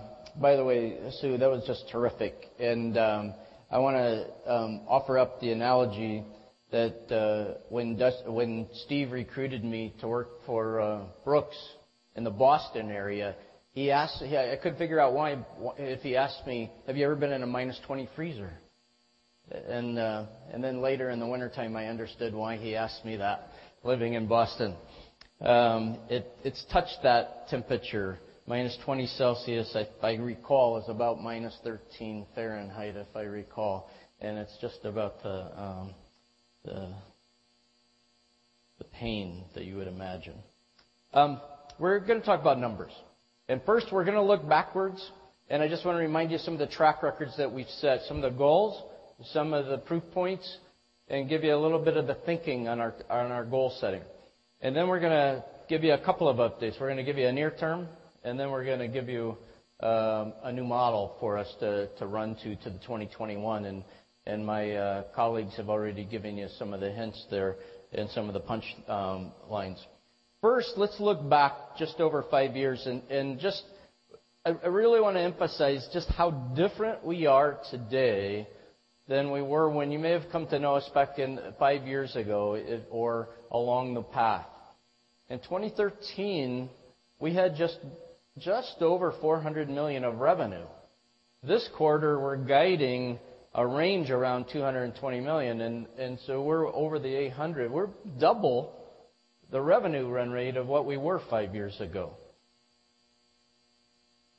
the way, Sue, that was just terrific. I want to offer up the analogy that when Steve recruited me to work for Brooks in the Boston area, I could figure out why if he asked me, "Have you ever been in a -20 freezer?" Then later in the wintertime, I understood why he asked me that, living in Boston. It's touched that temperature. -20 Celsius, if I recall, is about -13 Fahrenheit, if I recall. It's just about the pain that you would imagine. We're going to talk about numbers. First, we're going to look backwards, and I just want to remind you some of the track records that we've set, some of the goals, some of the proof points, and give you a little bit of the thinking on our goal setting. We're going to give you a couple of updates. We're going to give you a near term, we're going to give you a new model for us to run to the 2021, my colleagues have already given you some of the hints there and some of the punch lines. Let's look back just over five years, I really want to emphasize just how different we are today than we were when you may have come to know us back in five years ago or along the path. In 2013, we had just over $400 million of revenue. This quarter, we're guiding a range around $220 million, we're over the $800 million. We're double the revenue run rate of what we were five years ago.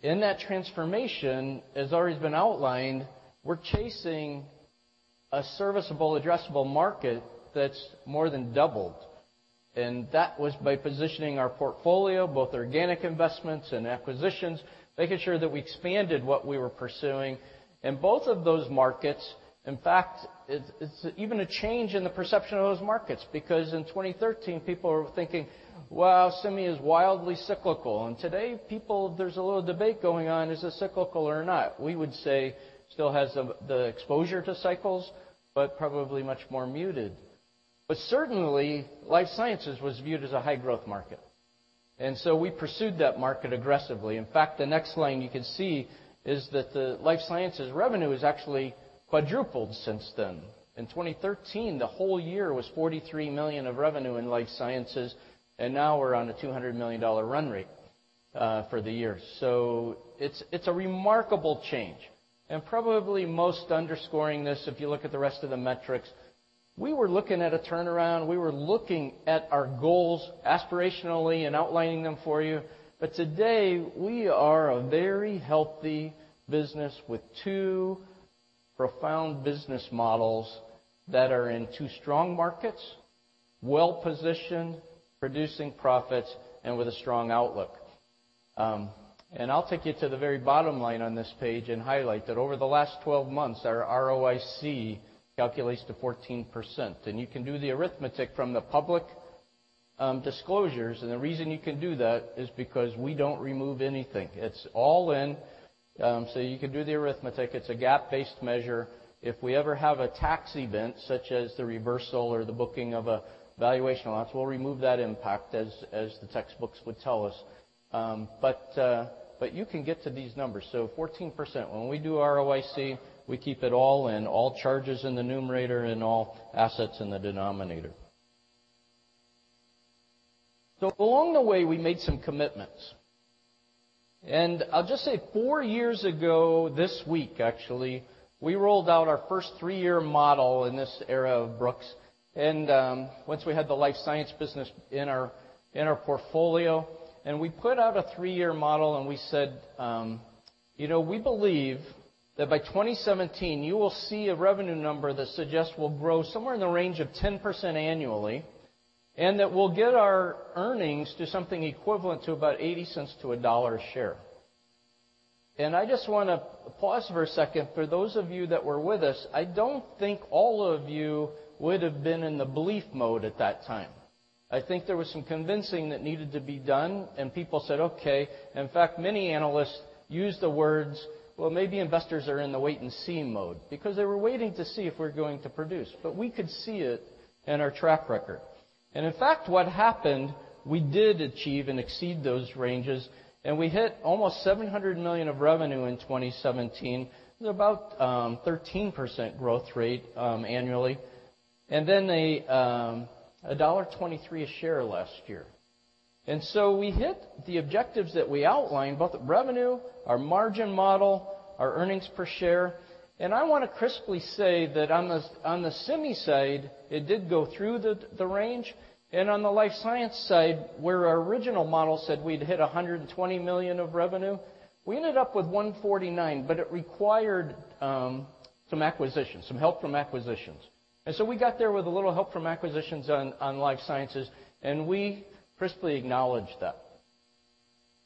In that transformation, as already been outlined, we're chasing a serviceable addressable market that's more than doubled, that was by positioning our portfolio, both organic investments and acquisitions, making sure that we expanded what we were pursuing. Both of those markets, in fact, it's even a change in the perception of those markets, because in 2013, people were thinking, "Wow, semi is wildly cyclical." Today, people, there's a little debate going on, is it cyclical or not? We would say still has the exposure to cycles, probably much more muted. Certainly, Life Sciences was viewed as a high-growth market. We pursued that market aggressively. In fact, the next line you can see is that the Life Sciences revenue has actually quadrupled since then. In 2013, the whole year was $43 million of revenue in Life Sciences, now we're on a $200 million run rate for the year. It's a remarkable change. Probably most underscoring this, if you look at the rest of the metrics, we were looking at a turnaround. We were looking at our goals aspirationally and outlining them for you. Today, we are a very healthy business with two profound business models that are in two strong markets, well-positioned, producing profits, with a strong outlook. I'll take you to the very bottom line on this page and highlight that over the last 12 months, our ROIC calculates to 14%. You can do the arithmetic from the public disclosures. The reason you can do that is because we don't remove anything. It's all in, you can do the arithmetic. It's a GAAP-based measure. If we ever have a tax event, such as the reversal or the booking of a valuation allowance, we'll remove that impact as the textbooks would tell us. You can get to these numbers. 14%. When we do ROIC, we keep it all in, all charges in the numerator and all assets in the denominator. Along the way, we made some commitments. I'll just say, four years ago this week actually, we rolled out our first three-year model in this era of Brooks, once we had the life science business in our portfolio, we put out a three-year model and we said, "We believe that by 2017, you will see a revenue number that suggests we'll grow somewhere in the range of 10% annually, that we'll get our earnings to something equivalent to about $0.80 to $1 a share." I just want to pause for a second. For those of you that were with us, I don't think all of you would have been in the belief mode at that time. I think there was some convincing that needed to be done, people said, "Okay." In fact, many analysts used the words, "Well, maybe investors are in the wait-and-see mode," because they were waiting to see if we're going to produce. We could see it in our track record. In fact, what happened, we did achieve and exceed those ranges, we hit almost $700 million of revenue in 2017. It was about 13% growth rate annually. $1.23 a share last year. We hit the objectives that we outlined, both revenue, our margin model, our earnings per share. I want to crisply say that on the semi side, it did go through the range. On the life science side, where our original model said we'd hit $120 million of revenue, we ended up with $149 million, but it required some help from acquisitions. We got there with a little help from acquisitions on Life Sciences, we crisply acknowledged that.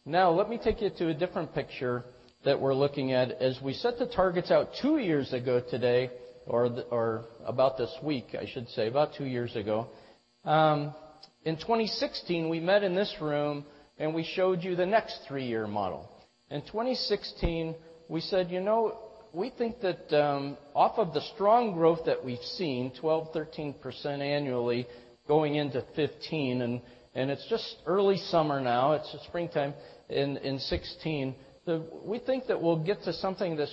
Now, let me take you to a different picture that we're looking at. As we set the targets out two years ago today, or about this week, I should say. About two years ago. In 2016, we met in this room, we showed you the next three-year model. In 2016, we said, "We think that off of the strong growth that we've seen, 12%-13% annually going into 2015," it's just early summer now, it's springtime in 2016, "we think that we'll get to something that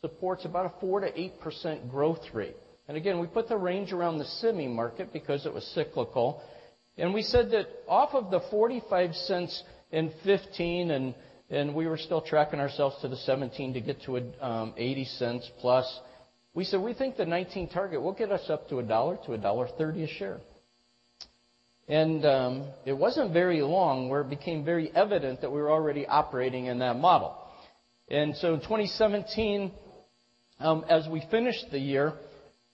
supports about a 4%-8% growth rate." Again, we put the range around the semi market because it was cyclical. We said that off of the $0.45 in 2015, we were still tracking ourselves to the 2017 to get to an $0.80+. We said, "We think the 2019 target will get us up to $1 to $1.30 a share." It wasn't very long where it became very evident that we were already operating in that model. In 2017, as we finished the year,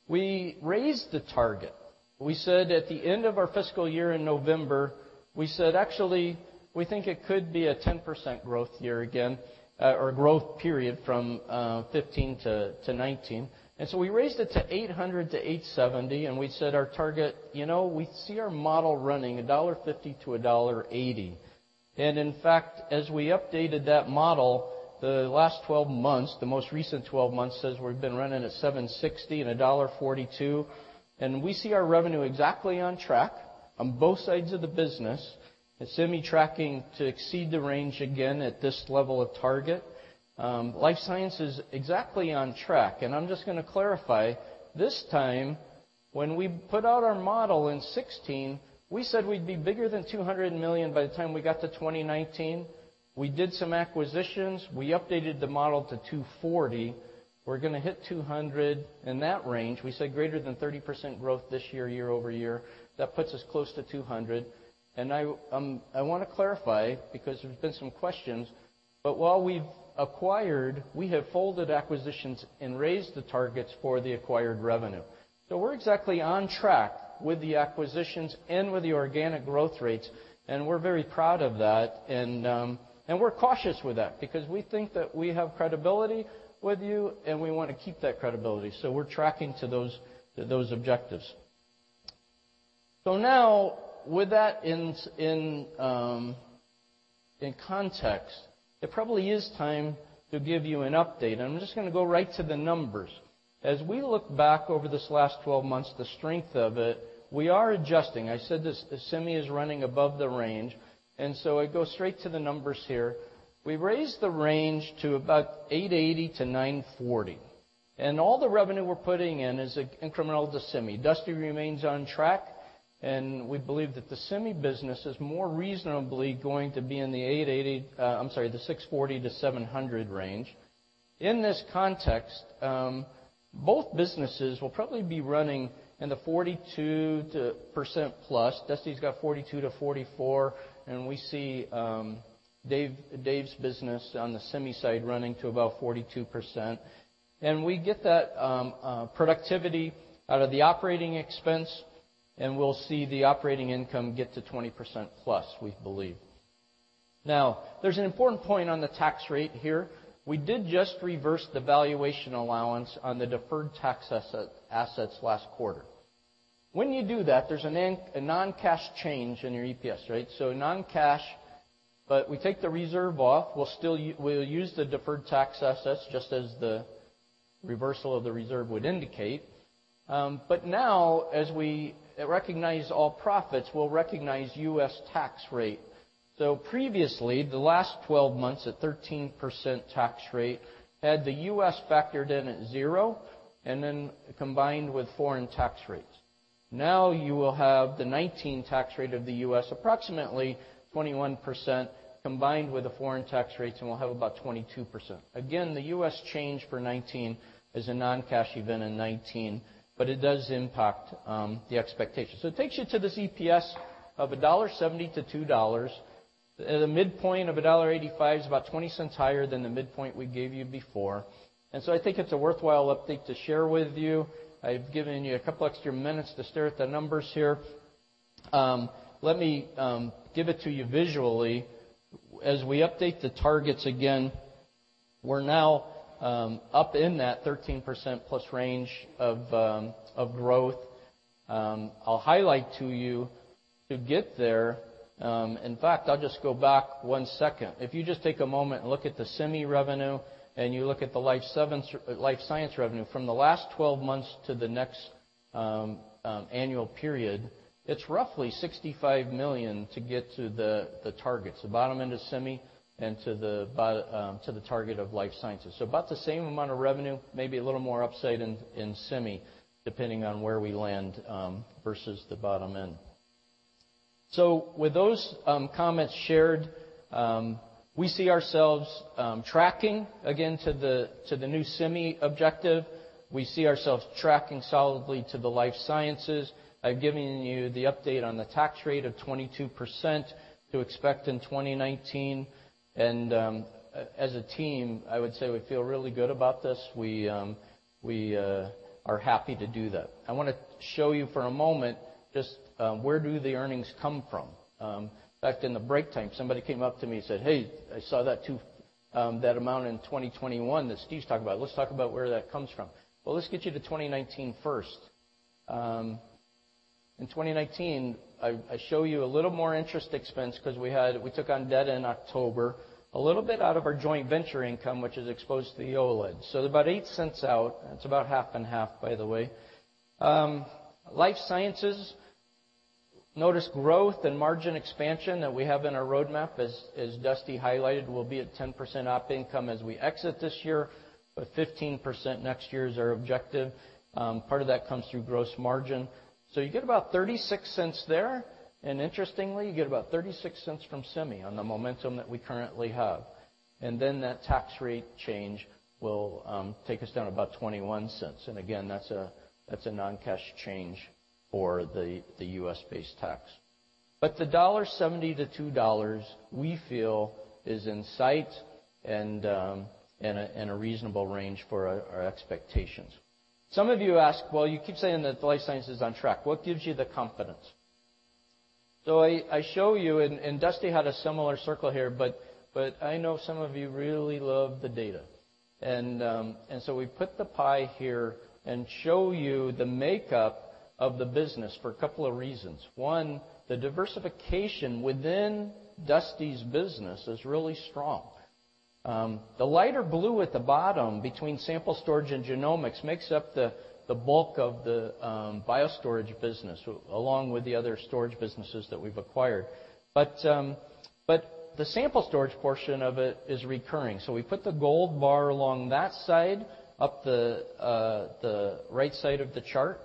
we raised the target. We said at the end of our fiscal year in November, we said, "Actually, we think it could be a 10% growth year again, or a growth period from 2015 to 2019." We raised it to $800 million-$870 million, we said our target, we see our model running $1.50 to $1.80. In fact, as we updated that model, the last 12 months, the most recent 12 months says we have been running at $760 million and $1.42. We see our revenue exactly on track on both sides of the business, the Semiconductor Solutions Group tracking to exceed the range again at this level of target. Brooks Life Sciences is exactly on track. I am just going to clarify, this time, when we put out our model in 2016, we said we would be bigger than $200 million by the time we got to 2019. We did some acquisitions. We updated the model to $240 million. We are going to hit $200 million. In that range, we said greater than 30% growth this year-over-year. That puts us close to $200 million. I want to clarify, because there has been some questions, while we have acquired, we have folded acquisitions and raised the targets for the acquired revenue. We are exactly on track with the acquisitions and with the organic growth rates. We are very proud of that. We are cautious with that because we think that we have credibility with you and we want to keep that credibility. We are tracking to those objectives. Now, with that in context, it probably is time to give you an update. I am just going to go right to the numbers. As we look back over this last 12 months, the strength of it, we are adjusting. I said the Semiconductor Solutions Group is running above the range. I go straight to the numbers here. We raised the range to about $880 million-$940 million. All the revenue we are putting in is incremental to Semiconductor Solutions Group. Dusty Tenney remains on track. We believe that the Semiconductor Solutions Group business is more reasonably going to be in the $640 million-$700 million range. In this context, both businesses will probably be running in the 42%+. Dusty Tenney has 42%-44%. We see Dave Jarzynka's business on the Semiconductor Solutions Group side running to about 42%. We get that productivity out of the OpEx. We will see the operating income get to 20%+, we believe. There is an important point on the tax rate here. We did just reverse the valuation allowance on the deferred tax assets last quarter. When you do that, there is a non-cash change in your EPS, right? Non-cash, but we take the reserve off. We will use the deferred tax assets just as the reversal of the reserve would indicate. Now, as we recognize all profits, we will recognize U.S. tax rate. Previously, the last 12 months at 13% tax rate had the U.S. factored in at zero and then combined with foreign tax rates. You will have the 2019 tax rate of the U.S., approximately 21%, combined with the foreign tax rates. We will have about 22%. Again, the U.S. change for 2019 is a non-cash event in 2019, but it does impact the expectation. It takes you to this EPS of $1.70-$2.00. The midpoint of $1.85 is about $0.20 higher than the midpoint we gave you before. I think it is a worthwhile update to share with you. I have given you a couple of extra minutes to stare at the numbers here. Let me give it to you visually. As we update the targets again, we are now up in that 13%+ range of growth. I will highlight to you to get there. In fact, I will just go back one second. If you just take a moment and look at the semi revenue and you look at the life science revenue from the last 12 months to the next annual period, it's roughly $65 million to get to the targets, the bottom end of semi and to the target of Life Sciences. About the same amount of revenue, maybe a little more upside in semi, depending on where we land, versus the bottom end. With those comments shared, we see ourselves tracking again to the new semi objective. We see ourselves tracking solidly to the Life Sciences. I've given you the update on the tax rate of 22% to expect in 2019. As a team, I would say we feel really good about this. We are happy to do that. I want to show you for a moment, just where do the earnings come from? In fact, in the break time, somebody came up to me and said, "Hey, I saw that amount in 2021 that Steve Schwartz's talking about." Let's talk about where that comes from. Well, let's get you to 2019 first. In 2019, I show you a little more interest expense because we took on debt in October, a little bit out of our joint venture income, which is exposed to the OLED. About $0.08 out. That's about half and half, by the way. Life sciences, notice growth and margin expansion that we have in our roadmap, as Dusty Tenney highlighted, we'll be at 10% op income as we exit this year, but 15% next year is our objective. Part of that comes through gross margin. You get about $0.36 there, and interestingly, you get about $0.36 from semi on the momentum that we currently have. Then that tax rate change will take us down about $0.21. Again, that's a non-cash change for the U.S.-based tax. The $1.70-$2 we feel is in sight and a reasonable range for our expectations. Some of you ask, "Well, you keep saying that the Life sciences is on track. What gives you the confidence?" I show you, and Dusty Tenney had a similar circle here, but I know some of you really love the data. We put the pie here and show you the makeup of the business for a couple of reasons. One, the diversification within Dusty Tenney's business is really strong. The lighter blue at the bottom between sample storage and genomics makes up the bulk of the BioStorage business, along with the other storage businesses that we've acquired. But the sample storage portion of it is recurring. We put the gold bar along that side, up the right side of the chart.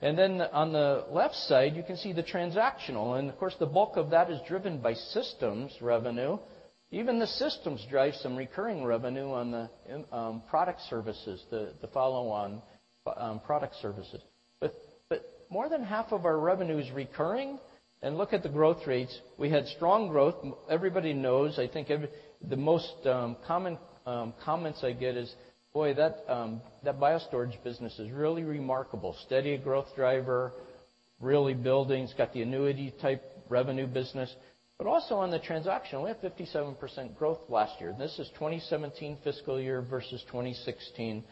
Then on the left side, you can see the transactional. Of course, the bulk of that is driven by systems revenue. Even the systems drive some recurring revenue on the product services, the follow-on product services. More than half of our revenue is recurring. Look at the growth rates. We had strong growth. Everybody knows, I think the most common comments I get is, "Boy, that BioStorage business is really remarkable. Steady growth driver, really building. It's got the annuity-type revenue business." But also on the transactional, we had 57% growth last year. This is FY 2017 versus 2016.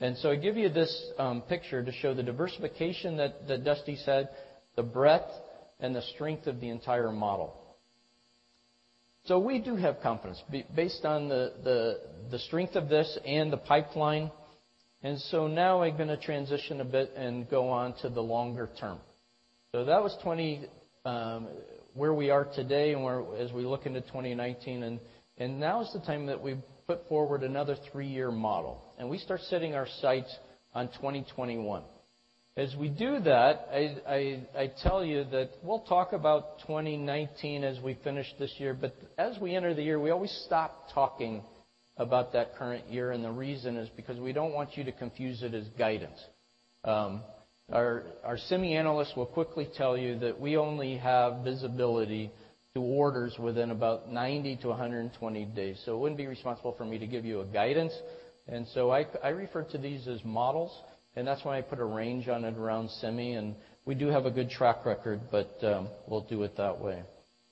I give you this picture to show the diversification that Dusty Tenney said, the breadth and the strength of the entire model. We do have confidence based on the strength of this and the pipeline. Now I'm going to transition a bit and go on to the longer term. That was where we are today and as we look into 2019, now is the time that we put forward another three-year model, we start setting our sights on 2021. As we do that, I tell you that we'll talk about 2019 as we finish this year, but as we enter the year, we always stop talking about that current year, the reason is because we don't want you to confuse it as guidance. Our semi analysts will quickly tell you that we only have visibility to orders within about 90 to 120 days. It wouldn't be responsible for me to give you a guidance. I refer to these as models, that's why I put a range on it around semi. We do have a good track record, but we'll do it that way.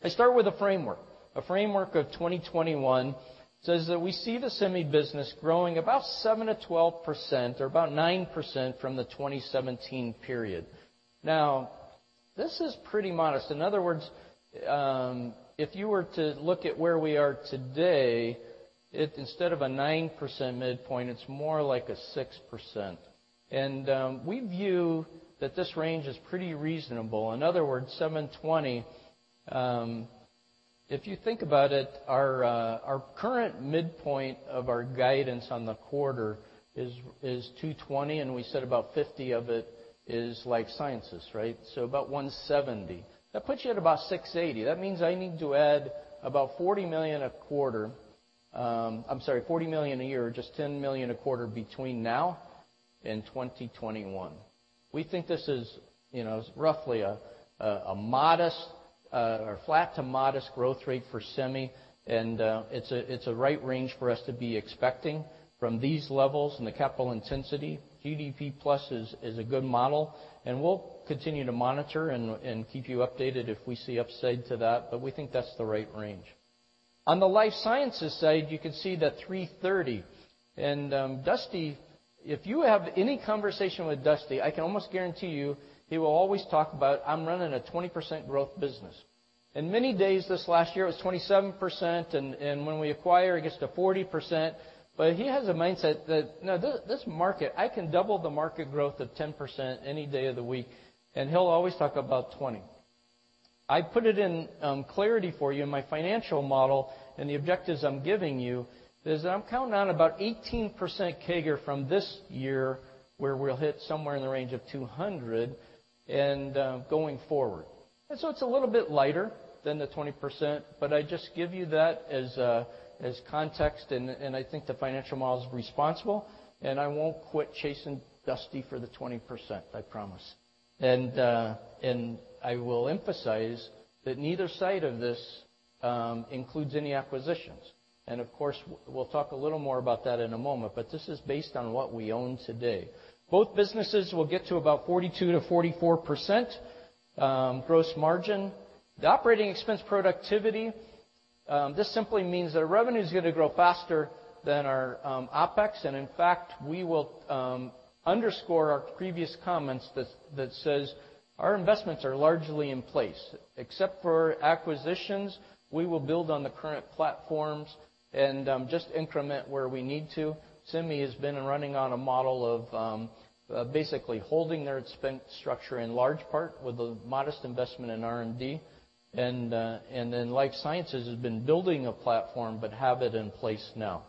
I start with a framework. A framework of 2021 says that we see the semi business growing about 7%-12%, or about 9% from the 2017 period. This is pretty modest. In other words, if you were to look at where we are today, instead of a 9% midpoint, it's more like a 6%. We view that this range is pretty reasonable. In other words, $720. If you think about it, our current midpoint of our guidance on the quarter is $220, we said about $50 of it is Life Sciences, right? About $170. That puts you at about $680. That means I need to add about $40 million a year, or just $10 million a quarter between now and 2021. We think this is roughly a flat to modest growth rate for semi, it's a right range for us to be expecting from these levels and the capital intensity. GDP Plus is a good model, we'll continue to monitor and keep you updated if we see upside to that, but we think that's the right range. On theLife Sciences side, you can see the $330. If you have any conversation with Dusty, I can almost guarantee you, he will always talk about, "I'm running a 20% growth business." Many days this last year, it was 27%, when we acquire, it gets to 40%. He has a mindset that, "This market, I can double the market growth of 10% any day of the week." He'll always talk about 20. I put it in clarity for you in my financial model, the objectives I'm giving you is that I'm counting on about 18% CAGR from this year, where we'll hit somewhere in the range of $200 and going forward. It's a little bit lighter than the 20%, but I just give you that as context, I think the financial model is responsible, I won't quit chasing Dusty for the 20%, I promise. I will emphasize that neither side of this includes any acquisitions. Of course, we'll talk a little more about that in a moment, but this is based on what we own today. Both businesses will get to about 42%-44% gross margin. The operating expense productivity, this simply means that our revenue's going to grow faster than our OpEx, in fact, we will underscore our previous comments that says our investments are largely in place. Except for acquisitions, we will build on the current platforms and just increment where we need to. Semi has been running on a model of basically holding their expense structure in large part with a modest investment in R&D. Life sciences has been building a platform, but have it in place now.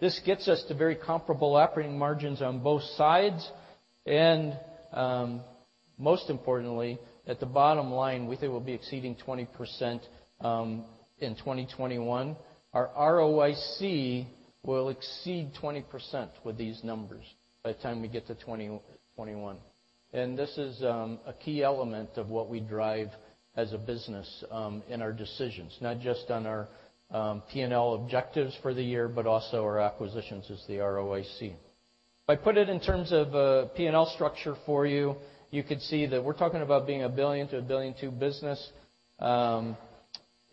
This gets us to very comparable operating margins on both sides. Most importantly, at the bottom line, we think we'll be exceeding 20% in 2021. Our ROIC will exceed 20% with these numbers by the time we get to 2021. This is a key element of what we drive as a business in our decisions, not just on our P&L objectives for the year, but also our acquisitions as the ROIC. If I put it in terms of a P&L structure for you could see that we're talking about being a $1 billion to $1.2 billion business.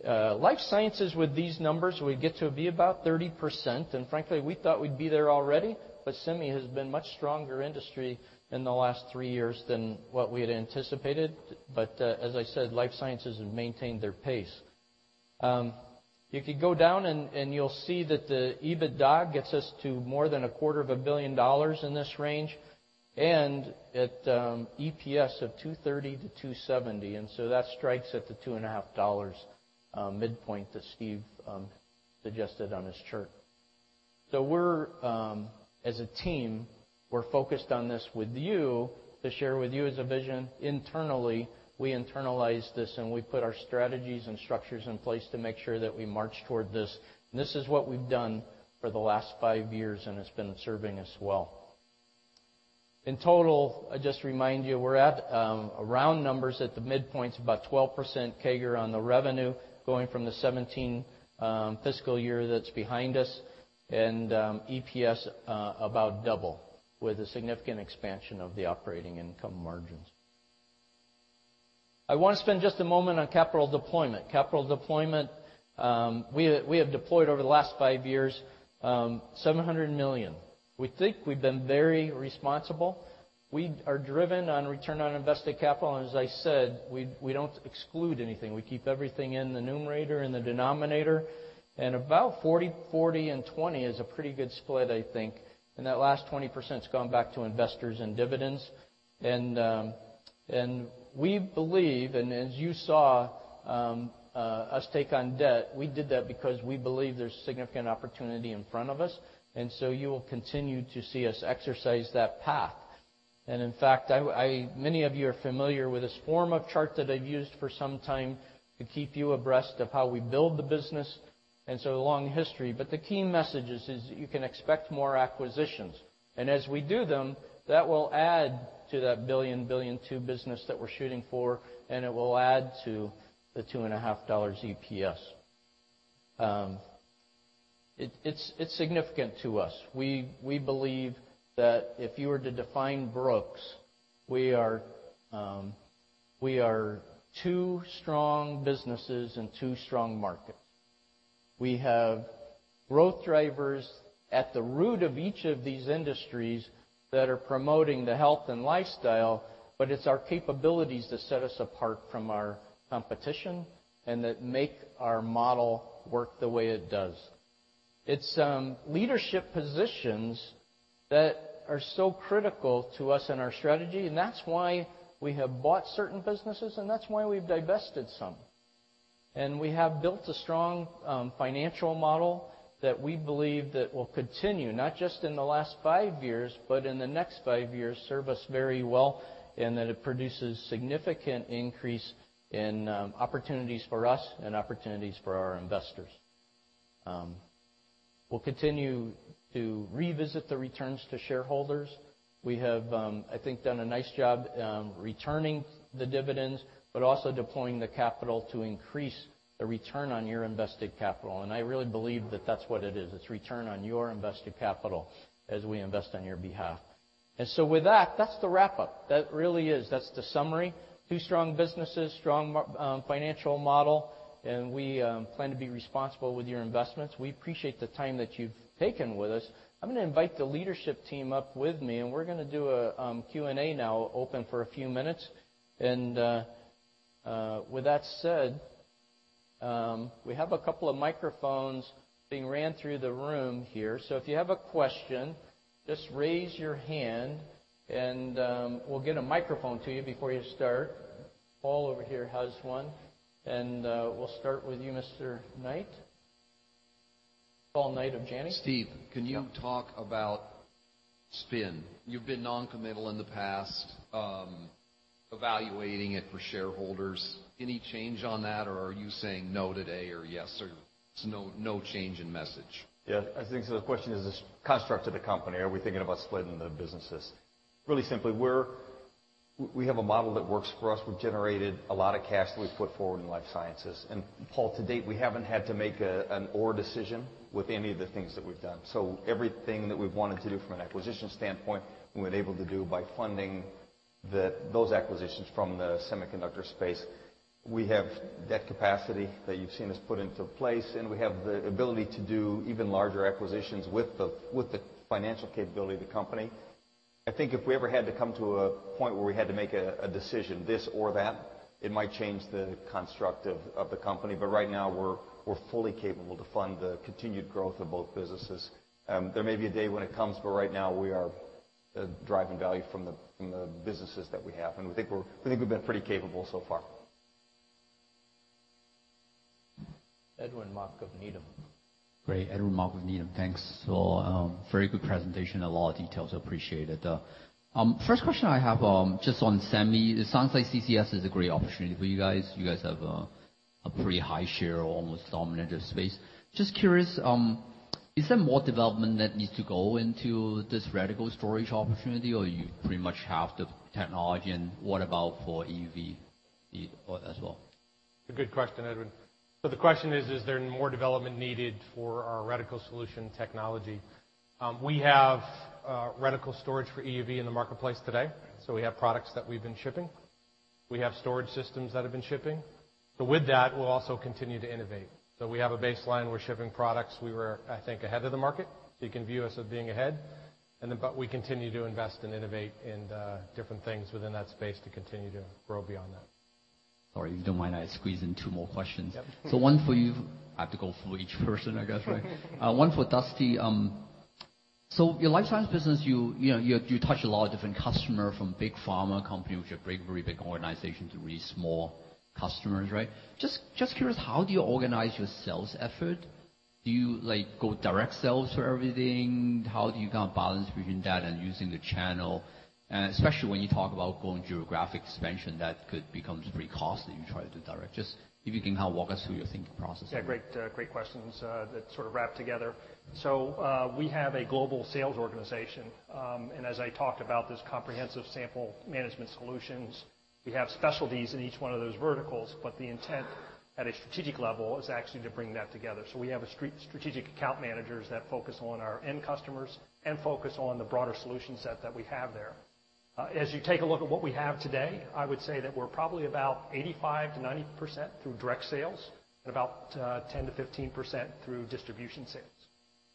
Life sciences with these numbers, we get to be about 30%, frankly, we thought we'd be there already, semi has been much stronger industry in the last three years than what we had anticipated. As I said, Life Sciences have maintained their pace. If you go down and you'll see that the EBITDA gets us to more than a quarter of a billion dollars in this range, at EPS of $2.30 to $2.70. That strikes at the two and a half dollars midpoint that Steve suggested on his chart. As a team, we're focused on this with you to share with you as a vision internally. We internalize this and we put our strategies and structures in place to make sure that we march toward this. This is what we've done for the last five years, and it's been serving us well. In total, I just remind you, we're at around numbers at the midpoints, about 12% CAGR on the revenue going from the FY 2017 that's behind us, EPS about double with a significant expansion of the operating income margins. I want to spend just a moment on capital deployment. Capital deployment, we have deployed over the last five years $700 million. We think we've been very responsible. We are driven on return on invested capital, as I said, we don't exclude anything. We keep everything in the numerator and the denominator. About 40% and 20% is a pretty good split, I think. That last 20%'s gone back to investors and dividends. We believe, as you saw us take on debt, we did that because we believe there's significant opportunity in front of us. You will continue to see us exercise that path. In fact, many of you are familiar with this form of chart that I've used for some time to keep you abreast of how we build the business, a long history. The key message is that you can expect more acquisitions. As we do them, that will add to that billion two business that we're shooting for, and it will add to the two and a half dollars EPS. It's significant to us. We believe that if you were to define Brooks, we are two strong businesses in two strong markets. We have growth drivers at the root of each of these industries that are promoting the health and lifestyle, but it's our capabilities that set us apart from our competition, and that make our model work the way it does. It's leadership positions that are so critical to us and our strategy, and that's why we have bought certain businesses, and that's why we've divested some. We have built a strong financial model that we believe that will continue, not just in the last five years, but in the next five years, serve us very well, and that it produces significant increase in opportunities for us and opportunities for our investors. We'll continue to revisit the returns to shareholders. We have, I think, done a nice job returning the dividends, but also deploying the capital to increase the return on your invested capital. I really believe that that's what it is. It's return on your invested capital as we invest on your behalf. So with that's the wrap-up. That really is. That's the summary. Two strong businesses, strong financial model, and we plan to be responsible with your investments. We appreciate the time that you've taken with us. I'm going to invite the leadership team up with me, and we're going to do a Q&A now, open for a few minutes. With that said, we have a couple of microphones being ran through the room here, so if you have a question, just raise your hand and we'll get a microphone to you before you start. Paul, over here, has one. We'll start with you, Mr. Knight. Paul Knight of Janney. Steve, can you talk about spin? You've been non-committal in the past, evaluating it for shareholders. Any change on that, or are you saying no today or yes, or no change in message? Yeah. I think the question is, the construct of the company, are we thinking about splitting the businesses? Really simply, we have a model that works for us. We've generated a lot of cash that we've put forward in Life Sciences. Paul, to date, we haven't had to make an or decision with any of the things that we've done. Everything that we've wanted to do from an acquisition standpoint, we've been able to do by funding those acquisitions from the semiconductor space. We have debt capacity that you've seen us put into place, and we have the ability to do even larger acquisitions with the financial capability of the company. I think if we ever had to come to a point where we had to make a decision, this or that, it might change the construct of the company. Right now, we're fully capable to fund the continued growth of both businesses. There may be a day when it comes, but right now we are driving value from the businesses that we have, and we think we've been pretty capable so far. Edwin Mok of Needham. Great. Edwin Mok with Needham. Thanks. Very good presentation. A lot of details, I appreciate it. First question I have, just on semi, it sounds like CCS is a great opportunity for you guys. You guys have a pretty high share, almost dominant of space. Just curious, is there more development that needs to go into this reticle storage opportunity, or you pretty much have the technology, and what about for EUV as well? Good question, Edwin. The question is there more development needed for our reticle solution technology? We have reticle storage for EUV in the marketplace today, we have products that we've been shipping. We have storage systems that have been shipping. With that, we'll also continue to innovate. We have a baseline. We're shipping products. We were, I think, ahead of the market, you can view us as being ahead. We continue to invest and innovate in different things within that space to continue to grow beyond that. Sorry, if you don't mind, I squeeze in two more questions. Yep. One for you. I have to go through each person, I guess, right? One for Dusty. Your life science business, you touch a lot of different customer from big pharma company, which are very big organization to really small customers, right? Just curious, how do you organize your sales effort? Do you go direct sales for everything? How do you kind of balance between that and using the channel? Especially when you talk about going geographic expansion, that could becomes pretty costly, you try to direct. Just if you can kind of walk us through your thinking process. Yeah, great questions that sort of wrap together. We have a global sales organization. As I talked about, this comprehensive sample management solutions, we have specialties in each one of those verticals, the intent at a strategic level is actually to bring that together. We have strategic account managers that focus on our end customers and focus on the broader solution set that we have there. As you take a look at what we have today, I would say that we're probably about 85%-90% through direct sales, about 10%-15% through distribution sales.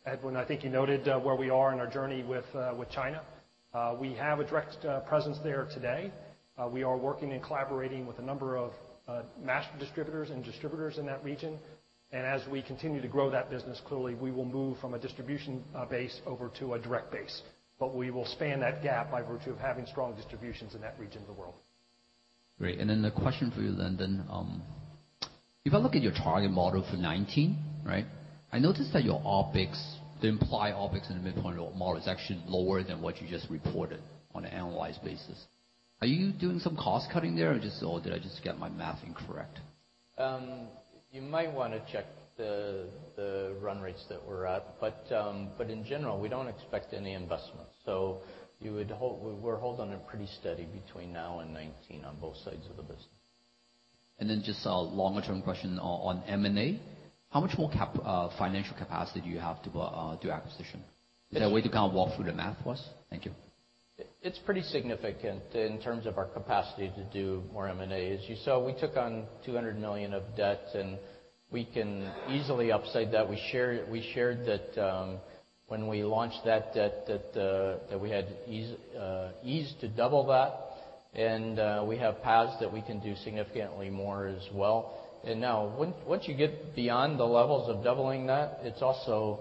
Edwin, I think you noted where we are in our journey with China. We have a direct presence there today. We are working and collaborating with a number of master distributors and distributors in that region. As we continue to grow that business, clearly, we will move from a distribution base over to a direct base. We will span that gap by virtue of having strong distributions in that region of the world. Great. A question for you, LIndon. If I look at your target model for 2019, right, I noticed that your OpEx, the implied OpEx in the midpoint of your model is actually lower than what you just reported on an annualized basis. Are you doing some cost-cutting there, or did I just get my math incorrect? You might want to check the run rates that we're at, in general, we don't expect any investment. We're holding a pretty steady between now and 2019 on both sides of the business. Just a longer-term question on M&A. How much more financial capacity do you have to do acquisition? Is there a way to kind of walk through the math for us? Thank you. It's pretty significant in terms of our capacity to do more M&As. You saw we took on $200 million of debt, and we can easily upside that. We shared that when we launched that debt, that we had ease to double that, and we have paths that we can do significantly more as well. Now, once you get beyond the levels of doubling that, it also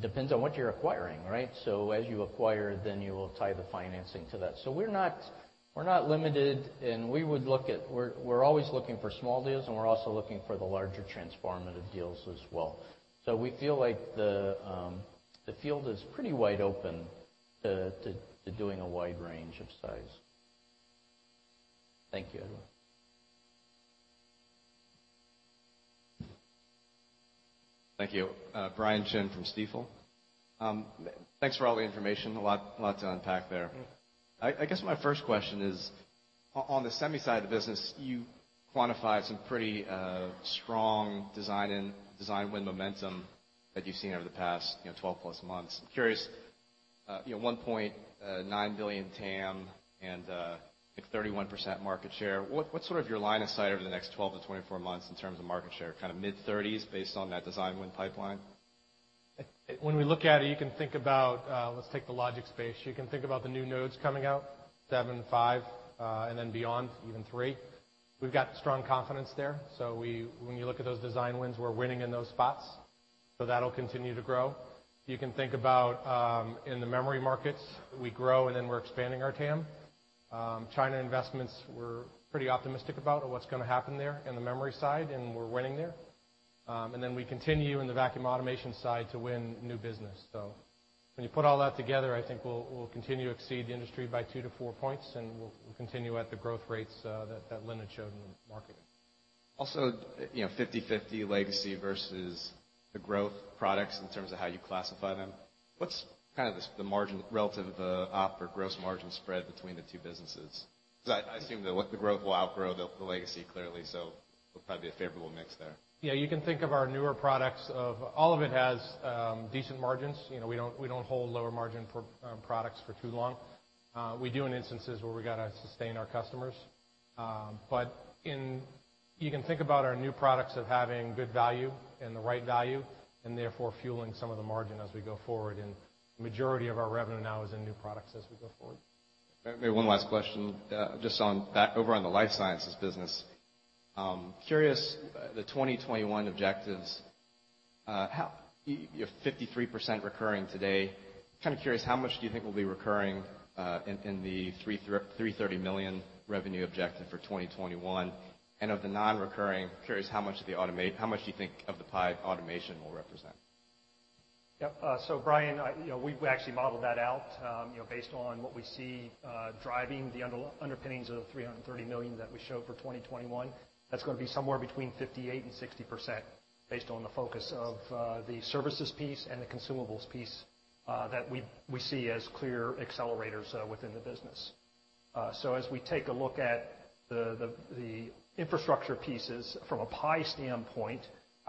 depends on what you're acquiring, right? As you acquire, then you will tie the financing to that. We're not limited, and we're always looking for small deals, and we're also looking for the larger transformative deals as well. We feel like the field is pretty wide open to doing a wide range of size. Thank you, Edwin. Thank you. Brian Chin from Stifel. Thanks for all the information. A lot to unpack there. I guess my first question is, on the semi side of the business, you quantified some pretty strong design win momentum that you've seen over the past 12+ months. I'm curious, $1.9 billion TAM and 31% market share, what's sort of your line of sight over the next 12-24 months in terms of market share? Kind of mid-30s based on that design win pipeline? When we look at it, let's take the logic space. You can think about the new nodes coming out, 7, 5, and then beyond even 3. We've got strong confidence there. When you look at those design wins, we're winning in those spots. That'll continue to grow. You can think about, in the memory markets, we grow, and then we're expanding our TAM. China investments, we're pretty optimistic about what's going to happen there in the memory side, and we're winning there. Then we continue in the vacuum automation side to win new business. When you put all that together, I think we'll continue to exceed the industry by 2-4 points, and we'll continue at the growth rates that Lindon showed in the market. 50/50 legacy versus the growth products in terms of how you classify them. What's kind of the margin relative op or gross margin spread between the two businesses? Because I assume the growth will outgrow the legacy clearly, it'll probably be a favorable mix there. You can think of our newer products of all of it has decent margins. We don't hold lower margin for products for too long. We do in instances where we got to sustain our customers. You can think about our new products of having good value and the right value, and therefore fueling some of the margin as we go forward. The majority of our revenue now is in new products as we go forward. Maybe one last question, just back over on the Life Sciences business. Curious, the 2021 objectives, you have 53% recurring today. Kind of curious, how much do you think will be recurring in the $330 million revenue objective for 2021? Of the non-recurring, curious how much do you think of the pie automation will represent? Brian, we actually modeled that out based on what we see driving the underpinnings of the $330 million that we showed for 2021. That's going to be somewhere between 58%-60% based on the focus of the services piece and the consumables piece that we see as clear accelerators within the business. As we take a look at the infrastructure pieces from a pie standpoint,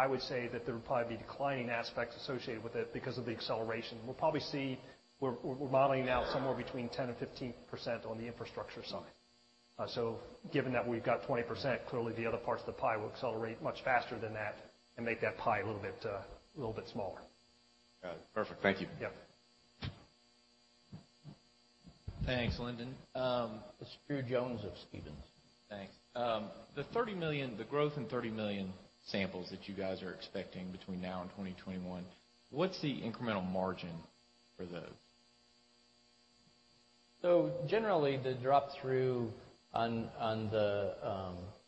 I would say that there would probably be declining aspects associated with it because of the acceleration. We're modeling now somewhere between 10%-15% on the infrastructure side. Given that we've got 20%, clearly the other parts of the pie will accelerate much faster than that and make that pie a little bit smaller. Got it. Perfect. Thank you. Yep. Thanks, Lindon. This is Drew Jones of Stephens. Thanks. The growth in 30 million samples that you guys are expecting between now and 2021, what's the incremental margin for those? Generally, the drop-through on the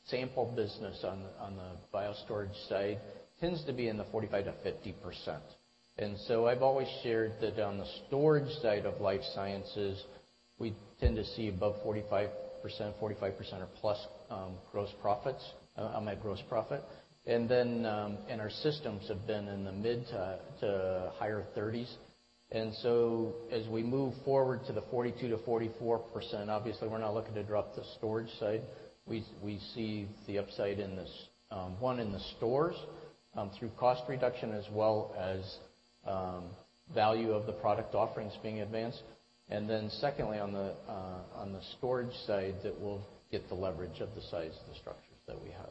sample business on the bio storage side tends to be in the 45%-50%. I've always shared that on the storage side of Life Sciences, we tend to see above 45% or plus gross profits on that gross profit. Our systems have been in the mid to higher 30s. As we move forward to the 42%-44%, obviously, we're not looking to drop the storage side. We see the upside, one, in the storage through cost reduction, as well as value of the product offerings being advanced. Secondly, on the storage side, that we'll get the leverage of the size of the structures that we have.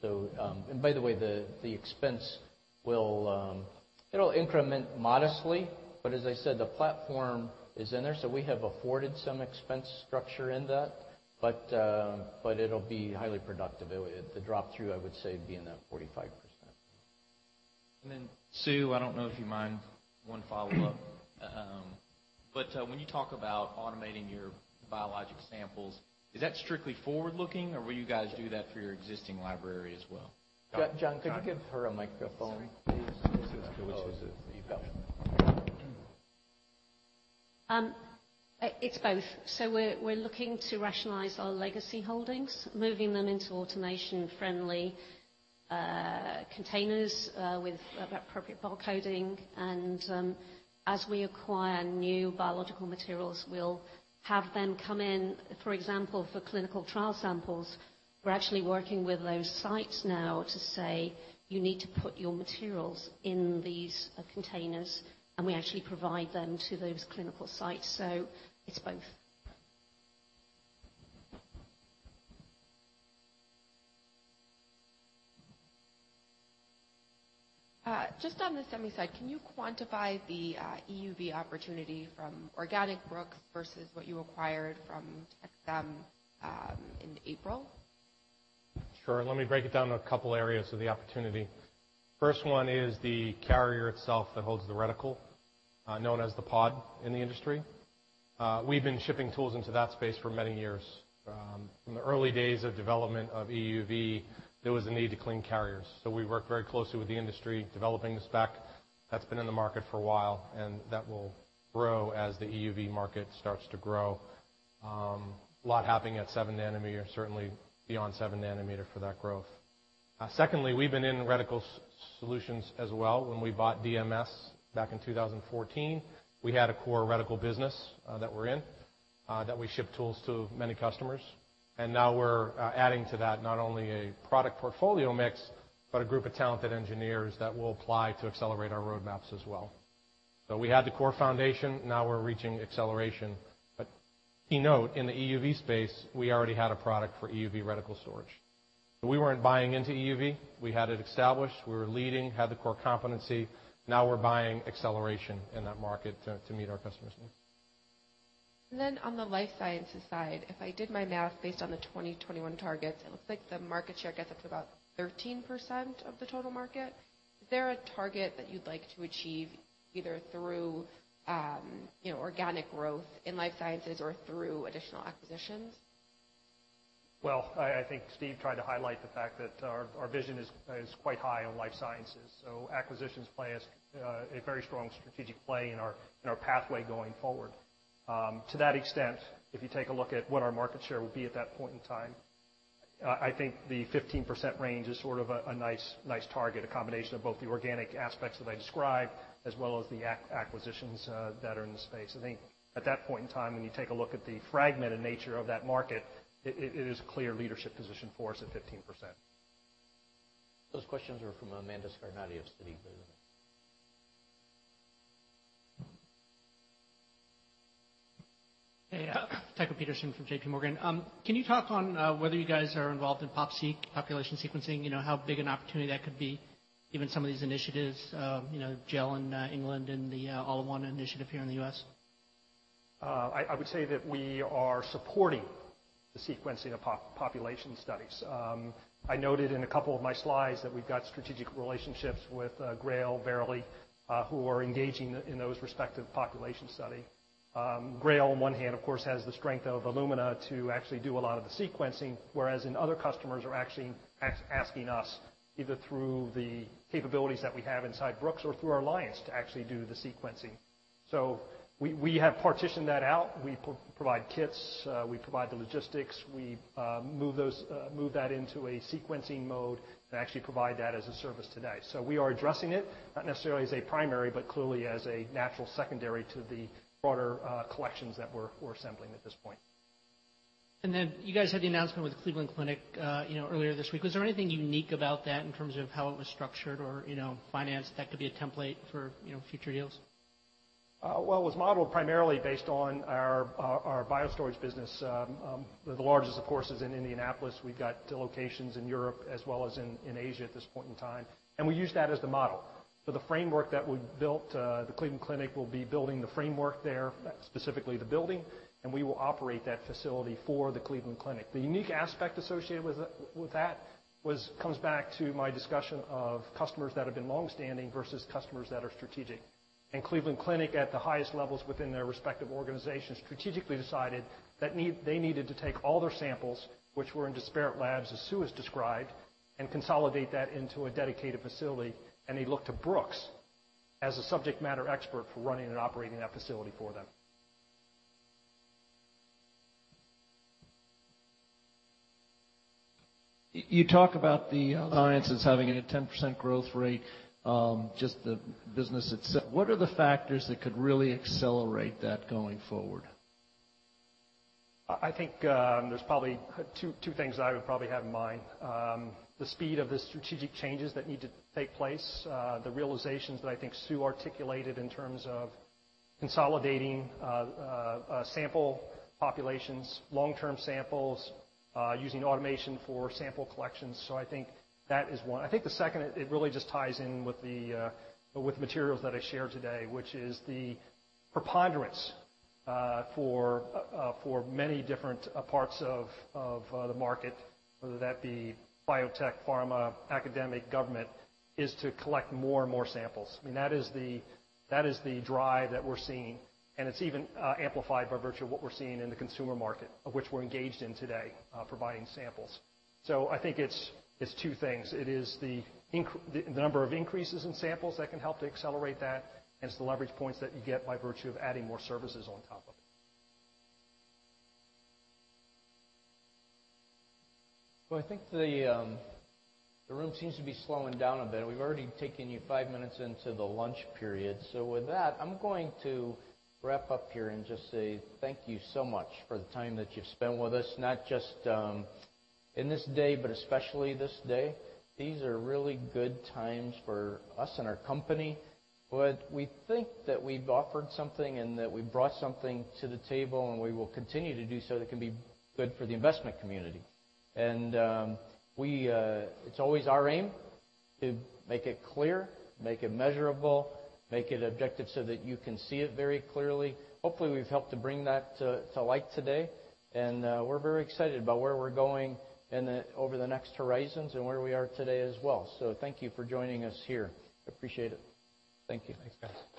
The expense will increment modestly. As I said, the platform is in there, we have afforded some expense structure in that, it'll be highly productive. The drop-through, I would say, would be in that 45%. Sue, I don't know if you mind one follow-up. When you talk about automating your biologic samples, is that strictly forward-looking, or will you guys do that for your existing library as well? John, could you give her a microphone, please? You got it. It's both. We're looking to rationalize our legacy holdings, moving them into automation-friendly containers with appropriate barcoding. As we acquire new biological materials, we'll have them come in. For example, for clinical trial samples, we're actually working with those sites now to say, "You need to put your materials in these containers," and we actually provide them to those clinical sites. It's both. Just on the semi side, can you quantify the EUV opportunity from organic Brooks versus what you acquired from Tec-Sem in April? Sure. Let me break it down to a couple areas of the opportunity. First one is the carrier itself that holds the reticle, known as the pod in the industry. We've been shipping tools into that space for many years. From the early days of development of EUV, there was a need to clean carriers. We worked very closely with the industry, developing the spec. That's been in the market for a while, and that will grow as the EUV market starts to grow. A lot happening at seven nanometer, certainly beyond seven nanometer for that growth. Secondly, we've been in reticle solutions as well. When we bought DMS back in 2014, we had a core reticle business that we're in, that we ship tools to many customers. Now we're adding to that, not only a product portfolio mix, but a group of talented engineers that will apply to accelerate our roadmaps as well. We had the core foundation, now we're reaching acceleration. Key note, in the EUV space, we already had a product for EUV reticle storage. We weren't buying into EUV. We had it established. We were leading, had the core competency. Now we're buying acceleration in that market to meet our customers' needs. On the Life Sciences side, if I did my math based on the 2021 targets, it looks like the market share gets up to about 13% of the total market. Is there a target that you'd like to achieve, either through organic growth in Life Sciences or through additional acquisitions? Well, I think Steve tried to highlight the fact that our vision is quite high on Life Sciences, acquisitions play a very strong strategic play in our pathway going forward. To that extent, if you take a look at what our market share will be at that point in time, I think the 15% range is sort of a nice target, a combination of both the organic aspects that I described as well as the acquisitions that are in the space. I think at that point in time, when you take a look at the fragmented nature of that market, it is a clear leadership position for us at 15%. Those questions were from Amanda Scarnati of Citi. Hey. Tycho Peterson from J.P. Morgan. Can you talk on whether you guys are involved in PopSeq, population sequencing, how big an opportunity that could be, given some of these initiatives, Genomics England and the All of Us initiative here in the U.S.? I would say that we are supporting the sequencing of population studies. I noted in a couple of my slides that we've got strategic relationships with GRAIL, Verily, who are engaging in those respective population study. GRAIL, on one hand, of course, has the strength of Illumina to actually do a lot of the sequencing, whereas in other customers are actually asking us, either through the capabilities that we have inside Brooks or through our alliance, to actually do the sequencing. We have partitioned that out. We provide kits. We provide the logistics. We move that into a sequencing mode and actually provide that as a service today. We are addressing it, not necessarily as a primary, but clearly as a natural secondary to the broader collections that we're assembling at this point. You guys had the announcement with Cleveland Clinic earlier this week. Was there anything unique about that in terms of how it was structured or financed that could be a template for future deals? It was modeled primarily based on our bio-storage business, where the largest, of course, is in Indianapolis. We've got locations in Europe as well as in Asia at this point in time, and we used that as the model. The framework that we built, the Cleveland Clinic will be building the framework there, specifically the building, and we will operate that facility for the Cleveland Clinic. The unique aspect associated with that comes back to my discussion of customers that have been longstanding versus customers that are strategic. Cleveland Clinic, at the highest levels within their respective organization, strategically decided that they needed to take all their samples, which were in disparate labs, as Sue has described, and consolidate that into a dedicated facility. They looked to Brooks as a subject matter expert for running and operating that facility for them. You talk about the alliances having a 10% growth rate, just the business itself. What are the factors that could really accelerate that going forward? I think there's probably two things that I would probably have in mind. The speed of the strategic changes that need to take place, the realizations that I think Sue articulated in terms of consolidating sample populations, long-term samples, using automation for sample collections. I think that is one. I think the second, it really just ties in with the materials that I shared today, which is the preponderance for many different parts of the market, whether that be biotech, pharma, academic, government, is to collect more and more samples. I mean, that is the drive that we're seeing, and it's even amplified by virtue of what we're seeing in the consumer market, of which we're engaged in today, providing samples. I think it's two things. It is the number of increases in samples that can help to accelerate that, and it's the leverage points that you get by virtue of adding more services on top of it. Well, I think the room seems to be slowing down a bit. We've already taken you five minutes into the lunch period. With that, I'm going to wrap up here and just say thank you so much for the time that you've spent with us, not just in this day, but especially this day. These are really good times for us and our company. We think that we've offered something and that we've brought something to the table, and we will continue to do so that can be good for the investment community. It's always our aim to make it clear, make it measurable, make it objective so that you can see it very clearly. Hopefully, we've helped to bring that to light today, and we're very excited about where we're going over the next horizons and where we are today as well. Thank you for joining us here. Appreciate it. Thank you. Thanks, guys.